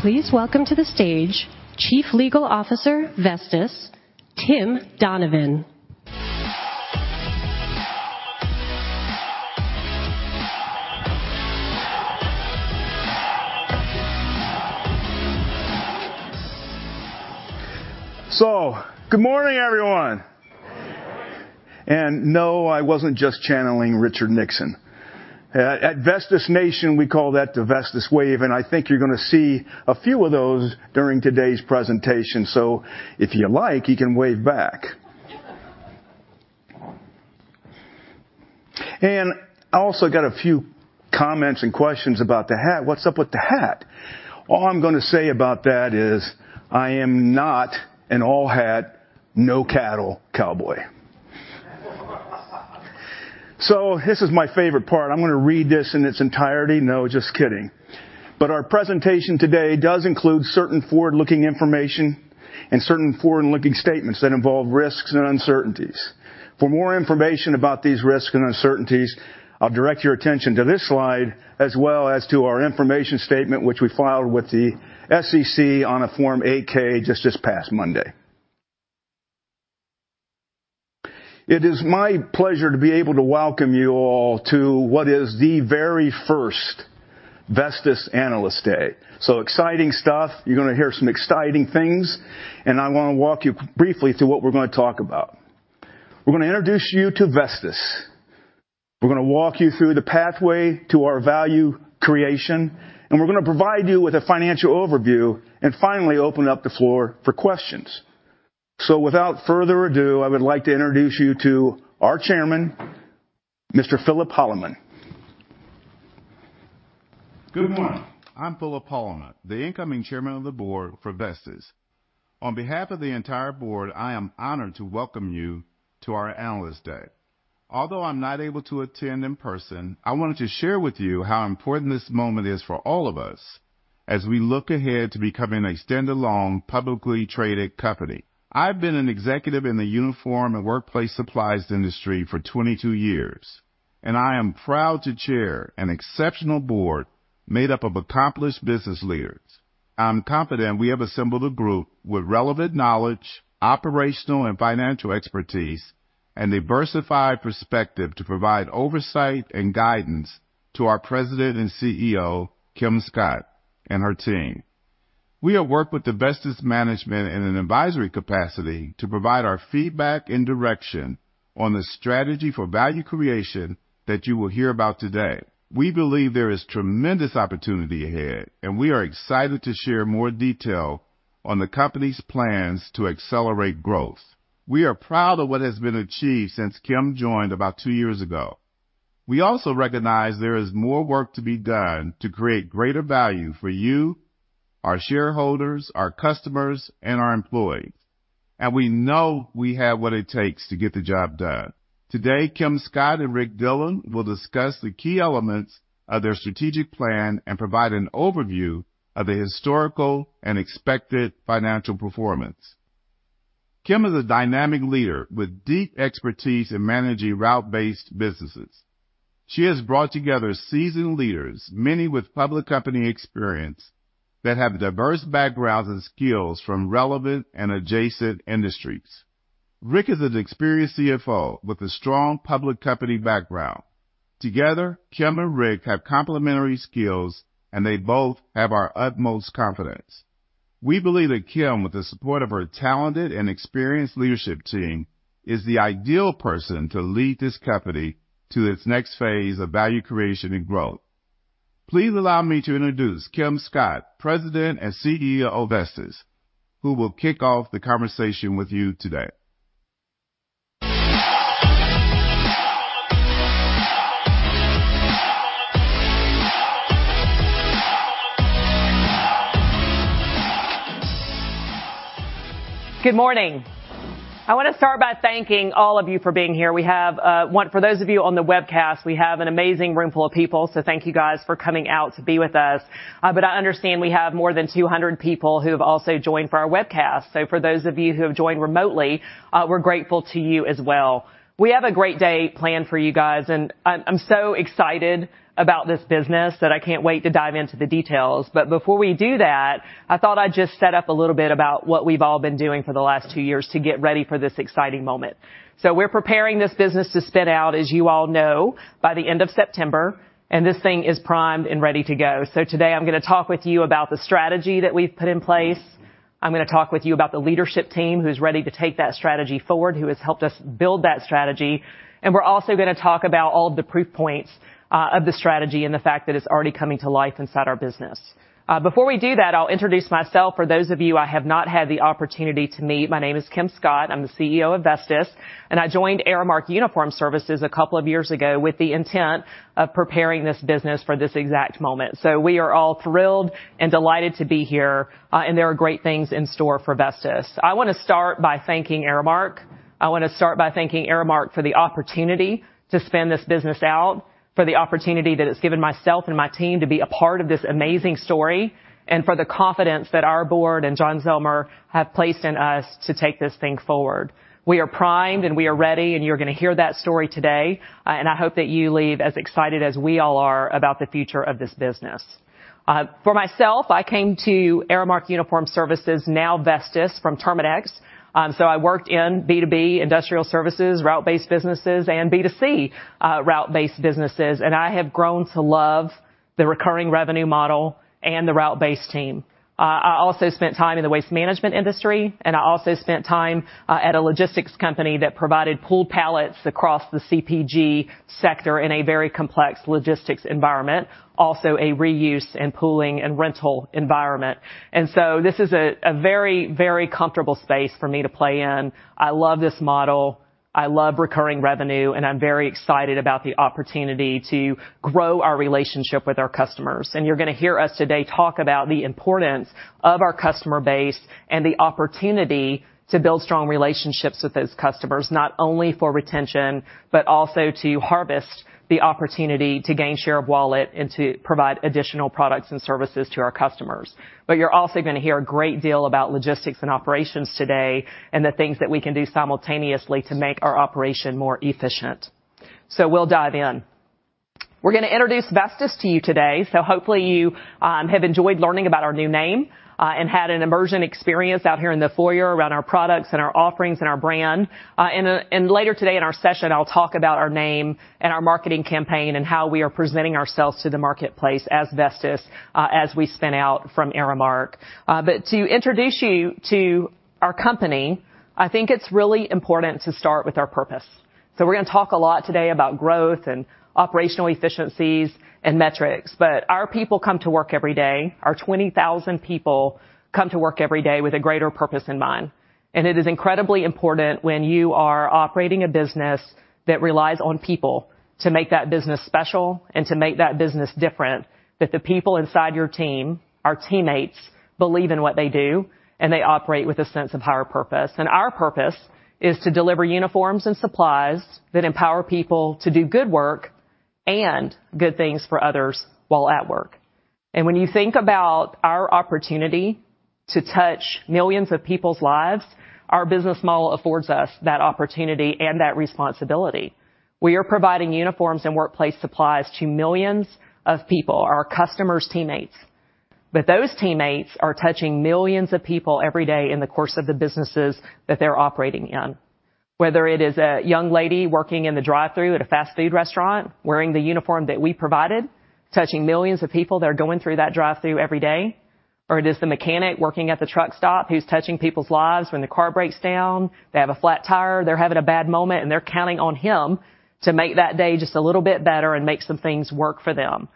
Please welcome to the stage Chief Legal Officer, Vestis, Tim Donovan. Good morning, everyone! No, I wasn't just channeling Richard Nixon. At Vestis Nation, we call that the Vestis Wave, and I think you're gonna see a few of those during today's presentation. if you like, you can wave back. And I also got a few comments and questions about the hat. What's up with the hat? All I'm gonna say about that is, I am not an all hat, no cattle cowboy. this is my favorite part. I'm gonna read this in its entirety. No, just kidding. But our presentation today does include certain forward-looking information and certain forward-looking statements that involve risks and uncertainties. For more information about these risks and uncertainties, I'll direct your attention to this slide, as well as to our information statement, which we filed with the SEC on a Form 8-K just this past Monday. It is my pleasure to be able to welcome you all to what is the very first Vestis Analyst Day, exciting stuff. You're gonna hear some exciting things, and I wanna walk you briefly through what we're gonna talk about. We're gonna introduce you to Vestis. We're gonna walk you through the pathway to our value creation, and we're gonna provide you with a financial overview, and finally, open up the floor for questions. without further ado, I would like to introduce you to our Chairman, Mr. Phillip Holloman. Good morning. I'm Phillip Holloman, the incoming chairman of the board for Vestis. On behalf of the entire board, I am honored to welcome you to our Analyst Day. Although I'm not able to attend in person, I wanted to share with you how important this moment is for all of us as we look ahead to becoming a stand-alone, publicly traded company. I've been an executive in the uniform and workplace supplies industry for 22 years, and I am proud to chair an exceptional board made up of accomplished business leaders. I'm confident we have assembled a group with relevant knowledge, operational and financial expertise, and a diversified perspective to provide oversight and guidance to our President and CEO, Kim Scott, and her team. We have worked with the Vestis management in an advisory capacity to provide our feedback and direction on the strategy for value creation that you will hear about today. We believe there is tremendous opportunity ahead, and we are excited to share more detail on the company's plans to accelerate growth. We are proud of what has been achieved since Kim joined about two years ago. We also recognize there is more work to be done to create greater value for you, our shareholders, our customers, and our employees, and we know we have what it takes to get the job done. Today, Kim Scott and Rick Dillon will discuss the key elements of their strategic plan and provide an overview of the historical and expected financial performance. Kim is a dynamic leader with deep expertise in managing route-based businesses. She has brought together seasoned leaders, many with public company experience, that have diverse backgrounds and skills from relevant and adjacent industries. Rick is an experienced CFO with a strong public company background. Together, Kim and Rick have complementary skills, and they both have our utmost confidence. We believe that Kim, with the support of her talented and experienced leadership team, is the ideal person to lead this company to its next phase of value creation and growth. Please allow me to introduce Kim Scott, President and CEO of Vestis, who will kick off the conversation with you today. Good morning. I wanna start by thanking all of you for being here. We have for those of you on the webcast, we have an amazing room full of people, thank you, guys, for coming out to be with us. But I understand we have more than 200 people who have also joined for our webcast. for those of you who have joined remotely, we're grateful to you as well. We have a great day planned for you guys, and I'm so excited about this business that I can't wait to dive into the details. But before we do that, I thought I'd just set up a little bit about what we've all been doing for the last 2 years to get ready for this exciting moment. We're preparing this business to spin out, as you all know, by the end of September, and this thing is primed and ready to go. Today I'm gonna talk with you about the strategy that we've put in place. I'm gonna talk with you about the leadership team, who's ready to take that strategy forward, who has helped us build that strategy. We're also gonna talk about all the proof points of the strategy and the fact that it's already coming to life inside our business. Before we do that, I'll introduce myself. For those of you I have not had the opportunity to meet, my name is Kim Scott. I'm the CEO of Vestis, and I joined Aramark Uniform Services a couple of years ago with the intent of preparing this business for this exact moment. we are all thrilled and delighted to be here, and there are great things in store for Vestis. I want to start by thanking Aramark for the opportunity to spin this business out, for the opportunity that it's given myself and my team to be a part of this amazing story, and for the confidence that our board and John Zillmer have placed in us to take this thing forward. We are primed, and we are ready, and you're gonna hear that story today. And I hope that you leave as excited as we all are about the future of this business. For myself, I came to Aramark Uniform Services, now Vestis, from Terminix. I worked in B2B, industrial services, route-based businesses, and B2C, route-based businesses, and I have grown to love the recurring revenue model and the route-based team. I also spent time in the waste management industry, and I also spent time at a logistics company that provided pool pallets across the CPG sector in a very complex logistics environment, also a reuse and pooling and rental environment. And so this is a very, very comfortable space for me to play in. I love this model, I love recurring revenue, and I'm very excited about the opportunity to grow our relationship with our customers. You're gonna hear us today talk about the importance of our customer base and the opportunity to build strong relationships with those customers, not only for retention, but also to harvest the opportunity to gain share of wallet and to provide additional products and services to our customers. But you're also gonna hear a great deal about logistics and operations today, and the things that we can do simultaneously to make our operation more efficient. we'll dive in. We're gonna introduce Vestis to you today, so hopefully you have enjoyed learning about our new name and had an immersion experience out here in the foyer around our products and our offerings and our brand. Later today, in our session, I'll talk about our name and our marketing campaign and how we are presenting ourselves to the marketplace as Vestis, as we spin out from Aramark. But to introduce you to our company, I think it's really important to start with our purpose. we're gonna talk a lot today about growth and operational efficiencies and metrics, but our people come to work every day. Our 20,000 people come to work every day with a greater purpose in mind. It is incredibly important when you are operating a business that relies on people to make that business special and to make that business different, that the people inside your team, our teammates, believe in what they do, and they operate with a sense of higher purpose. Our purpose is to deliver uniforms and supplies that empower people to do good work and good things for others while at work. When you think about our opportunity to touch millions of people's lives, our business model affords us that opportunity and that responsibility. We are providing uniforms and workplace supplies to millions of people, our customers' teammates. But those teammates are touching millions of people every day in the course of the businesses that they're operating in, whether it is a young lady working in the drive-thru at a fast food restaurant, wearing the uniform that we provided, touching millions of people that are going through that drive-thru every day, or it is the mechanic working at the truck stop, who's touching people's lives when their car breaks down, they have a flat tire, they're having a bad moment, and they're counting on him to make that day just a little bit better and make some things work for them.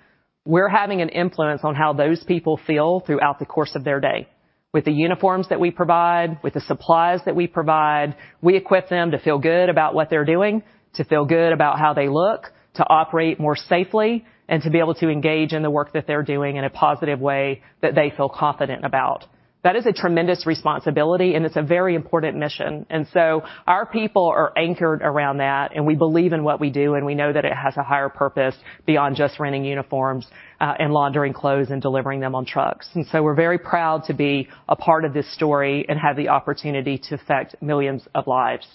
We're having an influence on how those people feel throughout the course of their day. With the uniforms that we provide, with the supplies that we provide, we equip them to feel good about what they're doing, to feel good about how they look, to operate more safely, and to be able to engage in the work that they're doing in a positive way that they feel confident about. That is a tremendous responsibility, and it's a very important mission. And so our people are anchored around that, and we believe in what we do, and we know that it has a higher purpose beyond just renting uniforms, and laundering clothes, and delivering them on trucks. And so we're very proud to be a part of this story and have the opportunity to affect millions of lives.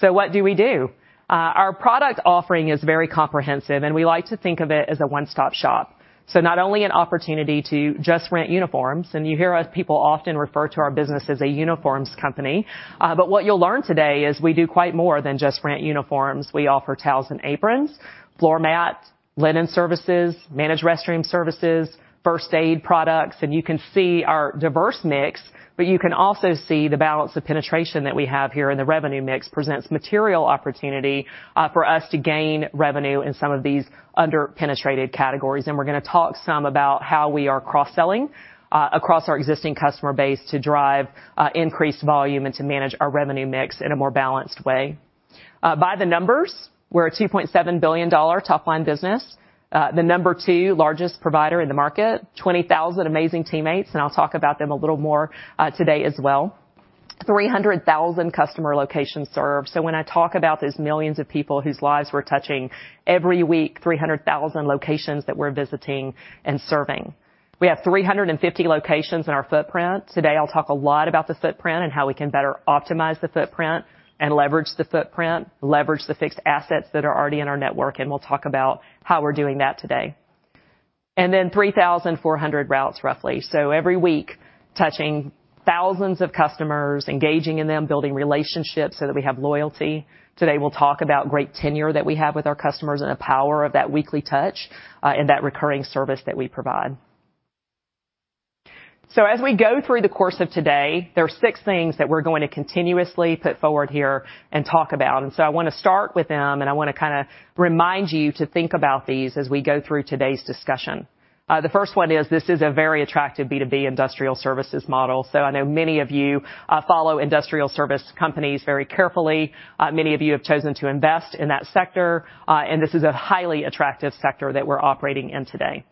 what do we do? Our product offering is very comprehensive, and we like to think of it as a one-stop shop. not only an opportunity to just rent uniforms, and you hear us, people often refer to our business as a uniforms company, but what you'll learn today is we do quite more than just rent uniforms. We offer towels and aprons, floor mats, linen services, managed restroom services, first aid products, and you can see our diverse mix, but you can also see the balance of penetration that we have here, and the revenue mix presents material opportunity, for us to gain revenue in some of these under-penetrated categories. And we're gonna talk some about how we are cross-selling, across our existing customer base to drive, increased volume and to manage our revenue mix in a more balanced way. By the numbers, we're a $2.7 billion top-line business, the No. 2 largest provider in the market, 20,000 amazing teammates, and I'll talk about them a little more, today as well. 300,000 customer locations served. when I talk about those millions of people whose lives we're touching, every week, 300,000 locations that we're visiting and serving. We have 350 locations in our footprint. Today, I'll talk a lot about the footprint and how we can better optimize the footprint and leverage the footprint, leverage the fixed assets that are already in our network, and we'll talk about how we're doing that today, and then 3,400 routes, roughly. Every week, touching thousands of customers, engaging in them, building relationships so that we have loyalty. Today, we'll talk about great tenure that we have with our customers and the power of that weekly touch, and that recurring service that we provide. As we go through the course of today, there are six things that we're going to continuously put forward here and talk about, and so I want to start with them, and I want to kind of remind you to think about these as we go through today's discussion. The first one is, this is a very attractive B2B industrial services model. I know many of you follow industrial service companies very carefully. Many of you have chosen to invest in that sector, and this is a highly attractive sector that we're operating in today.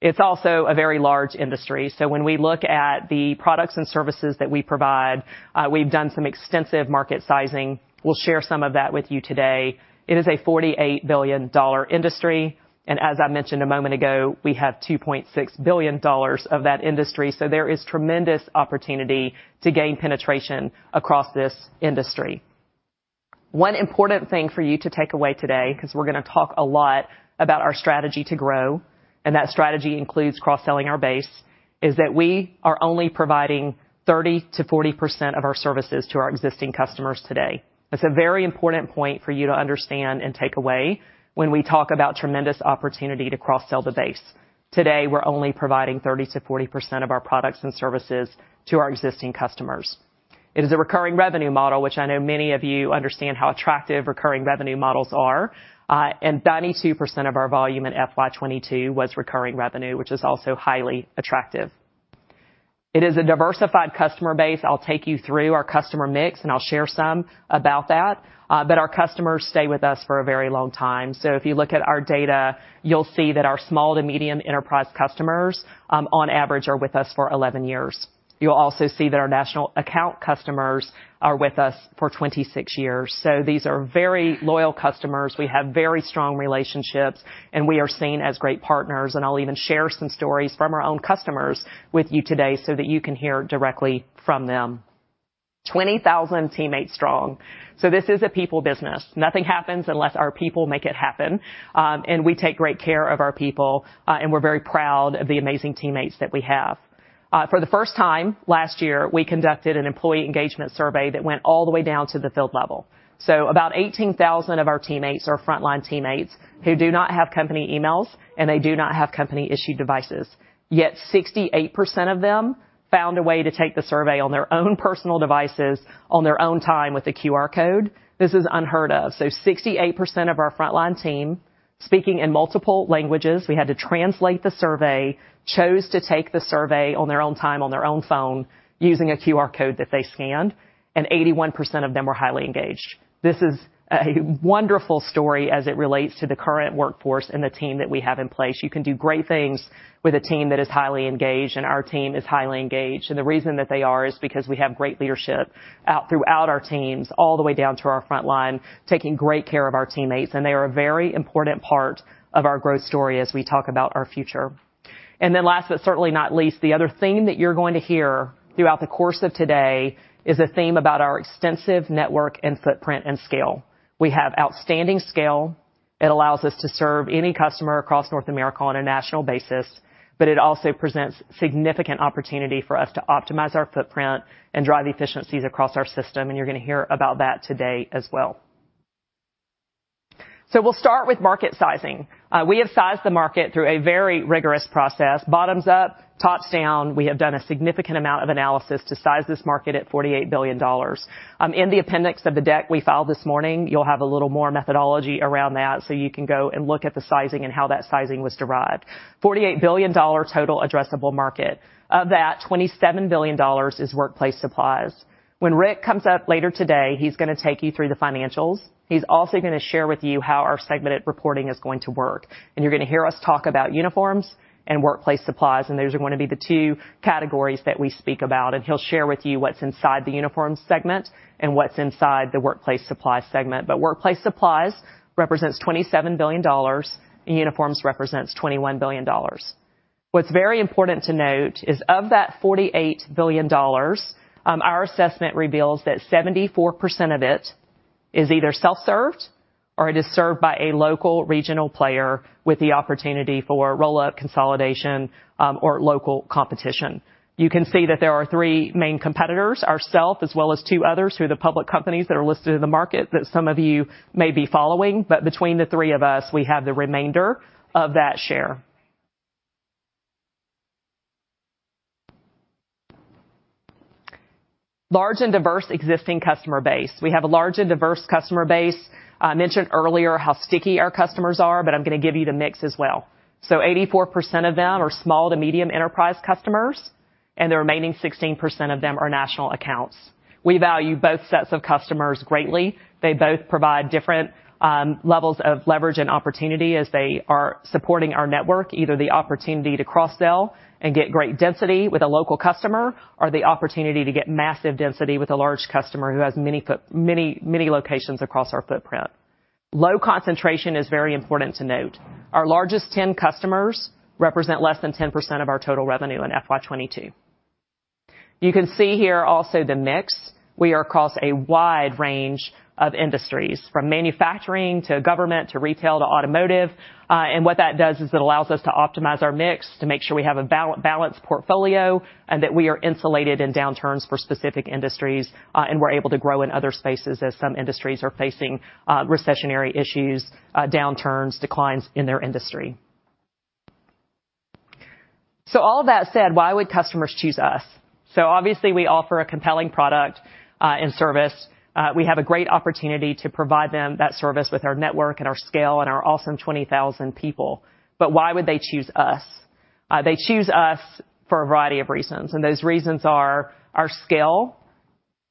It's also a very large industry. When we look at the products and services that we provide, we've done some extensive market sizing. We'll share some of that with you today. It is a $48 billion industry, and as I mentioned a moment ago, we have $2.6 billion of that industry, so there is tremendous opportunity to gain penetration across this industry. One important thing for you to take away today, 'cause we're gonna talk a lot about our strategy to grow, and that strategy includes cross-selling our base, is that we are only providing 30%-40% of our services to our existing customers today. It's a very important point for you to understand and take away when we talk about tremendous opportunity to cross-sell the base. Today, we're only providing 30%-40% of our products and services to our existing customers. It is a recurring revenue model, which I know many of you understand how attractive recurring revenue models are, and 92% of our volume in FY 2022 was recurring revenue, which is also highly attractive. It is a diversified customer base. I'll take you through our customer mix, and I'll share some about that, but our customers stay with us for a very long time. if you look at our data, you'll see that our small to medium enterprise customers, on average, are with us for 11 years. You'll also see that our national account customers are with us for 26 years. These are very loyal customers. We have very strong relationships, and we are seen as great partners. and I'll even share some stories from our own customers with you today so that you can hear directly from them. 20,000 teammates strong. this is a people business. Nothing happens unless our people make it happen, and we take great care of our people, and we're very proud of the amazing teammates that we have. For the first time last year, we conducted an employee engagement survey that went all the way down to the field level. about 18,000 of our teammates are frontline teammates who do not have company emails, and they do not have company-issued devices, yet 68% of them found a way to take the survey on their own personal devices, on their own time with a QR code. This is unheard of 68% of our frontline team, speaking in multiple languages, we had to translate the survey, chose to take the survey on their own time, on their own phone, using a QR code that they scanned, and 81% of them were highly engaged. This is a wonderful story as it relates to the current workforce and the team that we have in place. You can do great things with a team that is highly engaged, and our team is highly engaged. And the reason that they are is because we have great leadership throughout our teams, all the way down to our frontline, taking great care of our teammates, and they are a very important part of our growth story as we talk about our future. And then last, but certainly not least, the other theme that you're going to hear throughout the course of today is a theme about our extensive network and footprint and scale. We have outstanding scale. It allows us to serve any customer across North America on a national basis, but it also presents significant opportunity for us to optimize our footprint and drive efficiencies across our system, and you're gonna hear about that today as well. we'll start with market sizing. We have sized the market through a very rigorous process. Bottoms up, tops down, we have done a significant amount of analysis to size this market at $48 billion. In the appendix of the deck we filed this morning, you'll have a little more methodology around that, so you can go and look at the sizing and how that sizing was derived. $48 billion total addressable market. Of that, $27 billion is workplace supplies. When Rick comes up later today, he's gonna take you through the financials. He's also gonna share with you how our segmented reporting is going to work. And you're gonna hear us talk about uniforms and workplace supplies, and those are gonna be the two categories that we speak about. And he'll share with you what's inside the uniform segment and what's inside the workplace supply segment. But workplace supplies represents $27 billion, and uniforms represents $21 billion. What's very important to note is, of that $48 billion, our assessment reveals that 74% of it is either self-served or it is served by a local regional player with the opportunity for roll-up, consolidation, or local competition. You can see that there are three main competitors, ourself, as well as two others who are the public companies that are listed in the market that some of you may be following. But between the three of us, we have the remainder of that share. Large and diverse existing customer base. We have a large and diverse customer base. I mentioned earlier how sticky our customers are, but I'm gonna give you the mix as well. 84% of them are small to medium enterprise customers, and the remaining 16% of them are national accounts. We value both sets of customers greatly. They both provide different levels of leverage and opportunity as they are supporting our network, either the opportunity to cross-sell and get great density with a local customer, or the opportunity to get massive density with a large customer who has many, many locations across our footprint. Low concentration is very important to note. Our largest 10 customers represent less than 10% of our total revenue in FY 2022. You can see here also the mix. We are across a wide range of industries, from manufacturing to government, to retail, to automotive, and what that does is it allows us to optimize our mix to make sure we have a balanced portfolio, and that we are insulated in downturns for specific industries, and we're able to grow in other spaces as some industries are facing, recessionary issues, downturns, declines in their industry. all that said, why would customers choose us? obviously, we offer a compelling product, and service. We have a great opportunity to provide them that service with our network and our scale and our awesome 20,000 people. But why would they choose us? They choose us for a variety of reasons, and those reasons are our scale.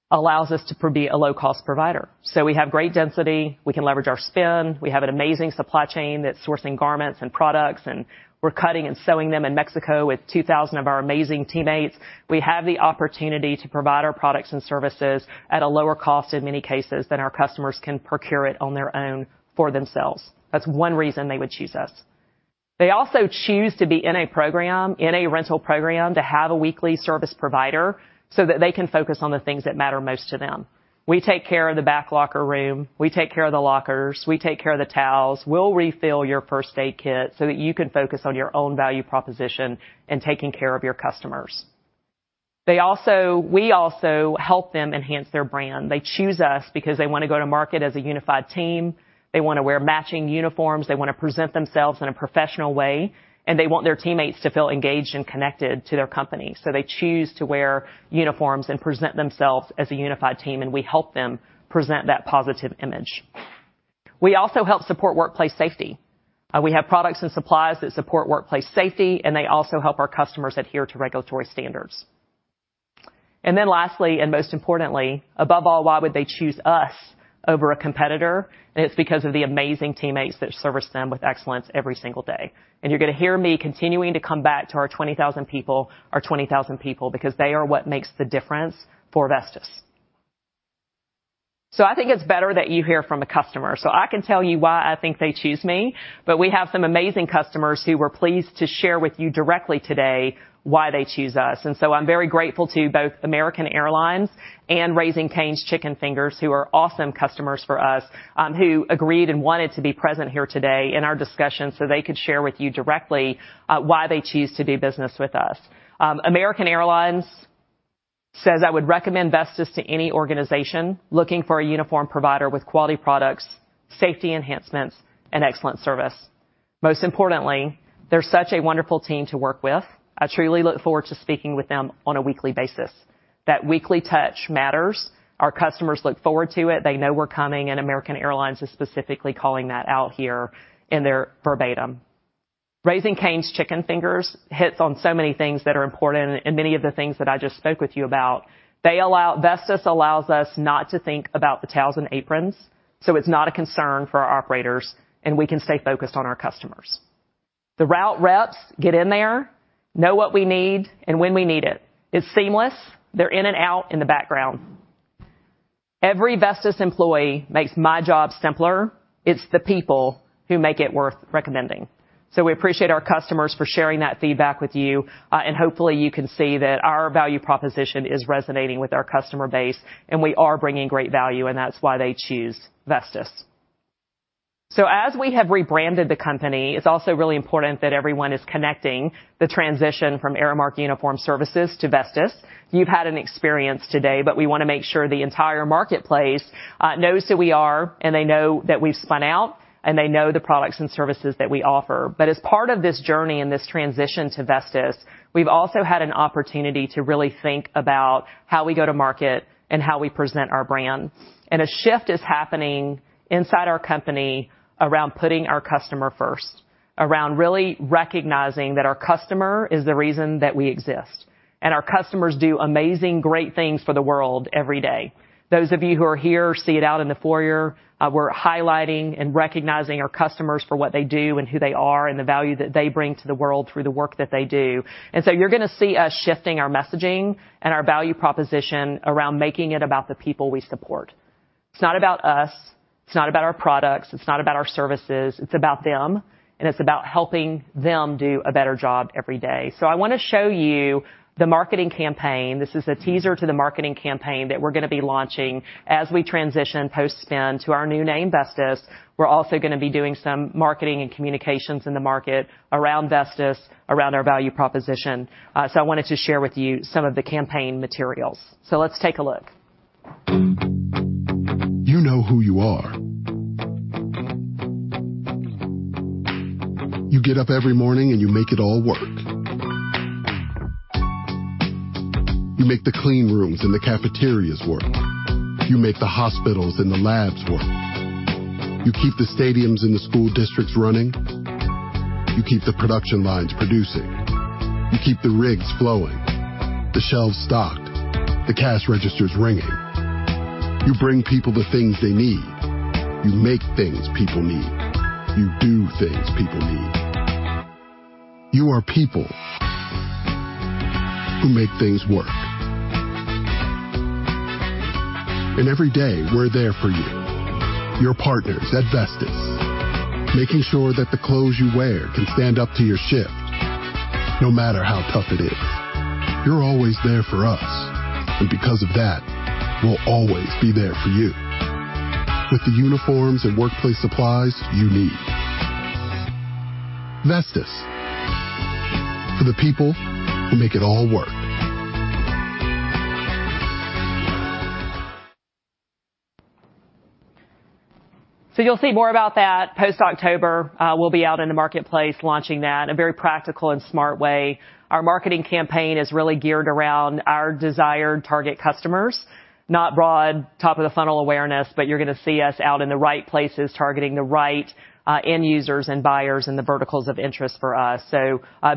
Allows us to be a low-cost provider. we have great density, we can leverage our spin, we have an amazing supply chain that's sourcing garments and products, and we're cutting and sewing them in Mexico with 2,000 of our amazing teammates. We have the opportunity to provide our products and services at a lower cost, in many cases, than our customers can procure it on their own for themselves. That's one reason they would choose us. They also choose to be in a program, in a rental program, to have a weekly service provider so that they can focus on the things that matter most to them. We take care of the back locker room, we take care of the lockers, we take care of the towels. We'll refill your first aid kit so that you can focus on your own value proposition and taking care of your customers. We also help them enhance their brand. They choose us because they want to go to market as a unified team, they want to wear matching uniforms, they want to present themselves in a professional way, and they want their teammates to feel engaged and connected to their company. they choose to wear uniforms and present themselves as a unified team, and we help them present that positive image. We also help support workplace safety. We have products and supplies that support workplace safety, and they also help our customers adhere to regulatory standards. And then lastly, and most importantly, above all, why would they choose us over a competitor? And it's because of the amazing teammates that service them with excellence every single day. You're going to hear me continuing to come back to our 20,000 people, our 20,000 people, because they are what makes the difference for Vestis. I think it's better that you hear from a customer. I can tell you why I think they choose me, but we have some amazing customers who were pleased to share with you directly today why they choose us. I'm very grateful to both American Airlines and Raising Cane's Chicken Fingers, who are awesome customers for us, who agreed and wanted to be present here today in our discussion so they could share with you directly, why they choose to do business with us. American Airlines says: "I would recommend Vestis to any organization looking for a uniform provider with quality products, safety enhancements, and excellent service. Most importantly, they're such a wonderful team to work with. I truly look forward to speaking with them on a weekly basis." That weekly touch matters. Our customers look forward to it. They know we're coming, and American Airlines is specifically calling that out here in their verbatim. Raising Cane's Chicken Fingers hits on so many things that are important and many of the things that I just spoke with you about. "Vestis allows us not to think about the towels and aprons, so it's not a concern for our operators, and we can stay focused on our customers. The route reps get in there, know what we need, and when we need it. It's seamless. They're in and out in the background. Every Vestis employee makes my job simpler. It's the people who make it worth recommending." we appreciate our customers for sharing that feedback with you. And hopefully, you can see that our value proposition is resonating with our customer base, and we are bringing great value, and that's why they choose Vestis. as we have rebranded the company, it's also really important that everyone is connecting the transition from Aramark Uniform Services to Vestis. You've had an experience today, but we want to make sure the entire marketplace knows who we are, and they know that we've spun out, and they know the products and services that we offer. But as part of this journey and this transition to Vestis, we've also had an opportunity to really think about how we go to market and how we present our brand. A shift is happening inside our company around putting our customer first, around really recognizing that our customer is the reason that we exist, and our customers do amazing, great things for the world every day. Those of you who are here see it out in the foyer. We're highlighting and recognizing our customers for what they do and who they are and the value that they bring to the world through the work that they do. you're going to see us shifting our messaging and our value proposition around making it about the people we support. It's not about us, it's not about our products, it's not about our services, it's about them, and it's about helping them do a better job every day. I want to show you the marketing campaign. This is a teaser to the marketing campaign that we're going to be launching as we transition post-spin to our new name, Vestis. We're also going to be doing some marketing and communications in the market around Vestis, around our value proposition. I wanted to share with you some of the campaign materials. Let's take a look. who you are. You get up every morning, and you make it all work. You make the clean rooms and the cafeterias work. You make the hospitals and the labs work. You keep the stadiums and the school districts running. You keep the production lines producing. You keep the rigs flowing, the shelves stocked, the cash registers ringing. You bring people the things they need. You make things people need. You do things people need. You are people. who make things work. And every day, we're there for you, your partners at Vestis, making sure that the clothes you wear can stand up to your shift, no matter how tough it is. You're always there for us, and because of that, we'll always be there for you with the uniforms and workplace supplies you need. Vestis, for the people who make it all work. You'll see more about that post-October. We'll be out in the marketplace launching that in a very practical and smart way. Our marketing campaign is really geared around our desired target customers, not broad, top-of-the-funnel awareness, but you're going to see us out in the right places, targeting the right end users and buyers in the verticals of interest for us.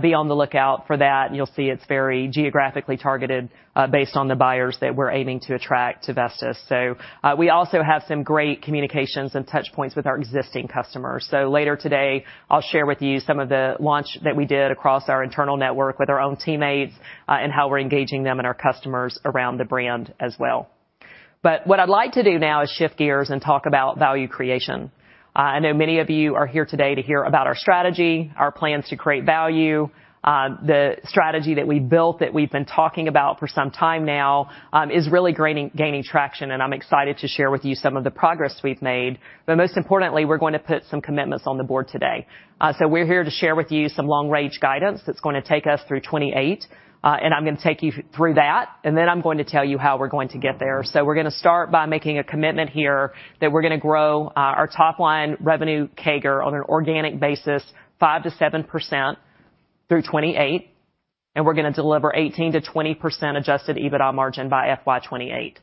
Be on the lookout for that, and you'll see it's very geographically targeted, based on the buyers that we're aiming to attract to Vestis., we also have some great communications and touch points with our existing customers. later today, I'll share with you some of the launch that we did across our internal network with our own teammates, and how we're engaging them and our customers around the brand as well. But what I'd like to do now is shift gears and talk about value creation. I know many of you are here today to hear about our strategy, our plans to create value. The strategy that we built, that we've been talking about for some time now, is really gaining traction, and I'm excited to share with you some of the progress we've made. But most importantly, we're going to put some commitments on the board today. we're here to share with you some long-range guidance that's gonna take us through 2028, and I'm gonna take you through that, and then I'm going to tell you how we're going to get there. we're gonna start by making a commitment here that we're gonna grow our top-line revenue CAGR on an organic basis 5%-7% through 2028, and we're gonna deliver 18%-20% Adjusted EBITDA margin by FY 2028.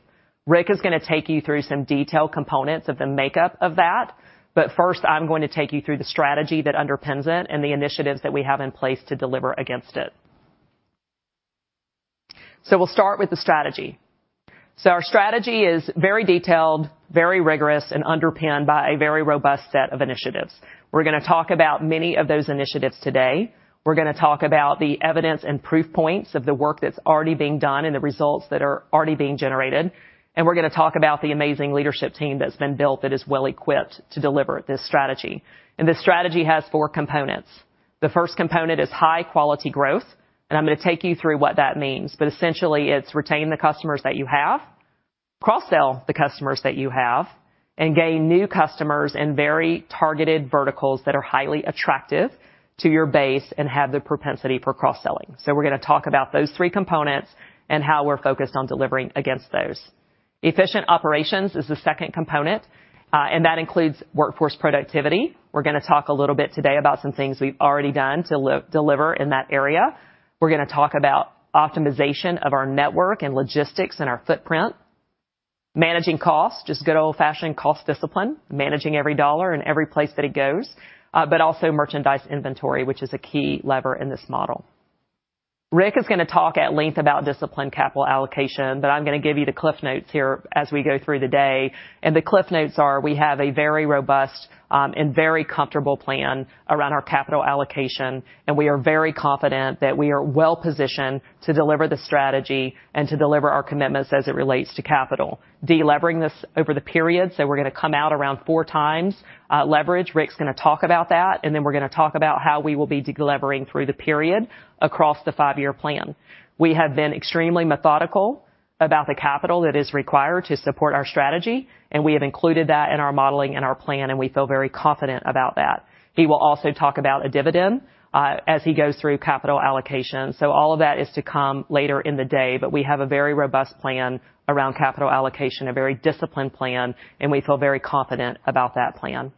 Rick is gonna take you through some detailed components of the makeup of that, but first, I'm going to take you through the strategy that underpins it and the initiatives that we have in place to deliver against it. we'll start with the strategy. our strategy is very detailed, very rigorous, and underpinned by a very robust set of initiatives. We're gonna talk about many of those initiatives today. We're gonna talk about the evidence and proof points of the work that's already being done and the results that are already being generated, and we're gonna talk about the amazing leadership team that's been built that is well-equipped to deliver this strategy. And this strategy has four components. The first component is high-quality growth, and I'm gonna take you through what that means. But essentially, it's retain the customers that you have, cross-sell the customers that you have, and gain new customers in very targeted verticals that are highly attractive to your base and have the propensity for cross-selling. we're gonna talk about those three components and how we're focused on delivering against those. Efficient operations is the second component, and that includes workforce productivity. We're gonna talk a little bit today about some things we've already done to deliver in that area. We're gonna talk about optimization of our network and logistics and our footprint. Managing costs, just good old-fashioned cost discipline, managing every dollar and every place that it goes, but also merchandise inventory, which is a key lever in this model. Rick is gonna talk at length about disciplined capital allocation, but I'm gonna give you the CliffsNotes here as we go through the day, and the CliffsNotes are, we have a very robust, and very comfortable plan around our capital allocation, and we are very confident that we are well-positioned to deliver the strategy and to deliver our commitments as it relates to capital. Delivering this over the period, so we're gonna come out around 4x leverage. Rick's gonna talk about that, and then we're gonna talk about how we will be delivering through the period across the 5 years plan. We have been extremely methodical about the capital that is required to support our strategy, and we have included that in our modeling and our plan, and we feel very confident about that. He will also talk about a dividend, as he goes through capital allocation. all of that is to come later in the day, but we have a very robust plan around capital allocation, a very disciplined plan, and we feel very confident about that plan.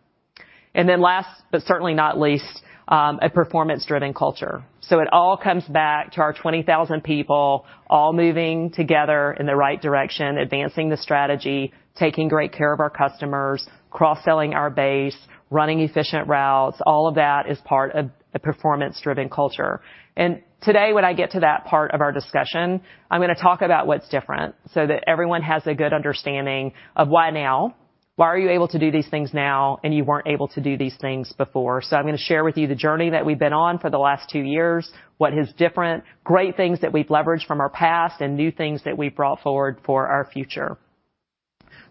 And then last, but certainly not least, a performance-driven culture. it all comes back to our 20,000 people, all moving together in the right direction, advancing the strategy, taking great care of our customers, cross-selling our base, running efficient routes. All of that is part of a performance-driven culture. Today, when I get to that part of our discussion, I'm gonna talk about what's different so that everyone has a good understanding of why now? Why are you able to do these things now, and you weren't able to do these things before? I'm gonna share with you the journey that we've been on for the last 2 years, what is different, great things that we've leveraged from our past, and new things that we've brought forward for our future.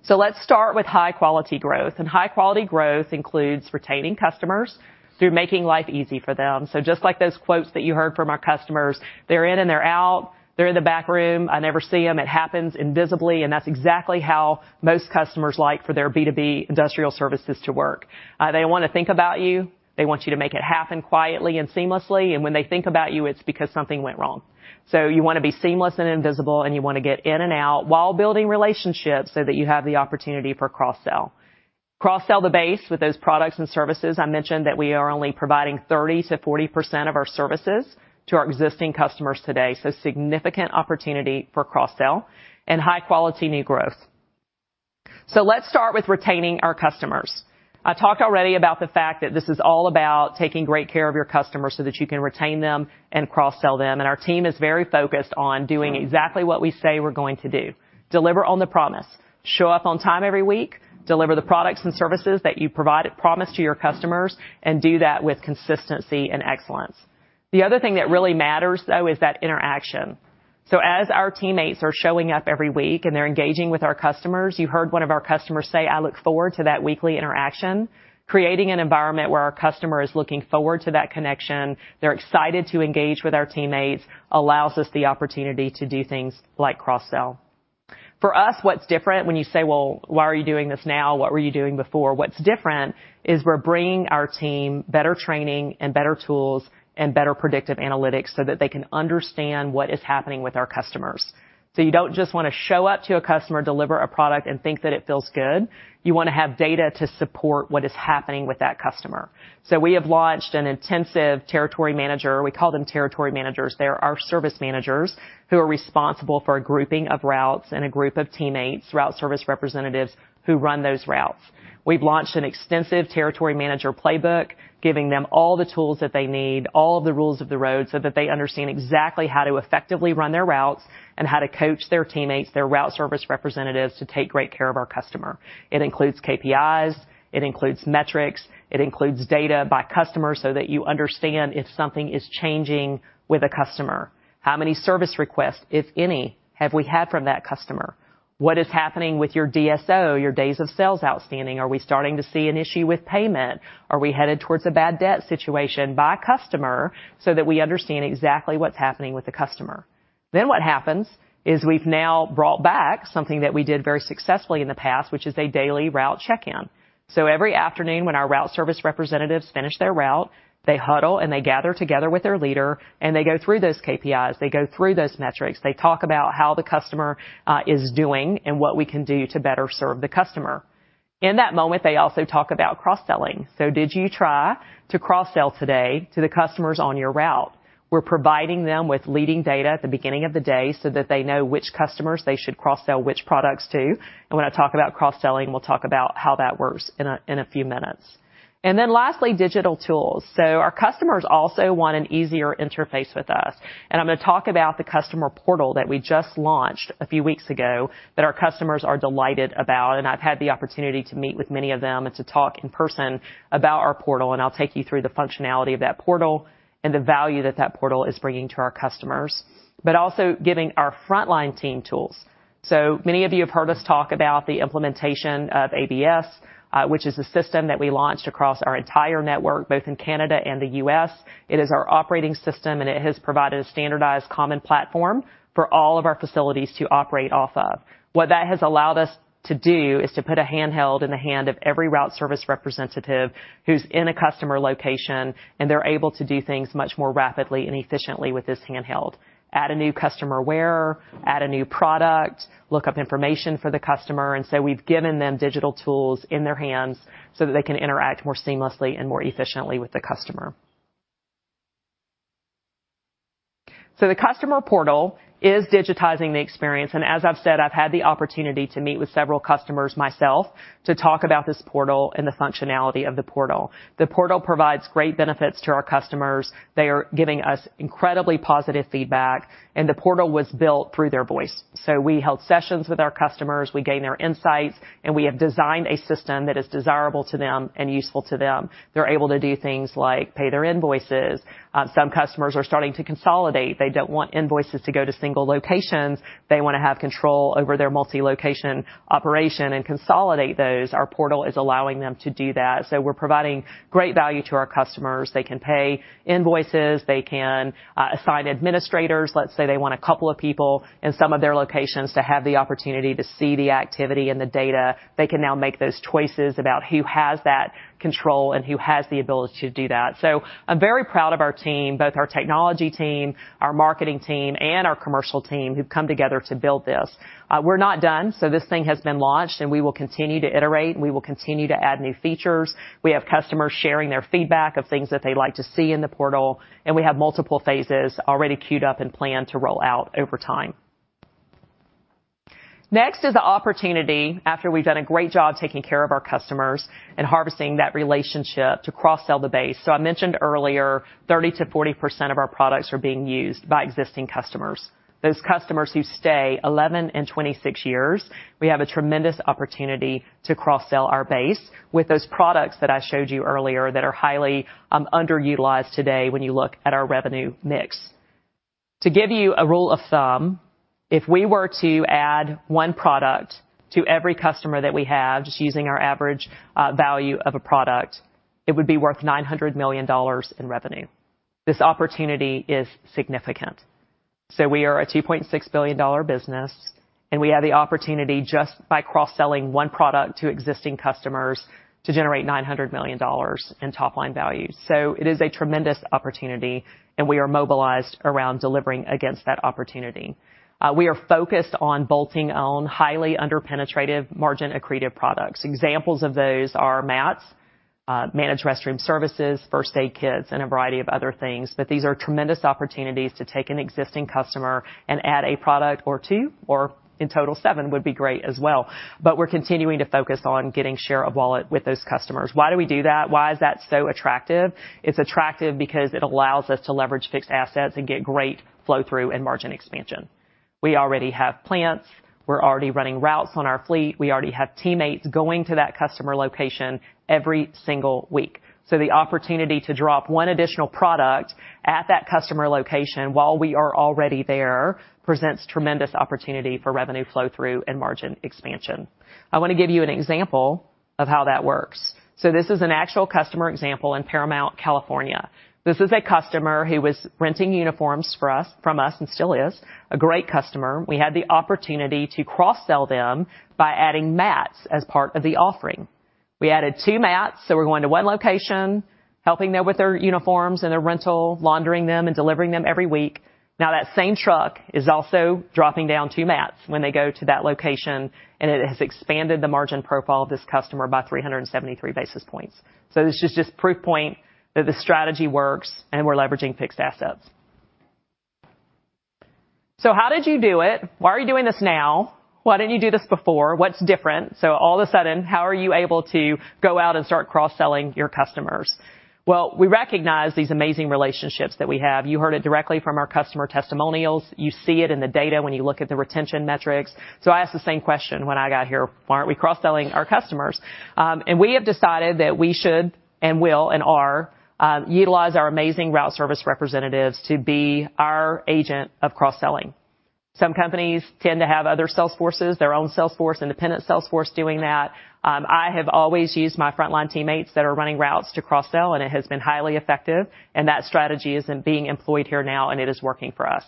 Let's start with high-quality growth, and high-quality growth includes retaining customers through making life easy for them. Just like those quotes that you heard from our customers, they're in and they're out, they're in the back room, I never see them, it happens invisibly, and that's exactly how most customers like for their B2B industrial services to work. They don't want to think about you. They want you to make it happen quietly and seamlessly, and when they think about you, it's because something went wrong. You want to be seamless and invisible, and you want to get in and out while building relationships so that you have the opportunity for cross-sell. Cross-sell the base with those products and services. I mentioned that we are only providing 30%-40% of our services to our existing customers today, so significant opportunity for cross-sell and high-quality new growth. Let's start with retaining our customers. I talked already about the fact that this is all about taking great care of your customers so that you can retain them and cross-sell them, and our team is very focused on doing exactly what we say we're going to do: deliver on the promise, show up on time every week, deliver the products and services that you provide and promise to your customers, and do that with consistency and excellence. The other thing that really matters, though, is that interaction. as our teammates are showing up every week and they're engaging with our customers. You heard one of our customers say, "I look forward to that weekly interaction." Creating an environment where our customer is looking forward to that connection, they're excited to engage with our teammates, allows us the opportunity to do things like cross-sell. For us, what's different when you say, "Well, why are you doing this now? What were you doing before?" What's different is we're bringing our team better training and better tools and better predictive analytics so that they can understand what is happening with our customers. you don't just want to show up to a customer, deliver a product, and think that it feels good. You want to have data to support what is happening with that customer. we have launched an intensive territory manager. We call them territory managers. They're our service managers who are responsible for a grouping of routes and a group of teammates, route service representatives, who run those routes. We've launched an extensive territory manager playbook, giving them all the tools that they need, all of the rules of the road, so that they understand exactly how to effectively run their routes and how to coach their teammates, their route service representatives, to take great care of our customer. It includes KPIs, it includes metrics, it includes data by customer, so that you understand if something is changing with a customer. How many service requests, if any, have we had from that customer? What is happening with your DSO, your days of sales outstanding? Are we starting to see an issue with payment? Are we headed towards a bad debt situation by customer, so that we understand exactly what's happening with the customer? Then what happens is we've now brought back something that we did very successfully in the past, which is a daily route check-in. Every afternoon, when our route service representatives finish their route, they huddle, and they gather together with their leader, and they go through those KPIs, they go through those metrics. They talk about how the customer is doing and what we can do to better serve the customer. In that moment, they also talk about cross-selling. did you try to cross-sell today to the customers on your route? We're providing them with leading data at the beginning of the day so that they know which customers they should cross-sell which products to. And when I talk about cross-selling, we'll talk about how that works in a few minutes. And then lastly, digital tools. our customers also want an easier interface with us, and I'm gonna talk about the customer portal that we just launched a few weeks ago that our customers are delighted about, and I've had the opportunity to meet with many of them and to talk in person about our portal, and I'll take you through the functionality of that portal and the value that that portal is bringing to our customers. But also giving our frontline team tools. many of you have heard us talk about the implementation of ABS, which is a system that we launched across our entire network, both in Canada and the U.S. It is our operating system, and it has provided a standardized common platform for all of our facilities to operate off of. What that has allowed us to do is to put a handheld in the hand of every route service representative who's in a customer location, and they're able to do things much more rapidly and efficiently with this handheld. Add a new customer, add a new product, look up information for the customer, and so we've given them digital tools in their hands so that they can interact more seamlessly and more efficiently with the customer. the customer portal is digitizing the experience, and as I've said, I've had the opportunity to meet with several customers myself to talk about this portal and the functionality of the portal. The portal provides great benefits to our customers. They are giving us incredibly positive feedback, and the portal was built through their voice. We held sessions with our customers, we gained their insights, and we have designed a system that is desirable to them and useful to them. They're able to do things like pay their invoices. My customers are starting to consolidate. They don't want invoices to go to single locations. They wanna have control over their multi-location operation and consolidate those. Our portal is allowing them to do that. we're providing great value to our customers. They can pay invoices. They can assign administrators. Let's say they want a couple of people in some of their locations to have the opportunity to see the activity and the data. They can now make those choices about who has that control and who has the ability to do that. I'm very proud of our team, both our technology team, our marketing team, and our commercial team, who've come together to build this. We're not done, so this thing has been launched, and we will continue to iterate, and we will continue to add new features. We have customers sharing their feedback of things that they'd like to see in the portal, and we have multiple phases already queued up and planned to roll out over time. Next is the opportunity, after we've done a great job taking care of our customers and harvesting that relationship, to cross-sell the base. I mentioned earlier, 30%-40% of our products are being used by existing customers. Those customers who stay 11 and 26 years, we have a tremendous opportunity to cross-sell our base with those products that I showed you earlier that are highly underutilized today when you look at our revenue mix. To give you a rule of thumb, if we were to add one product to every customer that we have, just using our average value of a product, it would be worth $900 million in revenue. This opportunity is significant. we are a $2.6 billion business, and we have the opportunity, just by cross-selling one product to existing customers, to generate $900 million in top-line value. it is a tremendous opportunity, and we are mobilized around delivering against that opportunity. We are focused on bolting on highly under-penetrative, margin-accretive products. Examples of those are mats, managed restroom services, first aid kits, and a variety of other things. But these are tremendous opportunities to take an existing customer and add a product or two, or in total, seven would be great as well. But we're continuing to focus on getting share of wallet with those customers. Why do we do that? Why is that so attractive? It's attractive because it allows us to leverage fixed assets and get great flow-through and margin expansion. We already have plants. We're already running routes on our fleet. We already have teammates going to that customer location every single week. the opportunity to drop one additional product at that customer location while we are already there, presents tremendous opportunity for revenue flow-through and margin expansion. I wanna give you an example of how that works. This is an actual customer example in Paramount, California. This is a customer who was renting uniforms from us and still is. A great customer. We had the opportunity to cross-sell them by adding mats as part of the offering. We added 2 mats, so we're going to one location, helping them with their uniforms and their rental, laundering them, and delivering them every week. Now, that same truck is also dropping down 2 mats when they go to that location, and it has expanded the margin profile of this customer by 373 basis points. this is just proof point that the strategy works, and we're leveraging fixed assets. how did you do it? Why are you doing this now? Why didn't you do it before? What's different? all of a sudden, how are you able to go out and start cross-selling your customers? Well, we recognize these amazing relationships that we have. You heard it directly from our customer testimonials. You see it in the data when you look at the retention metrics. I asked the same question when I got here: Why aren't we cross-selling our customers? And we have decided that we should and will and are utilize our amazing route service representatives to be our agent of cross-selling. me companies tend to have other sales forces, their own sales force, independent sales force doing that. I have always used my frontline teammates that are running routes to cross-sell, and it has been highly effective, and that strategy is being employed here now, and it is working for us.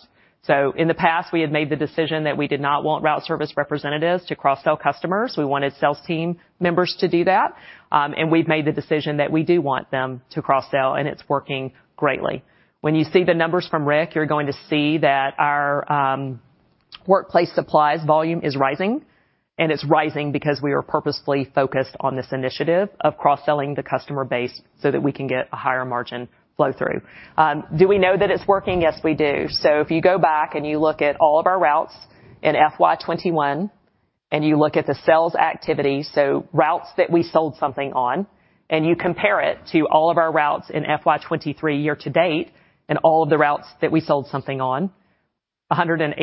in the past, we have made the decision that we did not want route service representatives to cross-sell customers. We wanted sales team members to do that, and we've made the decision that we do want them to cross-sell, and it's working greatly. When you see the numbers from Rick, you're going to see that our workplace supplies volume is rising, and it's rising because we are purposefully focused on this initiative of cross-selling the customer base so that we can get a higher margin flow through. Do we know that it's working? Yes, we do. if you go back and you look at all of our routes in FY 2021, and you look at the sales activity, so routes that we sold something on, and you compare it to all of our routes in FY 2023 year to date, and all of the routes that we sold something on, 108%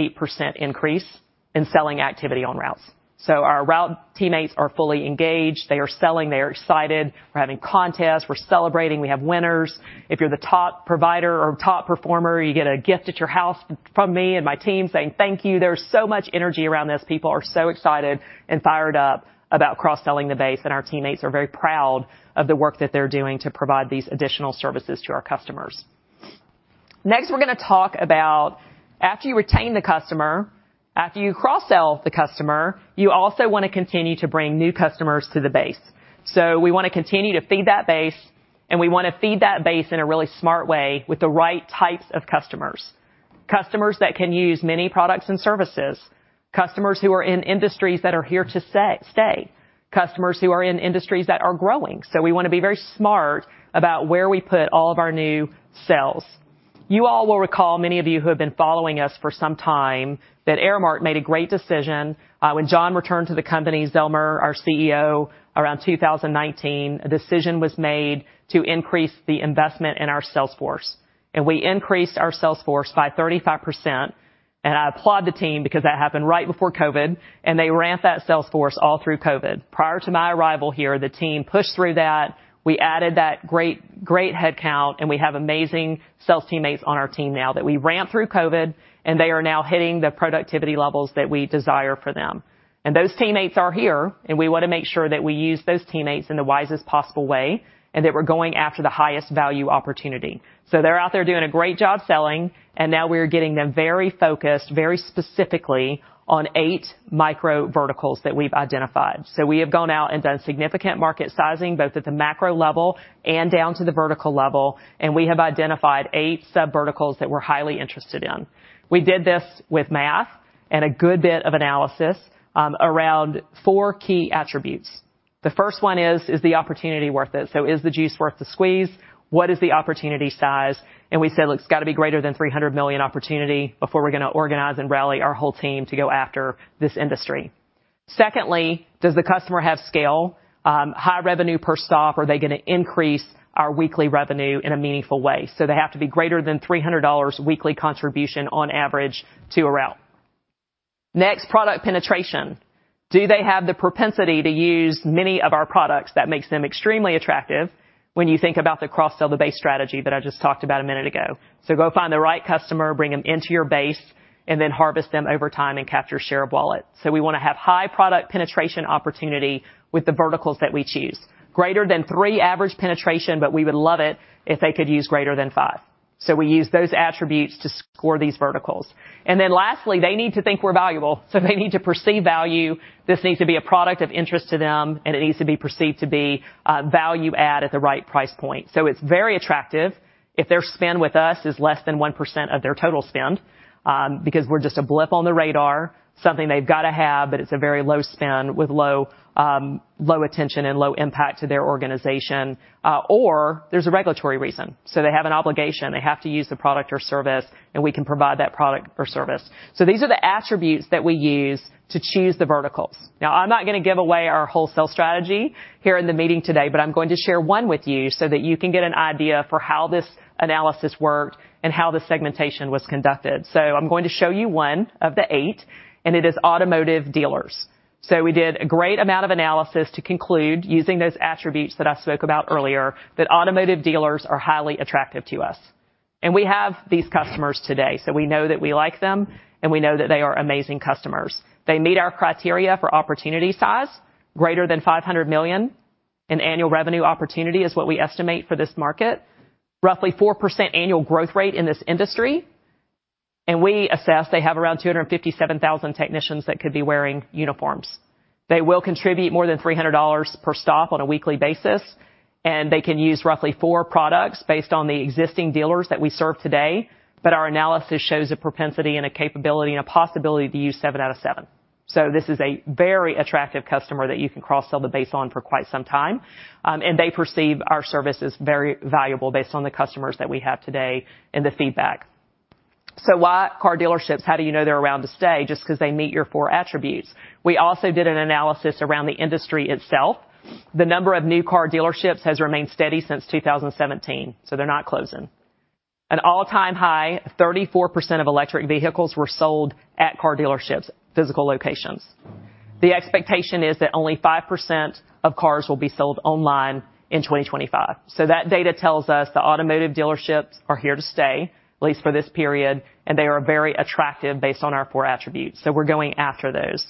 increase in selling activity on routes. our route teammates are fully engaged. They are selling, they are excited. We're having contests. We're celebrating. We have winners. If you're the top provider or top performer, you get a gift at your house from me and my team saying, "Thank you." There's so much energy around this. People are so excited and fired up about cross-selling the base, and our teammates are very proud of the work that they're doing to provide these additional services to our customers. Next, we're gonna talk about after you retain the customer, after you cross-sell the customer, you also want to continue to bring new customers to the base. we want to continue to feed that base, and we want to feed that base in a really smart way with the right types of customers. Customers that can use many products and services, customers who are in industries that are here to stay, customers who are in industries that are growing. we want to be very smart about where we put all of our new sales. You all will recall, many of you who have been following us for some time, that Aramark made a great decision, when John Zillmer, our CEO, around 2019, a decision was made to increase the investment in our sales force, and we increased our sales force by 35%. And I applaud the team because that happened right before COVID, and they ramped that sales force all through COVID. Prior to my arrival here, the team pushed through that. We added that great, great headcount, and we have amazing sales teammates on our team now that we ramped through COVID, and they are now hitting the productivity levels that we desire for them. And those teammates are here, and we want to make sure that we use those teammates in the wisest possible way, and that we're going after the highest value opportunity. they're out there doing a great job selling, and now we are getting them very focused, very specifically on eight micro verticals that we've identified. we have gone out and done significant market sizing, both at the macro level and down to the vertical level, and we have identified eight sub verticals that we're highly interested in. We did this with math and a good bit of analysis around four key attributes. The first one is, is the opportunity worth it? is the juice worth the squeeze? What is the opportunity size? And we said, "Look, it's got to be greater than $300 million opportunity before we're gonna organize and rally our whole team to go after this industry." Secondly, does the customer have scale? High revenue per stop, are they gonna increase our weekly revenue in a meaningful way? they have to be greater than $300 weekly contribution on average to a route. Next, product penetration. Do they have the propensity to use many of our products? That makes them extremely attractive when you think about the cross-sell, the base strategy that I just talked about a minute ago. go find the right customer, bring them into your base, and then harvest them over time and capture share of wallet. we want to have high product penetration opportunity with the verticals that we choose. Greater than 3 average penetration, but we would love it if they could use greater than 5. we use those attributes to score these verticals. And then lastly, they need to think we're valuable, so they need to perceive value. This needs to be a product of interest to them, and it needs to be perceived to be, value add at the right price point. it's very attractive if their spend with us is less than 1% of their total spend, because we're just a blip on the radar, something they've got to have, but it's a very low spend with low attention and low impact to their organization, or there's a regulatory reason. they have an obligation. They have to use the product or service, and we can provide that product or service. These are the attributes that we use to choose the verticals. Now, I'm not gonna give away our wholesale strategy here in the meeting today, but I'm going to share one with you so that you can get an idea for how this analysis worked and how the segmentation was conducted. I'm going to show you one of the eight, and it is automotive dealers. We did a great amount of analysis to conclude, using those attributes that I spoke about earlier, that automotive dealers are highly attractive to us. We have these customers today, so we know that we like them, and we know that they are amazing customers. They meet our criteria for opportunity size, greater than $500 million in annual revenue opportunity is what we estimate for this market. Roughly 4% annual growth rate in this industry, and we assess they have around 257,000 technicians that could be wearing uniforms. They will contribute more than $300 per stop on a weekly basis, and they can use roughly 4 products based on the existing dealers that we serve today. But our analysis shows a propensity and a capability and a possibility to use 7 out of 7. this is a very attractive customer that you can cross-sell the base on for quite some time. And they perceive our service is very valuable based on the customers that we have today and the feedback. why car dealerships? How do you know they're around to stay just because they meet your 4 attributes? We also did an analysis around the industry itself. The number of new car dealerships has remained steady since 2017, so they're not closing. An all-time high, 34% of electric vehicles were sold at car dealerships, physical locations. The expectation is that only 5% of cars will be sold online in 2025. that data tells us the automotive dealerships are here to stay, at least for this period, and they are very attractive based on our four attributes. we're going after those.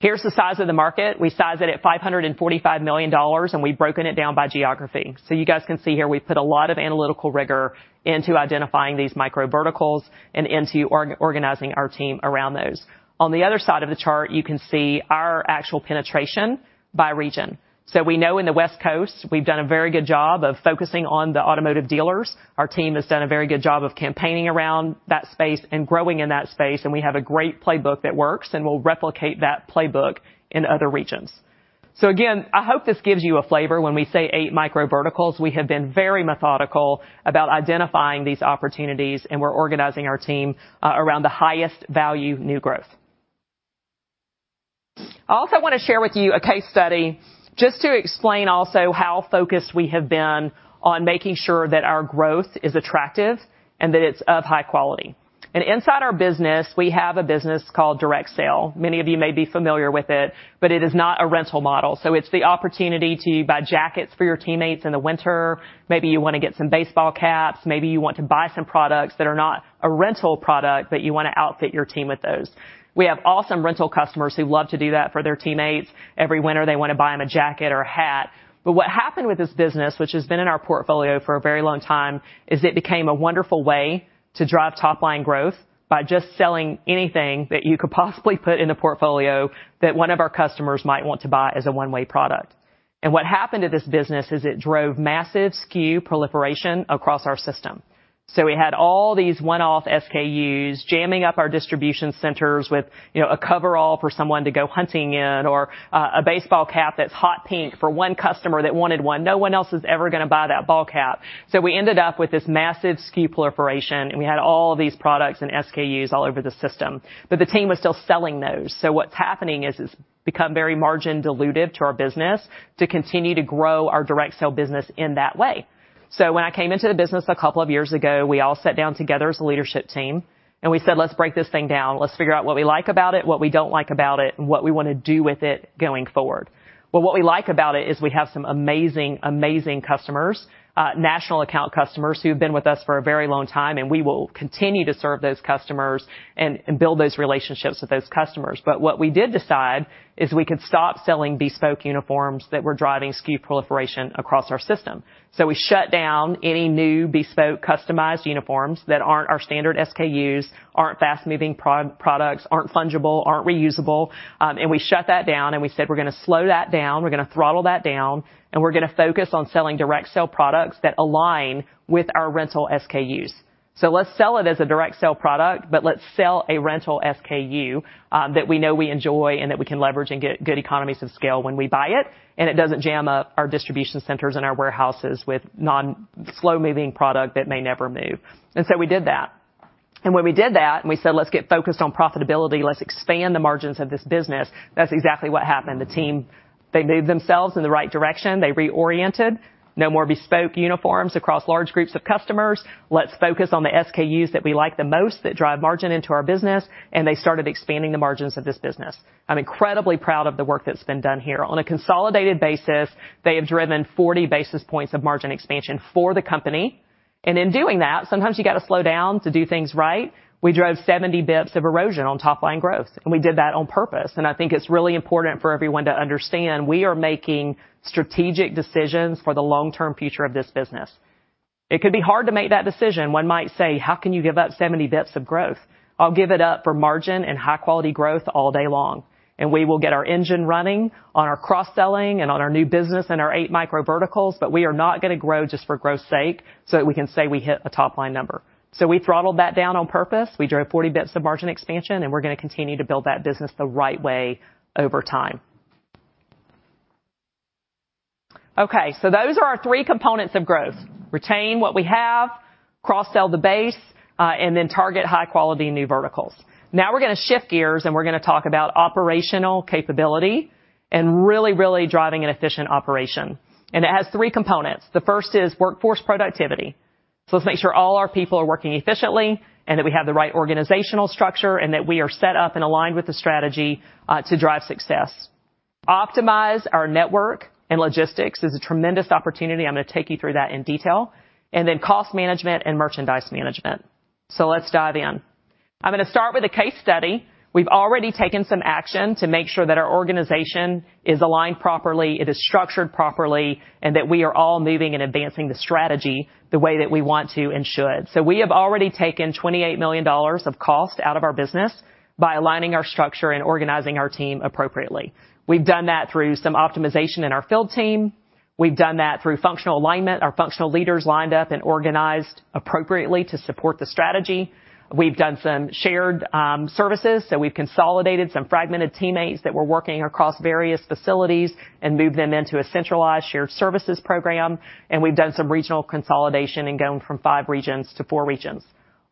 Here's the size of the market. We size it at $545 million, and we've broken it down by geography. you guys can see here, we've put a lot of analytical rigor into identifying these micro verticals and into organizing our team around those. On the other side of the chart, you can see our actual penetration by region. we know in the West Coast, we've done a very good job of focusing on the automotive dealers. Our team has done a very good job of campaigning around that space and growing in that space, and we have a great playbook that works, and we'll replicate that playbook in other regions. again, I hope this gives you a flavor. When we say eight micro verticals, we have been very methodical about identifying these opportunities, and we're organizing our team around the highest value, new growth. I also want to share with you a case study just to explain also how focused we have been on making sure that our growth is attractive and that it's of high quality. And inside our business, we have a business called Direct Sale. Many of you may be familiar with it, but it is not a rental model. it's the opportunity to buy jackets for your teammates in the winter. Maybe you want to get some baseball caps, maybe you want to buy some products that are not a rental product, but you want to outfit your team with those. We have awesome rental customers who love to do that for their teammates. Every winter, they want to buy them a jacket or a hat. But what happened with this business, which has been in our portfolio for a very long time, is it became a wonderful way to drive top-line growth by just selling anything that you could possibly put in a portfolio that one of our customers might want to buy as a one-way product. And what happened to this business is it drove massive SKU proliferation across our system. we had all these one-off SKUs jamming up our distribution centers with, you know, a coverall for someone to go hunting in or, a baseball cap that's hot pink for one customer that wanted one. No one else is ever going to buy that ball cap. we ended up with this massive SKU proliferation, and we had all these products and SKUs all over the system, but the team was still selling those. what's happening is, it's become very margin dilutive to our business to continue to grow our direct sale business in that way. when I came into the business a couple of years ago, we all sat down together as a leadership team, and we said: Let's break this thing down. Let's figure out what we like about it, what we don't like about it, and what we want to do with it going forward. Well, what we like about it is we have some amazing, amazing customers, national account customers who've been with us for a very long time, and we will continue to serve those customers and build those relationships with those customers. But what we did decide is we could stop selling bespoke uniforms that were driving SKU proliferation across our system. we shut down any new bespoke, customized uniforms that aren't our standard SKUs, aren't fast-moving products, aren't fungible, aren't reusable, and we shut that down, and we said, "We're going to slow that down. We're going to throttle that down, and we're going to focus on selling direct sale products that align with our rental SKUs." let's sell it as a direct sale product, but let's sell a rental SKU, that we know we enjoy and that we can leverage and get good economies of scale when we buy it, and it doesn't jam up our distribution centers and our warehouses with non-slow-moving product that may never move. And so we did that. And when we did that, and we said, "Let's get focused on profitability. Let's expand the margins of this business," that's exactly what happened. The team, they moved themselves in the right direction. They reoriented. No more bespoke uniforms across large groups of customers. Let's focus on the SKUs that we like the most, that drive margin into our business, and they started expanding the margins of this business. I'm incredibly proud of the work that's been done here. On a consolidated basis, they have driven 40 basis points of margin expansion for the company, and in doing that, sometimes you got to slow down to do things right. We drove 70 basis points of erosion on top line growth, and we did that on purpose. I think it's really important for everyone to understand we are making strategic decisions for the long-term future of this business. It could be hard to make that decision. One might say, "How can you give up 70 bips of growth?" I'll give it up for margin and high-quality growth all day long, and we will get our engine running on our cross-selling and on our new business and our 8 micro verticals, but we are not going to grow just for growth's sake so that we can say we hit a top-line number. we throttled that down on purpose. We drove 40 bips of margin expansion, and we're going to continue to build that business the right way over time. Okay, so those are our 3 components of growth: retain what we have, cross-sell the base, and then target high-quality new verticals. Now we're going to shift gears, and we're going to talk about operational capability and really, really driving an efficient operation. It has 3 components. The first is workforce productivity. let's make sure all our people are working efficiently and that we have the right organizational structure, and that we are set up and aligned with the strategy to drive success. Optimize our network and logistics. There's a tremendous opportunity. I'm going to take you through that in detail. And then cost management and merchandise management. let's dive in. I'm going to start with a case study. We've already taken some action to make sure that our organization is aligned properly, it is structured properly, and that we are all moving and advancing the strategy the way that we want to and should. we have already taken $28 million of cost out of our business by aligning our structure and organizing our team appropriately. We've done that through some optimization in our field team. We've done that through functional alignment. Our functional leaders lined up and organized appropriately to support the strategy. We've done some shared services, so we've consolidated some fragmented teammates that were working across various facilities and moved them into a centralized shared services program, and we've done some regional consolidation and going from five regions to four regions.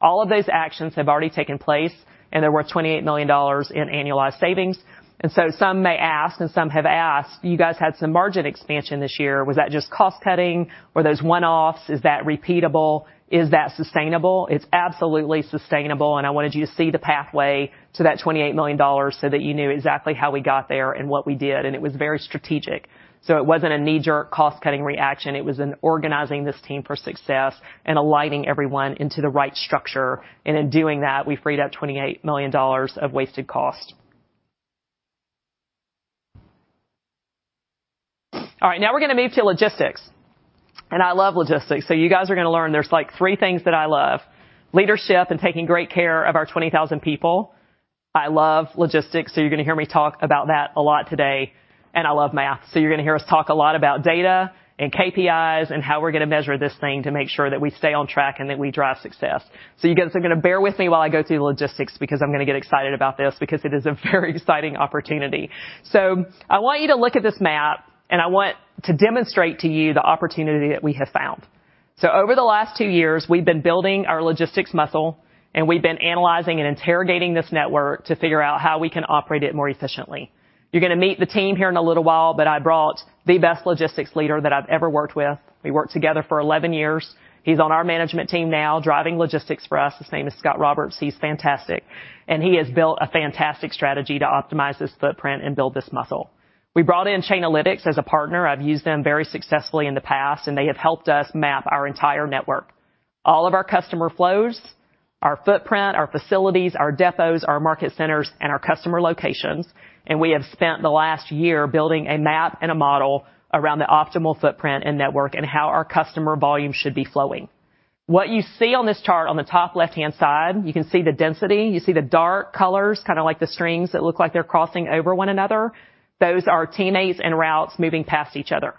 All of those actions have already taken place, and they're worth $28 million in annualized savings. And so some may ask, and some have asked: You guys had some margin expansion this year. Was that just cost-cutting? Were those one-offs? Is that repeatable? Is that sustainable? It's absolutely sustainable, and I wanted you to see the pathway to that $28 million, so that you knew exactly how we got there and what we did, and it was very strategic. it wasn't a knee-jerk, cost-cutting reaction. It was in organizing this team for success and aligning everyone into the right structure. And in doing that, we freed up $28 million of wasted cost. All right, now we're gonna move to logistics, and I love logistics. you guys are gonna learn there's, like, three things that I love: leadership and taking great care of our 20,000 people. I love logistics, so you're gonna hear me talk about that a lot today. And I love math, so you're gonna hear us talk a lot about data and KPIs and how we're gonna measure this thing to make sure that we stay on track and that we drive success. you guys are gonna bear with me while I go through the logistics, because I'm gonna get excited about this because it is a very exciting opportunity. I want you to look at this map, and I want to demonstrate to you the opportunity that we have found. Over the last 2 years, we've been building our logistics muscle, and we've been analyzing and interrogating this network to figure out how we can operate it more efficiently. You're gonna meet the team here in a little while, but I brought the best logistics leader that I've ever worked with. We worked together for 11 years. He's on our management team now, driving logistics for us. His name is Scott Roberts. He's fantastic, and he has built a fantastic strategy to optimize this footprint and build this muscle. We brought in Chainalytics as a partner. I've used them very successfully in the past, and they have helped us map our entire network. All of our customer flows, our footprint, our facilities, our depots, our market centers, and our customer locations. We have spent the last year building a map and a model around the optimal footprint and network and how our customer volume should be flowing. What you see on this chart on the top left-hand side, you can see the density. You see the dark colors, kinda like the strings that look like they're crossing over one another. Those are teammates and routes moving past each other.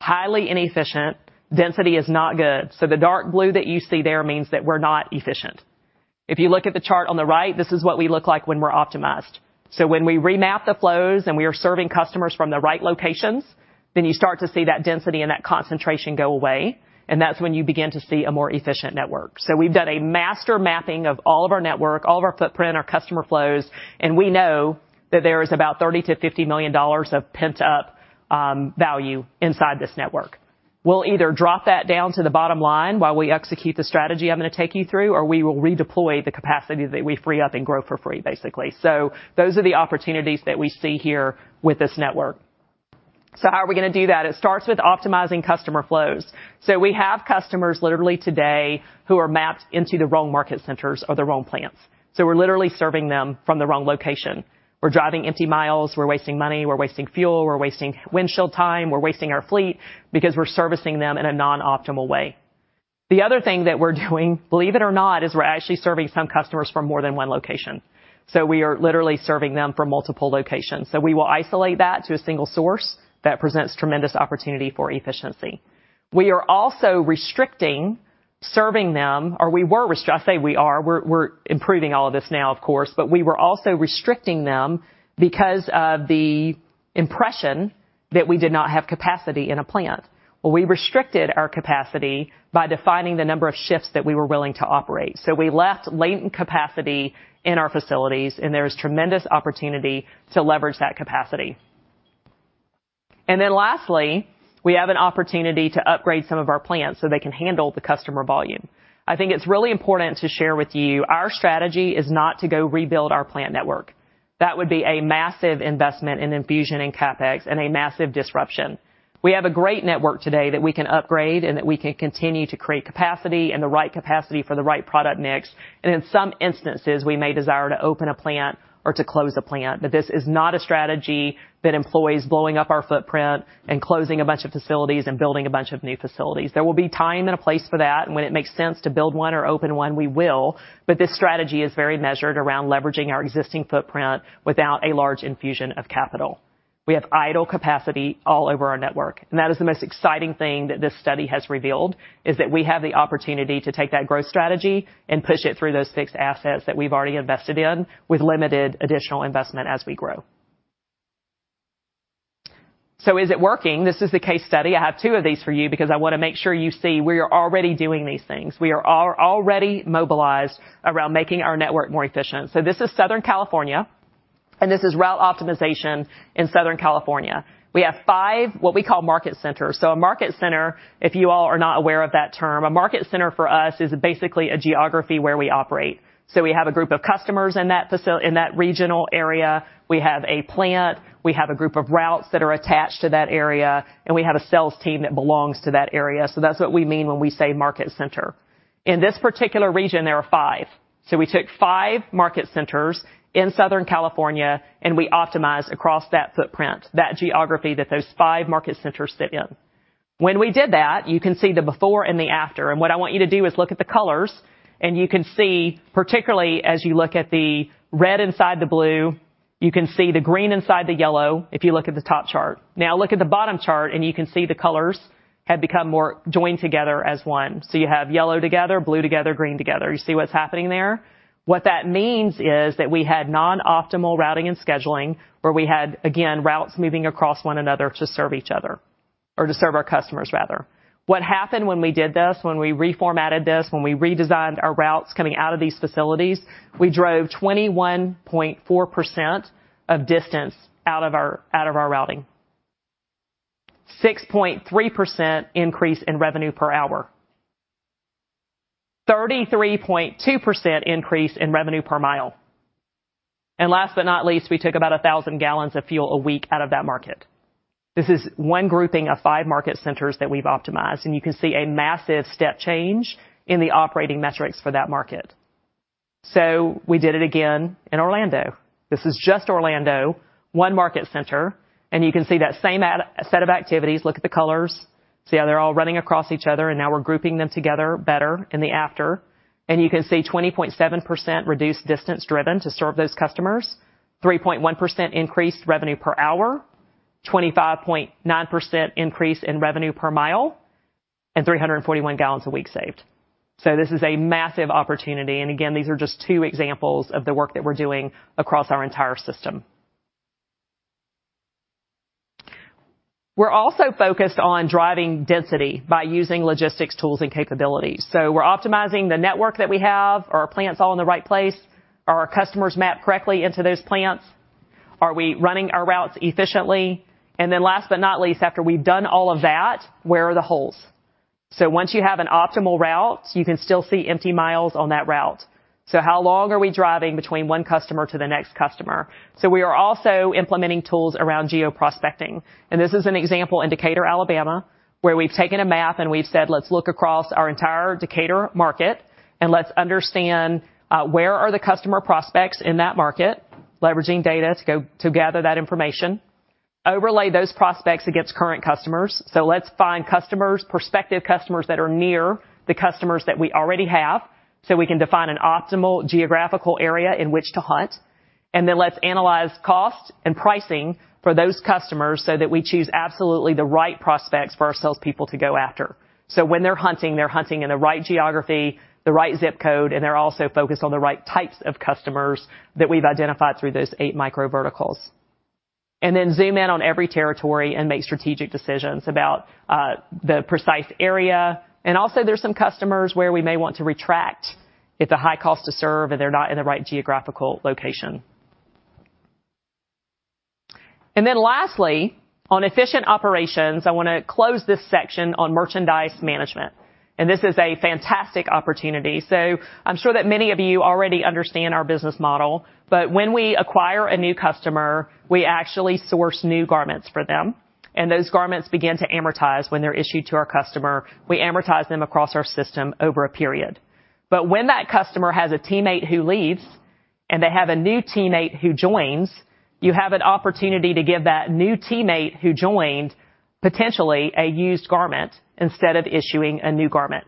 Highly inefficient. Density is not good. the dark blue that you see there means that we're not efficient. If you look at the chart on the right, this is what we look like when we're optimized. when we remap the flows, and we are serving customers from the right locations, then you start to see that density and that concentration go away, and that's when you begin to see a more efficient network. we've done a master mapping of all of our network, all of our footprint, our customer flows, and we know that there is about $30-$50 million of pent-up value inside this network. We'll either drop that down to the bottom line while we execute the strategy I'm gonna take you through, or we will redeploy the capacity that we free up and grow for free, basically. those are the opportunities that we see here with this network. how are we gonna do that? It starts with optimizing customer flows. we have customers, literally today, who are mapped into the wrong market centers or the wrong plants. we're literally serving them from the wrong location. We're driving empty miles, we're wasting money, we're wasting fuel, we're wasting windshield time, we're wasting our fleet because we're servicing them in a non-optimal way. The other thing that we're doing, believe it or not, is we're actually serving some customers from more than one location. we are literally serving them from multiple locations. we will isolate that to a single source that presents tremendous opportunity for efficiency. We are also restricting serving them, or we were. I say we are. We're improving all of this now, of course, but we were also restricting them because of the impression that we did not have capacity in a plant. Well, we restricted our capacity by defining the number of shifts that we were willing to operate. we left latent capacity in our facilities, and there is tremendous opportunity to leverage that capacity. And then lastly, we have an opportunity to upgrade some of our plants so they can handle the customer volume. I think it's really important to share with you. Our strategy is not to go rebuild our plant network. That would be a massive investment in infusion and CapEx and a massive disruption. We have a great network today that we can upgrade and that we can continue to create capacity and the right capacity for the right product mix, and in some instances, we may desire to open a plant or to close a plant. But this is not a strategy that employs blowing up our footprint and closing a bunch of facilities and building a bunch of new facilities. There will be time and a place for that, and when it makes sense to build one or open one, we will. But this strategy is very measured around leveraging our existing footprint without a large infusion of capital. We have idle capacity all over our network, and that is the most exciting thing that this study has revealed, is that we have the opportunity to take that growth strategy and push it through those fixed assets that we've already invested in, with limited additional investment as we grow. is it working? This is the case study. I have two of these for you because I wanna make sure you see we are already doing these things. We are already mobilized around making our network more efficient. this is Southern California, and this is route optimization in Southern California. We have five, what we call market centers. a market center, if you all are not aware of that term, a market center for us is basically a geography where we operate. we have a group of customers in that regional area. We have a plant, we have a group of routes that are attached to that area, and we have a sales team that belongs to that area. that's what we mean when we say market center. In this particular region, there are five. we took five market centers in Southern California, and we optimized across that footprint, that geography that those five market centers sit in. When we did that, you can see the before and the after, and what I want you to do is look at the colors, and you can see, particularly as you look at the red inside the blue, you can see the green inside the yellow if you look at the top chart. Now look at the bottom chart, and you can see the colors have become more joined together as one. you have yellow together, blue together, green together. You see what's happening there? What that means is that we had non-optimal routing and scheduling, where we had, again, routes moving across one another to serve each other. or to serve our customers, rather. What happened when we did this, when we reformatted this, when we redesigned our routes coming out of these facilities, we drove 21.4% of distance out of our, out of our routing. 6.3% increase in revenue per hour. 33.2% increase in revenue per mile. And last but not least, we took about 1,000 gallons of fuel a week out of that market. This is one grouping of 5 market centers that we've optimized, and you can see a massive step change in the operating metrics for that market. we did it again in Orlando. This is just Orlando, 1 market center, and you can see that same set of activities. Look at the colors, see how they're all running across each other, and now we're grouping them together better in the after. You can see 20.7% reduced distance driven to serve those customers, 3.1% increased revenue per hour, 25.9% increase in revenue per mile, and 341 gallons a week saved. This is a massive opportunity. Again, these are just two examples of the work that we're doing across our entire system. We're also focused on driving density by using logistics tools and capabilities. We're optimizing the network that we have. Are our plants all in the right place? Are our customers mapped correctly into those plants? Are we running our routes efficiently? And then last but not least, after we've done all of that, where are the holes? Once you have an optimal route, you can still see empty miles on that route. how long are we driving between one customer to the next customer? we are also implementing tools around geo-prospecting, and this is an example in Decatur, Alabama, where we've taken a map, and we've said, "Let's look across our entire Decatur market and let's understand where are the customer prospects in that market," leveraging data to gather that information. Overlay those prospects against current customers. let's find customers, prospective customers, that are near the customers that we already have, so we can define an optimal geographical area in which to hunt. And then let's analyze cost and pricing for those customers so that we choose absolutely the right prospects for our salespeople to go after. when they're hunting, they're hunting in the right geography, the right zip code, and they're also focused on the right types of customers that we've identified through those eight micro verticals. And then zoom in on every territory and make strategic decisions about, the precise area. And also, there's some customers where we may want to retract if the high cost to serve, and they're not in the right geographical location. And then lastly, on efficient operations, I wanna close this section on merchandise management, and this is a fantastic opportunity. I'm sure that many of you already understand our business model, but when we acquire a new customer, we actually source new garments for them, and those garments begin to amortize when they're issued to our customer. We amortize them across our system over a period. But when that customer has a teammate who leaves and they have a new teammate who joins, you have an opportunity to give that new teammate who joined, potentially, a used garment instead of issuing a new garment.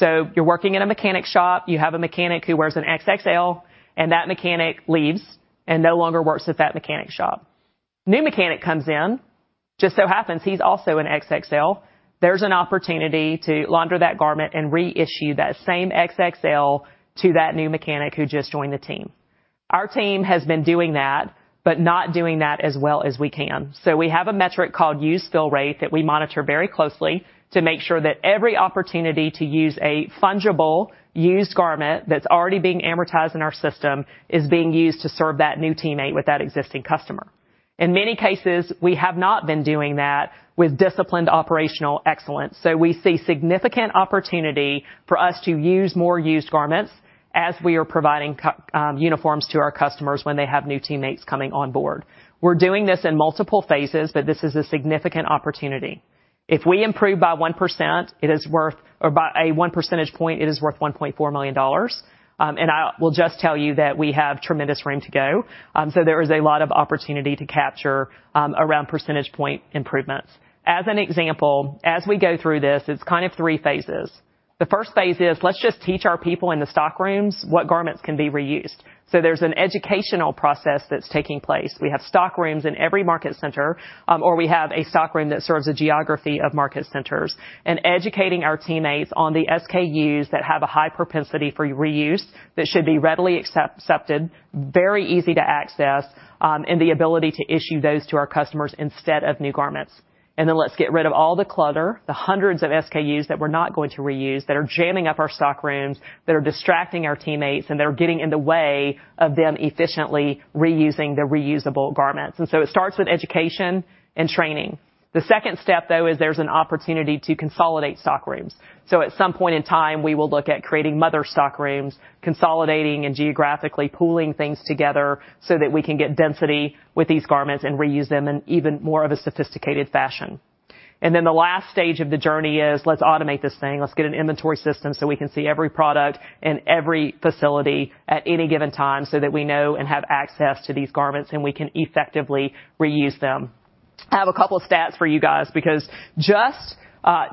you're working in a mechanic shop, you have a mechanic who wears an XXL, and that mechanic leaves and no longer works at that mechanic shop. New mechanic comes in. Just so happens, he's also an XXL. There's an opportunity to launder that garment and reissue that same XXL to that new mechanic who just joined the team. Our team has been doing that, but not doing that as well as we can. we have a metric called use fill rate, that we monitor very closely to make sure that every opportunity to use a fungible, used garment that's already being amortized in our system is being used to serve that new teammate with that existing customer. In many cases, we have not been doing that with disciplined operational excellence, so we see significant opportunity for us to use more used garments as we are providing uniforms to our customers when they have new teammates coming on board. We're doing this in multiple phases, but this is a significant opportunity. If we improve by 1%, it is worth, or by a 1 percentage point, it is worth $1.4 million. And I will just tell you that we have tremendous room to go. there is a lot of opportunity to capture, around percentage point improvements. As an example, as we go through this, it's kind of three phases. The first phase is, let's just teach our people in the stock rooms what garments can be reused. there's an educational process that's taking place. We have stock rooms in every market center, or we have a stock room that serves a geography of market centers, and educating our teammates on the SKUs that have a high propensity for reuse, that should be readily accepted, very easy to access, and the ability to issue those to our customers instead of new garments. And then let's get rid of all the clutter, the hundreds of SKUs that we're not going to reuse, that are jamming up our stock rooms, that are distracting our teammates, and they're getting in the way of them efficiently reusing the reusable garments. And so it starts with education and training. The second step, though, is there's an opportunity to consolidate stock rooms. at some point in time, we will look at creating mother stock rooms, consolidating and geographically pooling things together so that we can get density with these garments and reuse them in even more of a sophisticated fashion. And then the last stage of the journey is: Let's automate this thing. Let's get an inventory system so we can see every product and every facility at any given time, so that we know and have access to these garments, and we can effectively reuse them. I have a couple of stats for you guys, because just,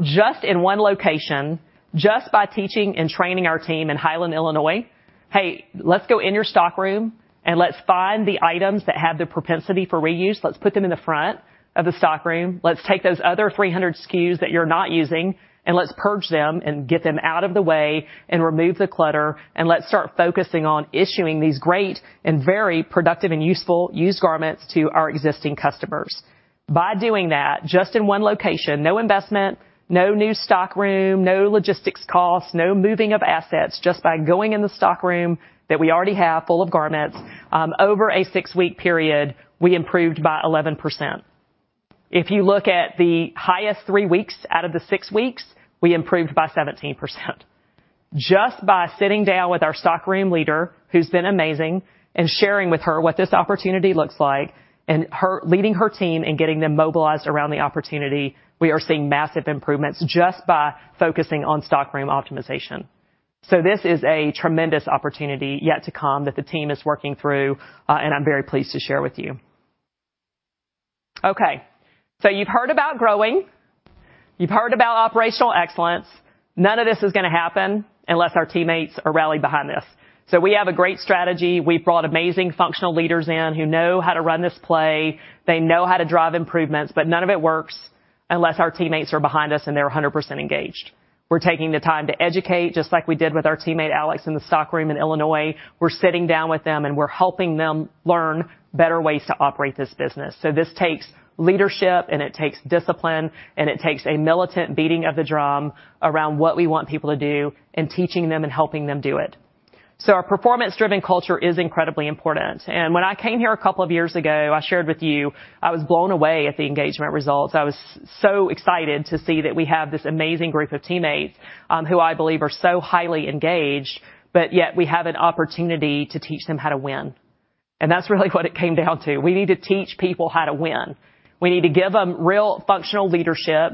just in one location, just by teaching and training our team in Highland, Illinois, "Hey, let's go in your stock room, and let's find the items that have the propensity for reuse. Let's put them in the front of the stock room. Let's take those other 300 SKUs that you're not using, and let's purge them and get them out of the way and remove the clutter. And let's start focusing on issuing these great and very productive and useful used garments to our existing customers.".By doing that, just in one location, no investment, no new stockroom, no logistics costs, no moving of assets, just by going in the stockroom that we already have full of garments, over a 6-week period, we improved by 11%. If you look at the highest three weeks out of the six weeks, we improved by 17%. Just by sitting down with our stockroom leader, who's been amazing, and sharing with her what this opportunity looks like, and her leading her team and getting them mobilized around the opportunity, we are seeing massive improvements just by focusing on stockroom optimization. this is a tremendous opportunity yet to come that the team is working through, and I'm very pleased to share with you. Okay, so you've heard about growing, you've heard about operational excellence. None of this is gonna happen unless our teammates are rallied behind this. we have a great strategy. We've brought amazing functional leaders in who know how to run this play. They know how to drive improvements, but none of it works unless our teammates are behind us and they're 100% engaged. We're taking the time to educate, just like we did with our teammate, Alex, in the stockroom in Illinois. We're sitting down with them, and we're helping them learn better ways to operate this business. this takes leadership, and it takes discipline, and it takes a militant beating of the drum around what we want people to do and teaching them and helping them do it. our performance-driven culture is incredibly important. And when I came here a couple of years ago, I shared with you, I was blown away at the engagement results. I was so excited to see that we have this amazing group of teammates, who I believe are so highly engaged, but yet we have an opportunity to teach them how to win. And that's really what it came down to. We need to teach people how to win. We need to give them real functional leadership,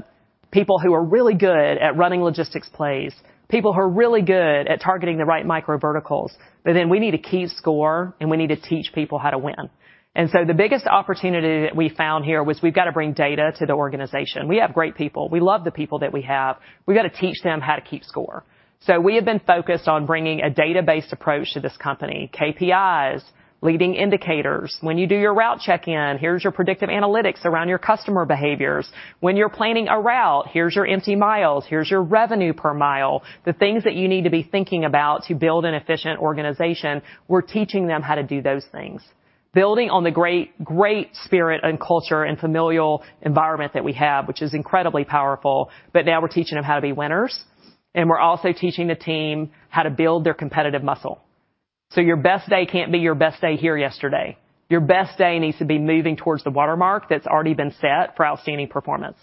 people who are really good at running logistics plays, people who are really good at targeting the right micro verticals, but then we need to keep score, and we need to teach people how to win. And so the biggest opportunity that we found here was we've got to bring data to the organization. We have great people. We love the people that we have. We got to teach them how to keep score. we have been focused on bringing a database approach to this company, KPIs, leading indicators. When you do your route check-in, here's your predictive analytics around your customer behaviors. When you're planning a route, here's your empty miles, here's your revenue per mile, the things that you need to be thinking about to build an efficient organization. We're teaching them how to do those things. Building on the great, great spirit and culture and familial environment that we have, which is incredibly powerful, but now we're teaching them how to be winners, and we're also teaching the team how to build their competitive muscle. your best day can't be your best day here yesterday. Your best day needs to be moving towards the watermark that's already been set for outstanding performance.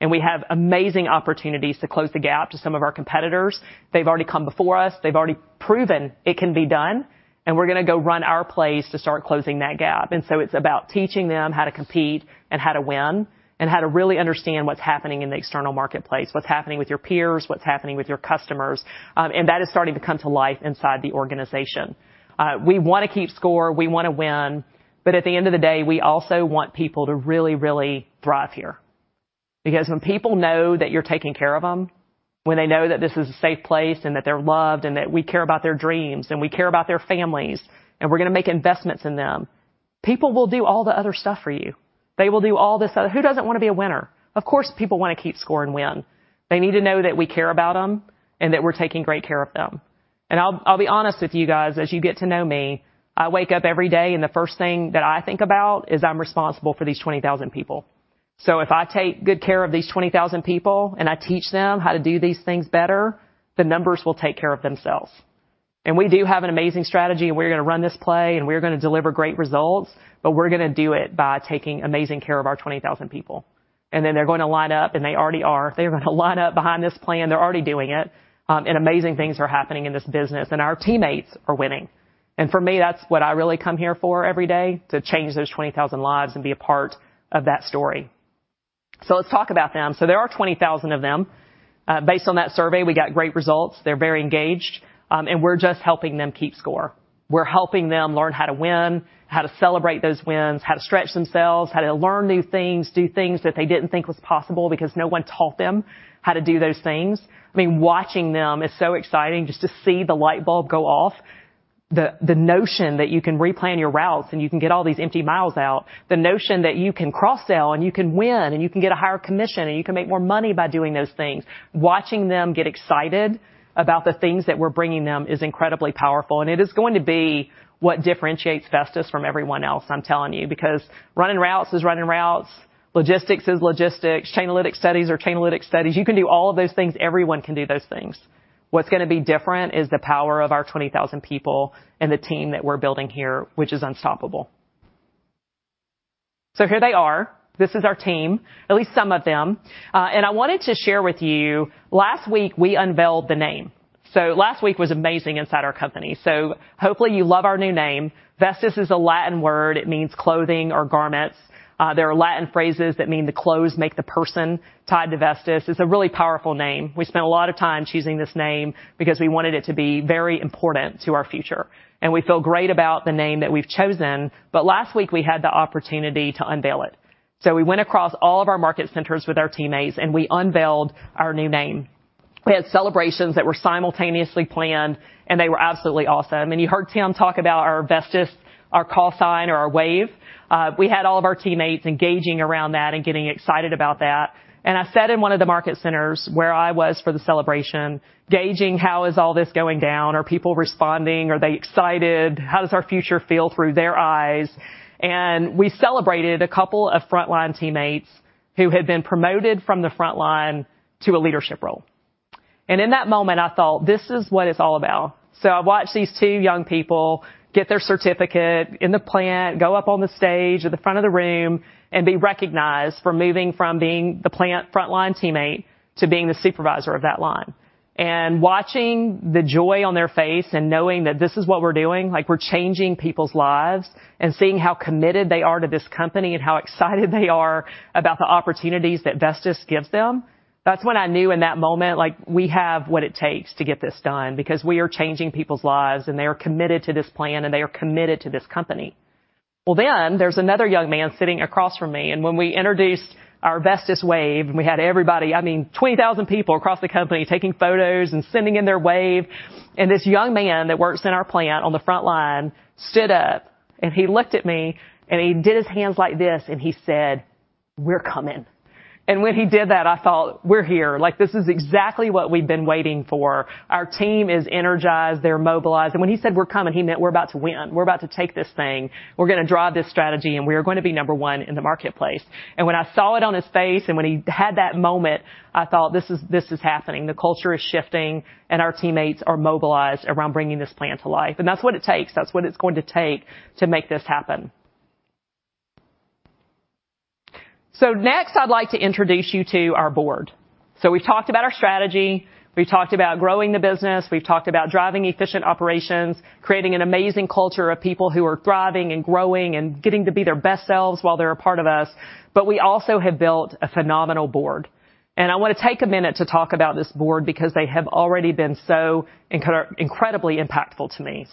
And we have amazing opportunities to close the gap to some of our competitors. They've already come before us. They've already proven it can be done, and we're gonna go run our plays to start closing that gap. And so it's about teaching them how to compete and how to win, and how to really understand what's happening in the external marketplace, what's happening with your peers, what's happening with your customers. That is starting to come to life inside the organization. We wanna keep score, we wanna win, but at the end of the day, we also want people to really, really thrive here. Because when people know that you're taking care of them, when they know that this is a safe place and that they're loved, and that we care about their dreams, and we care about their families, and we're gonna make investments in them, people will do all the other stuff for you. They will do all this stuff. Who doesn't want to be a winner? Of course, people want to keep score and win. They need to know that we care about them and that we're taking great care of them. I'll, I'll be honest with you guys, as you get to know me, I wake up every day, and the first thing that I think about is I'm responsible for these 20,000 people. if I take good care of these 20,000 people, and I teach them how to do these things better, the numbers will take care of themselves. We do have an amazing strategy, and we're gonna run this play, and we're gonna deliver great results, but we're gonna do it by taking amazing care of our 20,000 people. Then they're going to line up, and they already are. They're gonna line up behind this plan. They're already doing it, and amazing things are happening in this business, and our teammates are winning. For me, that's what I really come here for every day, to change those 20,000 lives and be a part of that story. Let's talk about them. There are 20,000 of them. Based on that survey, we got great results. They're very engaged, and we're just helping them keep score. We're helping them learn how to win, how to celebrate those wins, how to stretch themselves, how to learn new things, do things that they didn't think was possible because no one taught them how to do those things. I mean, watching them is so exciting, just to see the light bulb go off, the notion that you can replan your routes, and you can get all these empty miles out, the notion that you can cross-sell, and you can win, and you can get a higher commission, and you can make more money by doing those things. Watching them get excited about the things that we're bringing them is incredibly powerful, and it is going to be what differentiates Vestis from everyone else, I'm telling you, because running routes is running routes, logistics is logistics, Chainalytics studies are Chainalytics studies. You can do all of those things. Everyone can do those things. What's gonna be different is the power of our 20,000 people and the team that we're building here, which is unstoppable. here they are. This is our team, at least some of them. And I wanted to share with you, last week, we unveiled the name. last week was amazing inside our company. hopefully, you love our new name. Vestis is a Latin word. It means clothing or garments. There are Latin phrases that mean the clothes make the person tied to Vestis. It's a really powerful name. We spent a lot of time choosing this name because we wanted it to be very important to our future, and we feel great about the name that we've chosen. But last week, we had the opportunity to unveil it. we went across all of our market centers with our teammates, and we unveiled our new name. We had celebrations that were simultaneously planned, and they were absolutely awesome. You heard Tim talk about our Vestis, our call sign or our wave. We had all of our teammates engaging around that and getting excited about that. I sat in one of the market centers where I was for the celebration, gauging, how is all this going down? Are people responding? Are they excited? How does our future feel through their eyes? We celebrated a couple of frontline teammates who had been promoted from the front line to a leadership role. In that moment, I thought, "This is what it's all about." I watched these two young people get their certificate in the plant, go up on the stage at the front of the room, and be recognized for moving from being the plant frontline teammate to being the supervisor of that line. Watching the joy on their face and knowing that this is what we're doing, like, we're changing people's lives, and seeing how committed they are to this company and how excited they are about the opportunities that Vestis gives them, that's when I knew in that moment, like, we have what it takes to get this done, because we are changing people's lives, and they are committed to this plan, and they are committed to this company. Well, then there's another young man sitting across from me, and when we introduced our Vestis Wave, and we had everybody, I mean, 20,000 people across the company taking photos and sending in their wave. This young man that works in our plant on the front line stood up, and he looked at me, and he did his hands like this, and he said, "We're coming." When he did that, I thought, "We're here." Like, this is exactly what we've been waiting for. Our team is energized, they're mobilized. When he said, "We're coming," he meant we're about to win. We're about to take this thing, we're gonna drive this strategy, and we are going to be number one in the marketplace. When I saw it on his face, and when he had that moment, I thought, "This is, this is happening. The culture is shifting, and our teammates are mobilized around bringing this plan to life." That's what it takes. That's what it's going to take to make this happen. next, I'd like to introduce you to our board. we've talked about our strategy, we've talked about growing the business, we've talked about driving efficient operations, creating an amazing culture of people who are thriving and growing and getting to be their best selves while they're a part of us. But we also have built a phenomenal board, and I wanna take a minute to talk about this board because they have already been so incredibly impactful to me.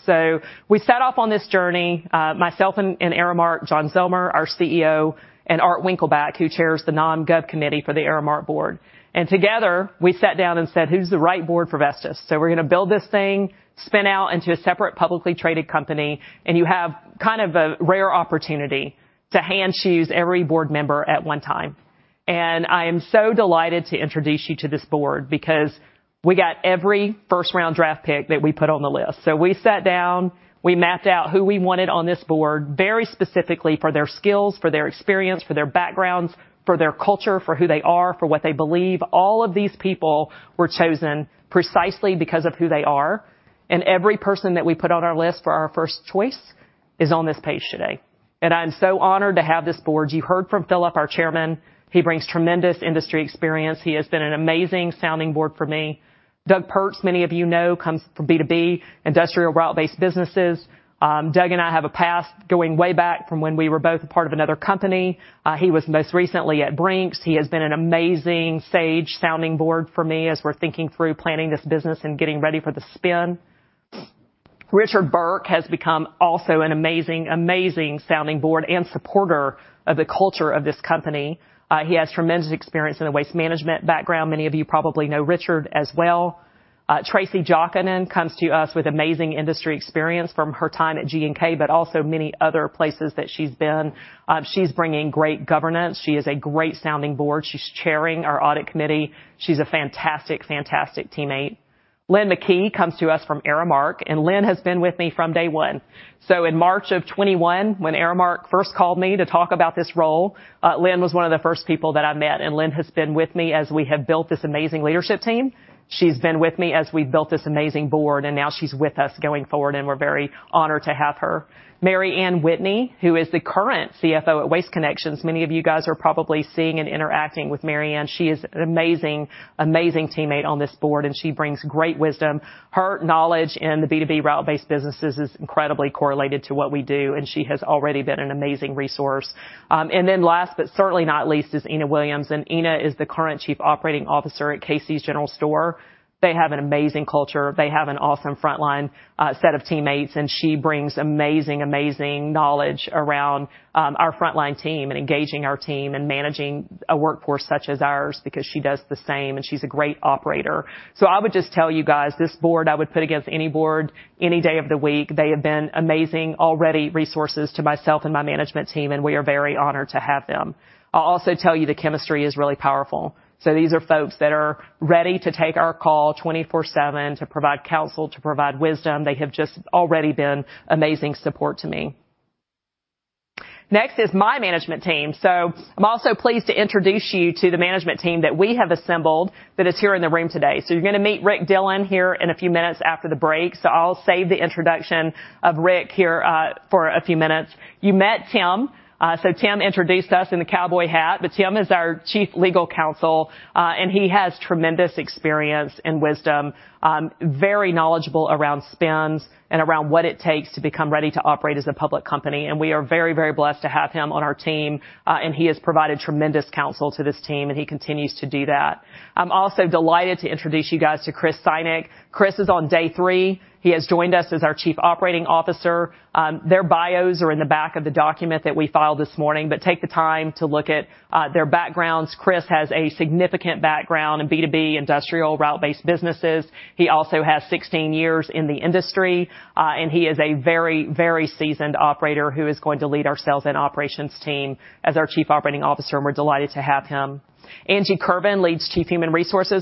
we set off on this journey, myself and Aramark, John Zillmer, our CEO, and Art Winkleblack, who chairs the Nom Gov committee for the Aramark board. And together, we sat down and said, "Who's the right board for Vestis?" we're gonna build this thing, spin out into a separate, publicly traded company, and you have kind of a rare opportunity to hand choose every board member at one time. And I am so delighted to introduce you to this board because we got every first-round draft pick that we put on the list. we sat down, we mapped out who we wanted on this board, very specifically for their skills, for their experience, for their backgrounds, for their culture, for who they are, for what they believe. All of these people were chosen precisely because of who they are, and every person that we put on our list for our first choice is on this page today. And I'm so honored to have this board. You heard from Phillip, our Chairman. He brings tremendous industry experience. He has been an amazing sounding board for me. Doug Pertz, many of you know, comes from B2B, industrial route-based businesses. Doug and I have a past going way back from when we were both a part of another company. He was most recently at Brinks. He has been an amazing sage sounding board for me as we're thinking through planning this business and getting ready for the spin. Richard Burke has become also an amazing, amazing sounding board and supporter of the culture of this company. He has tremendous experience in the waste management background. Many of you probably know Richard as well. Tracy Jokinen comes to us with amazing industry experience from her time at G&K, but also many other places that she's been. She's bringing great governance. She is a great sounding board. She's chairing our audit committee. She's a fantastic, fantastic teammate. Lynn McKee comes to us from Aramark, and Lynn has been with me from day one. in March 2021, when Aramark first called me to talk about this role, Lynn was one of the first people that I met, and Lynn has been with me as we have built this amazing leadership team. She's been with me as we've built this amazing board, and now she's with us going forward, and we're very honored to have her. Mary Ann Whitney, who is the current CFO at Waste Connections. Many of you guys are probably seeing and interacting with Mary Ann. She is an amazing, amazing teammate on this board, and she brings great wisdom. Her knowledge in the B2B route-based businesses is incredibly correlated to what we do, and she has already been an amazing resource. And then last, but certainly not least, is Ena Williams, and Ena is the current Chief Operating Officer at Casey's General Stores. They have an amazing culture. They have an awesome frontline, set of teammates, and she brings amazing, amazing knowledge around, our frontline team and engaging our team and managing a workforce such as ours, because she does the same, and she's a great operator. I would just tell you guys, this board, I would put against any board, any day of the week. They have been amazing, already, resources to myself and my management team, and we are very honored to have them. I'll also tell you, the chemistry is really powerful. these are folks that are ready to take our call 24/7, to provide counsel, to provide wisdom. They have just already been amazing support to me. Next is my management team. I'm also pleased to introduce you to the management team that we have assembled that is here in the room today. you're gonna meet Rick Dillon here in a few minutes after the break. I'll save the introduction of Rick here for a few minutes. You met Tim. Tim introduced us in the cowboy hat, but Tim is our Chief Legal Counsel, and he has tremendous experience and wisdom, very knowledgeable around spins and around what it takes to become ready to operate as a public company. And we are very, very blessed to have him on our team, and he has provided tremendous counsel to this team, and he continues to do that. I'm also delighted to introduce you guys to Chris Synek. Chris is on day 3. He has joined us as our Chief Operating Officer. Their bios are in the back of the document that we filed this morning, but take the time to look at their backgrounds. Chris has a significant background in B2B, industrial, route-based businesses. He also has 16 years in the industry, and he is a very, very seasoned operator who is going to lead our sales and operations team as our Chief Operating Officer, and we're delighted to have him. Angie Kervin is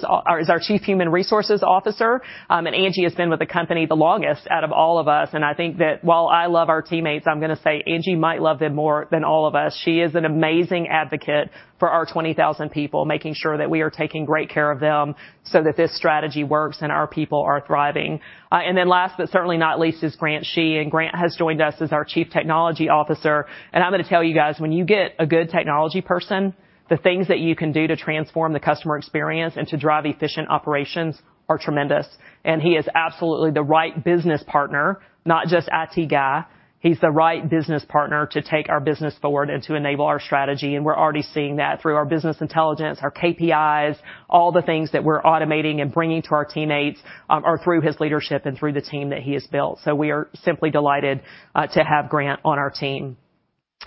our Chief Human Resources Officer. Angie has been with the company the longest out of all of us, and I think that while I love our teammates, I'm gonna say Angie might love them more than all of us. She is an amazing advocate for our 20,000 people, making sure that we are taking great care of them so that this strategy works and our people are thriving. And then last, but certainly not least, is Grant Shih, and Grant has joined us as our Chief Technology Officer. And I'm gonna tell you guys, when you get a good technology person, the things that you can do to transform the customer experience and to drive efficient operations are tremendous. And he is absolutely the right business partner, not just IT guy. He's the right business partner to take our business forward and to enable our strategy, and we're already seeing that through our business intelligence, our KPIs, all the things that we're automating and bringing to our teammates, are through his leadership and through the team that he has built. we are simply delighted to have Grant on our team.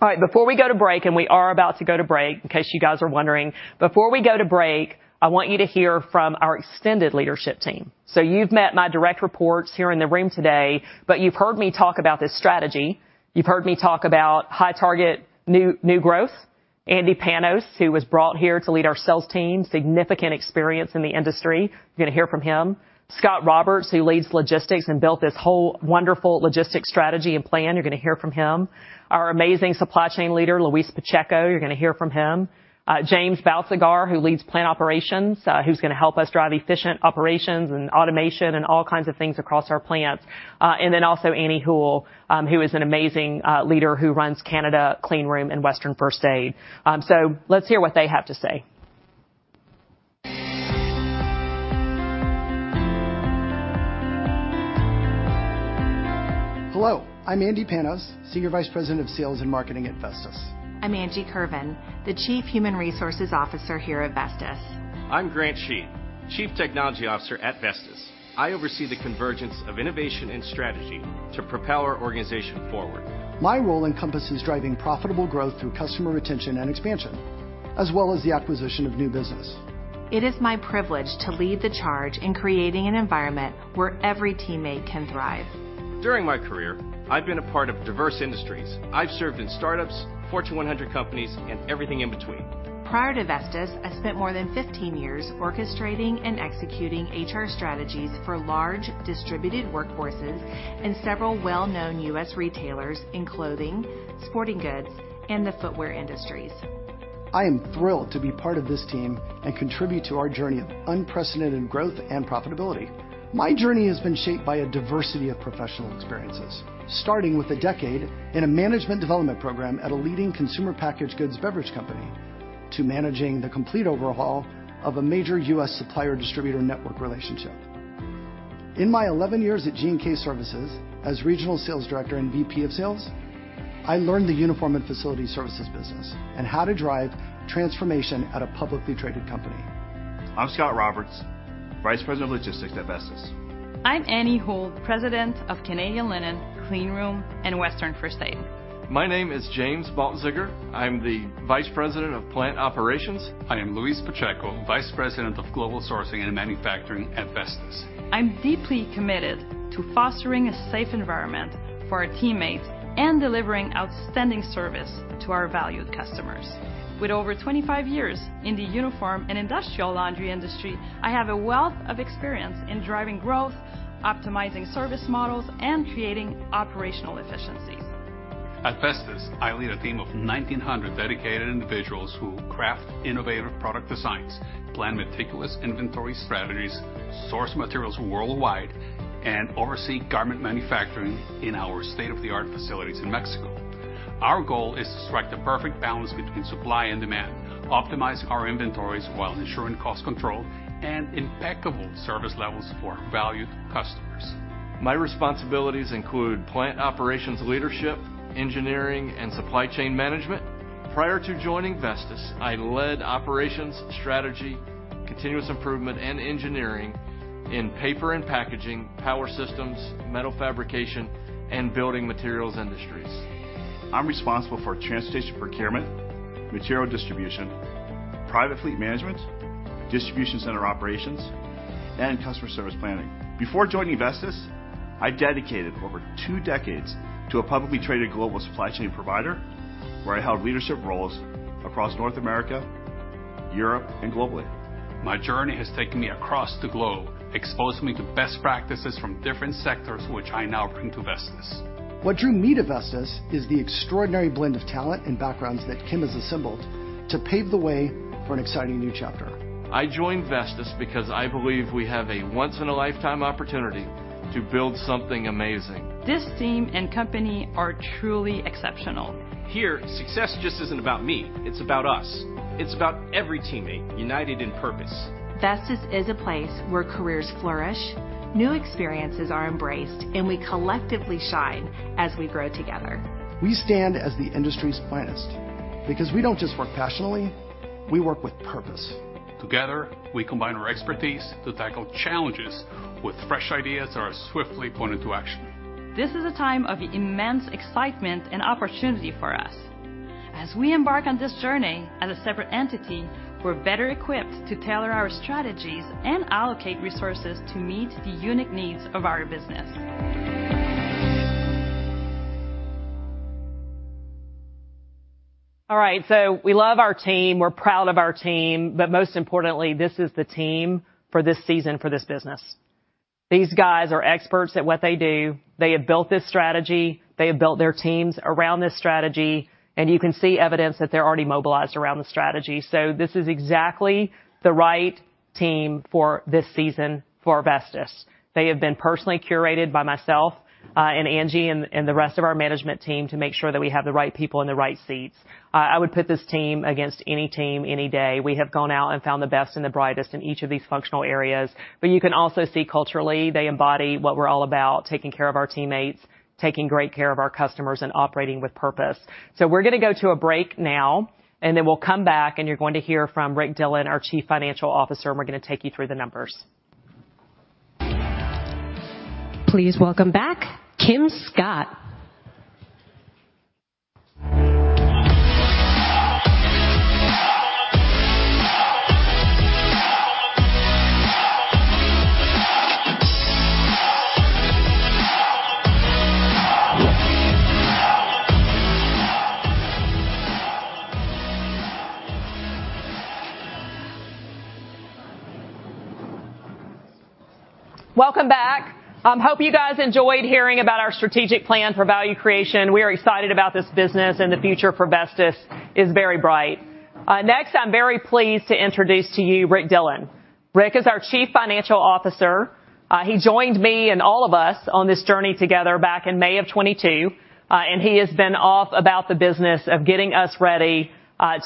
All right, before we go to break, and we are about to go to break, in case you guys are wondering, before we go to break, I want you to hear from our extended leadership team. you've met my direct reports here in the room today, but you've heard me talk about this strategy. You've heard me talk about high target, new, new growth. Andy Panos, who was brought here to lead our sales team, significant experience in the industry. You're going to hear from him. Scott Roberts, who leads logistics and built this whole wonderful logistics strategy and plan. You're going to hear from him. Our amazing supply chain leader, Luis Pacheco, you're going to hear from him. James Baltzegar, who leads plant operations, who's going to help us drive efficient operations and automation and all kinds of things across our plants. And then also Annie Houle, who is an amazing leader, who runs Canada, Cleanroom, and Western First Aid. let's hear what they have to say. Hello, I'm Andy Panos, Senior Vice President of Sales and Marketing at Vestis. I'm Angie Kirven, the Chief Human Resources Officer here at Vestis. I'm Grant Shih, Chief Technology Officer at Vestis. I oversee the convergence of innovation and strategy to propel our organization forward. My role encompasses driving profitable growth through customer retention and expansion, as well as the acquisition of new business. It is my privilege to lead the charge in creating an environment where every teammate can thrive. During my career, I've been a part of diverse industries. I've served in startups, Fortune 100 companies, and everything in between. Prior to Vestis, I spent more than 15 years orchestrating and executing HR strategies for large, distributed workforces in several well-known US retailers in clothing, sporting goods, and the footwear industries. I am thrilled to be part of this team and contribute to our journey of unprecedented growth and profitability. My journey has been shaped by a diversity of professional experiences, starting with a decade in a management development program at a leading consumer packaged goods beverage company, to managing the complete overhaul of a major U.S. supplier distributor network relationship. In my 11 years at G&K Services, as Regional Sales Director and VP of Sales, I learned the uniform and facility services business and how to drive transformation at a publicly traded company. I'm Scott Roberts, Vice President of Logistics at Vestis. I'm Annie Houle, President of Canadian Linen, Clean Room, and Western First Aid. My name is James Baltzegar. I'm the Vice President of Plant Operations. I am Luis Pacheco, Vice President of Global Sourcing and Manufacturing at Vestis. I'm deeply committed to fostering a safe environment for our teammates and delivering outstanding service to our valued customers. With over 25 years in the uniform and industrial laundry industry, I have a wealth of experience in driving growth, optimizing service models, and creating operational efficiencies. At Vestis, I lead a team of 1,900 dedicated individuals who craft innovative product designs, plan meticulous inventory strategies, source materials worldwide, and oversee garment manufacturing in our state-of-the-art facilities in Mexico. Our goal is to strike the perfect balance between supply and demand, optimize our inventories while ensuring cost control and impeccable service levels for our valued customers. My responsibilities include plant operations, leadership, engineering, and supply chain management. Prior to joining Vestis, I led operations, strategy, continuous improvement, and engineering in paper and packaging, power systems, metal fabrication, and building materials industries. I'm responsible for transportation procurement, material distribution, private fleet management, distribution center operations, and customer service planning. Before joining Vestis, I dedicated over two decades to a publicly traded global supply chain provider, where I held leadership roles across North America, Europe, and globally. My journey has taken me across the globe, exposing me to best practices from different sectors, which I now bring to Vestis. What drew me to Vestis is the extraordinary blend of talent and backgrounds that Kim has assembled to pave the way for an exciting new chapter. I joined Vestis because I believe we have a once-in-a-lifetime opportunity to build something amazing. This team and company are truly exceptional. Here, success just isn't about me, it's about us. It's about every teammate united in purpose. Vestis is a place where careers flourish, new experiences are embraced, and we collectively shine as we grow together. We stand as the industry's finest because we don't just work passionately, we work with purpose. Together, we combine our expertise to tackle challenges with fresh ideas that are swiftly put into action. This is a time of immense excitement and opportunity for us. As we embark on this journey as a separate entity, we're better equipped to tailor our strategies and allocate resources to meet the unique needs of our business. All right, so we love our team, we're proud of our team, but most importantly, this is the team for this season, for this business. These guys are experts at what they do. They have built this strategy, they have built their teams around this strategy, and you can see evidence that they're already mobilized around the strategy. this is exactly the right team for this season, for Vestis. They have been personally curated by myself, and Angie, and the rest of our management team, to make sure that we have the right people in the right seats. I would put this team against any team, any day. We have gone out and found the best and the brightest in each of these functional areas, but you can also see culturally, they embody what we're all about, taking care of our teammates, taking great care of our customers, and operating with purpose. we're going to go to a break now, and then we'll come back, and you're going to hear from Rick Dillon, our Chief Financial Officer, and we're going to take you through the numbers. Please welcome back Kim Scott. Welcome back. Hope you guys enjoyed hearing about our strategic plan for value creation. We are excited about this business, and the future for Vestis is very bright. Next, I'm very pleased to introduce to you Rick Dillon. Rick is our Chief Financial Officer. He joined me and all of us on this journey together back in May 2022. And he has been off about the business of getting us ready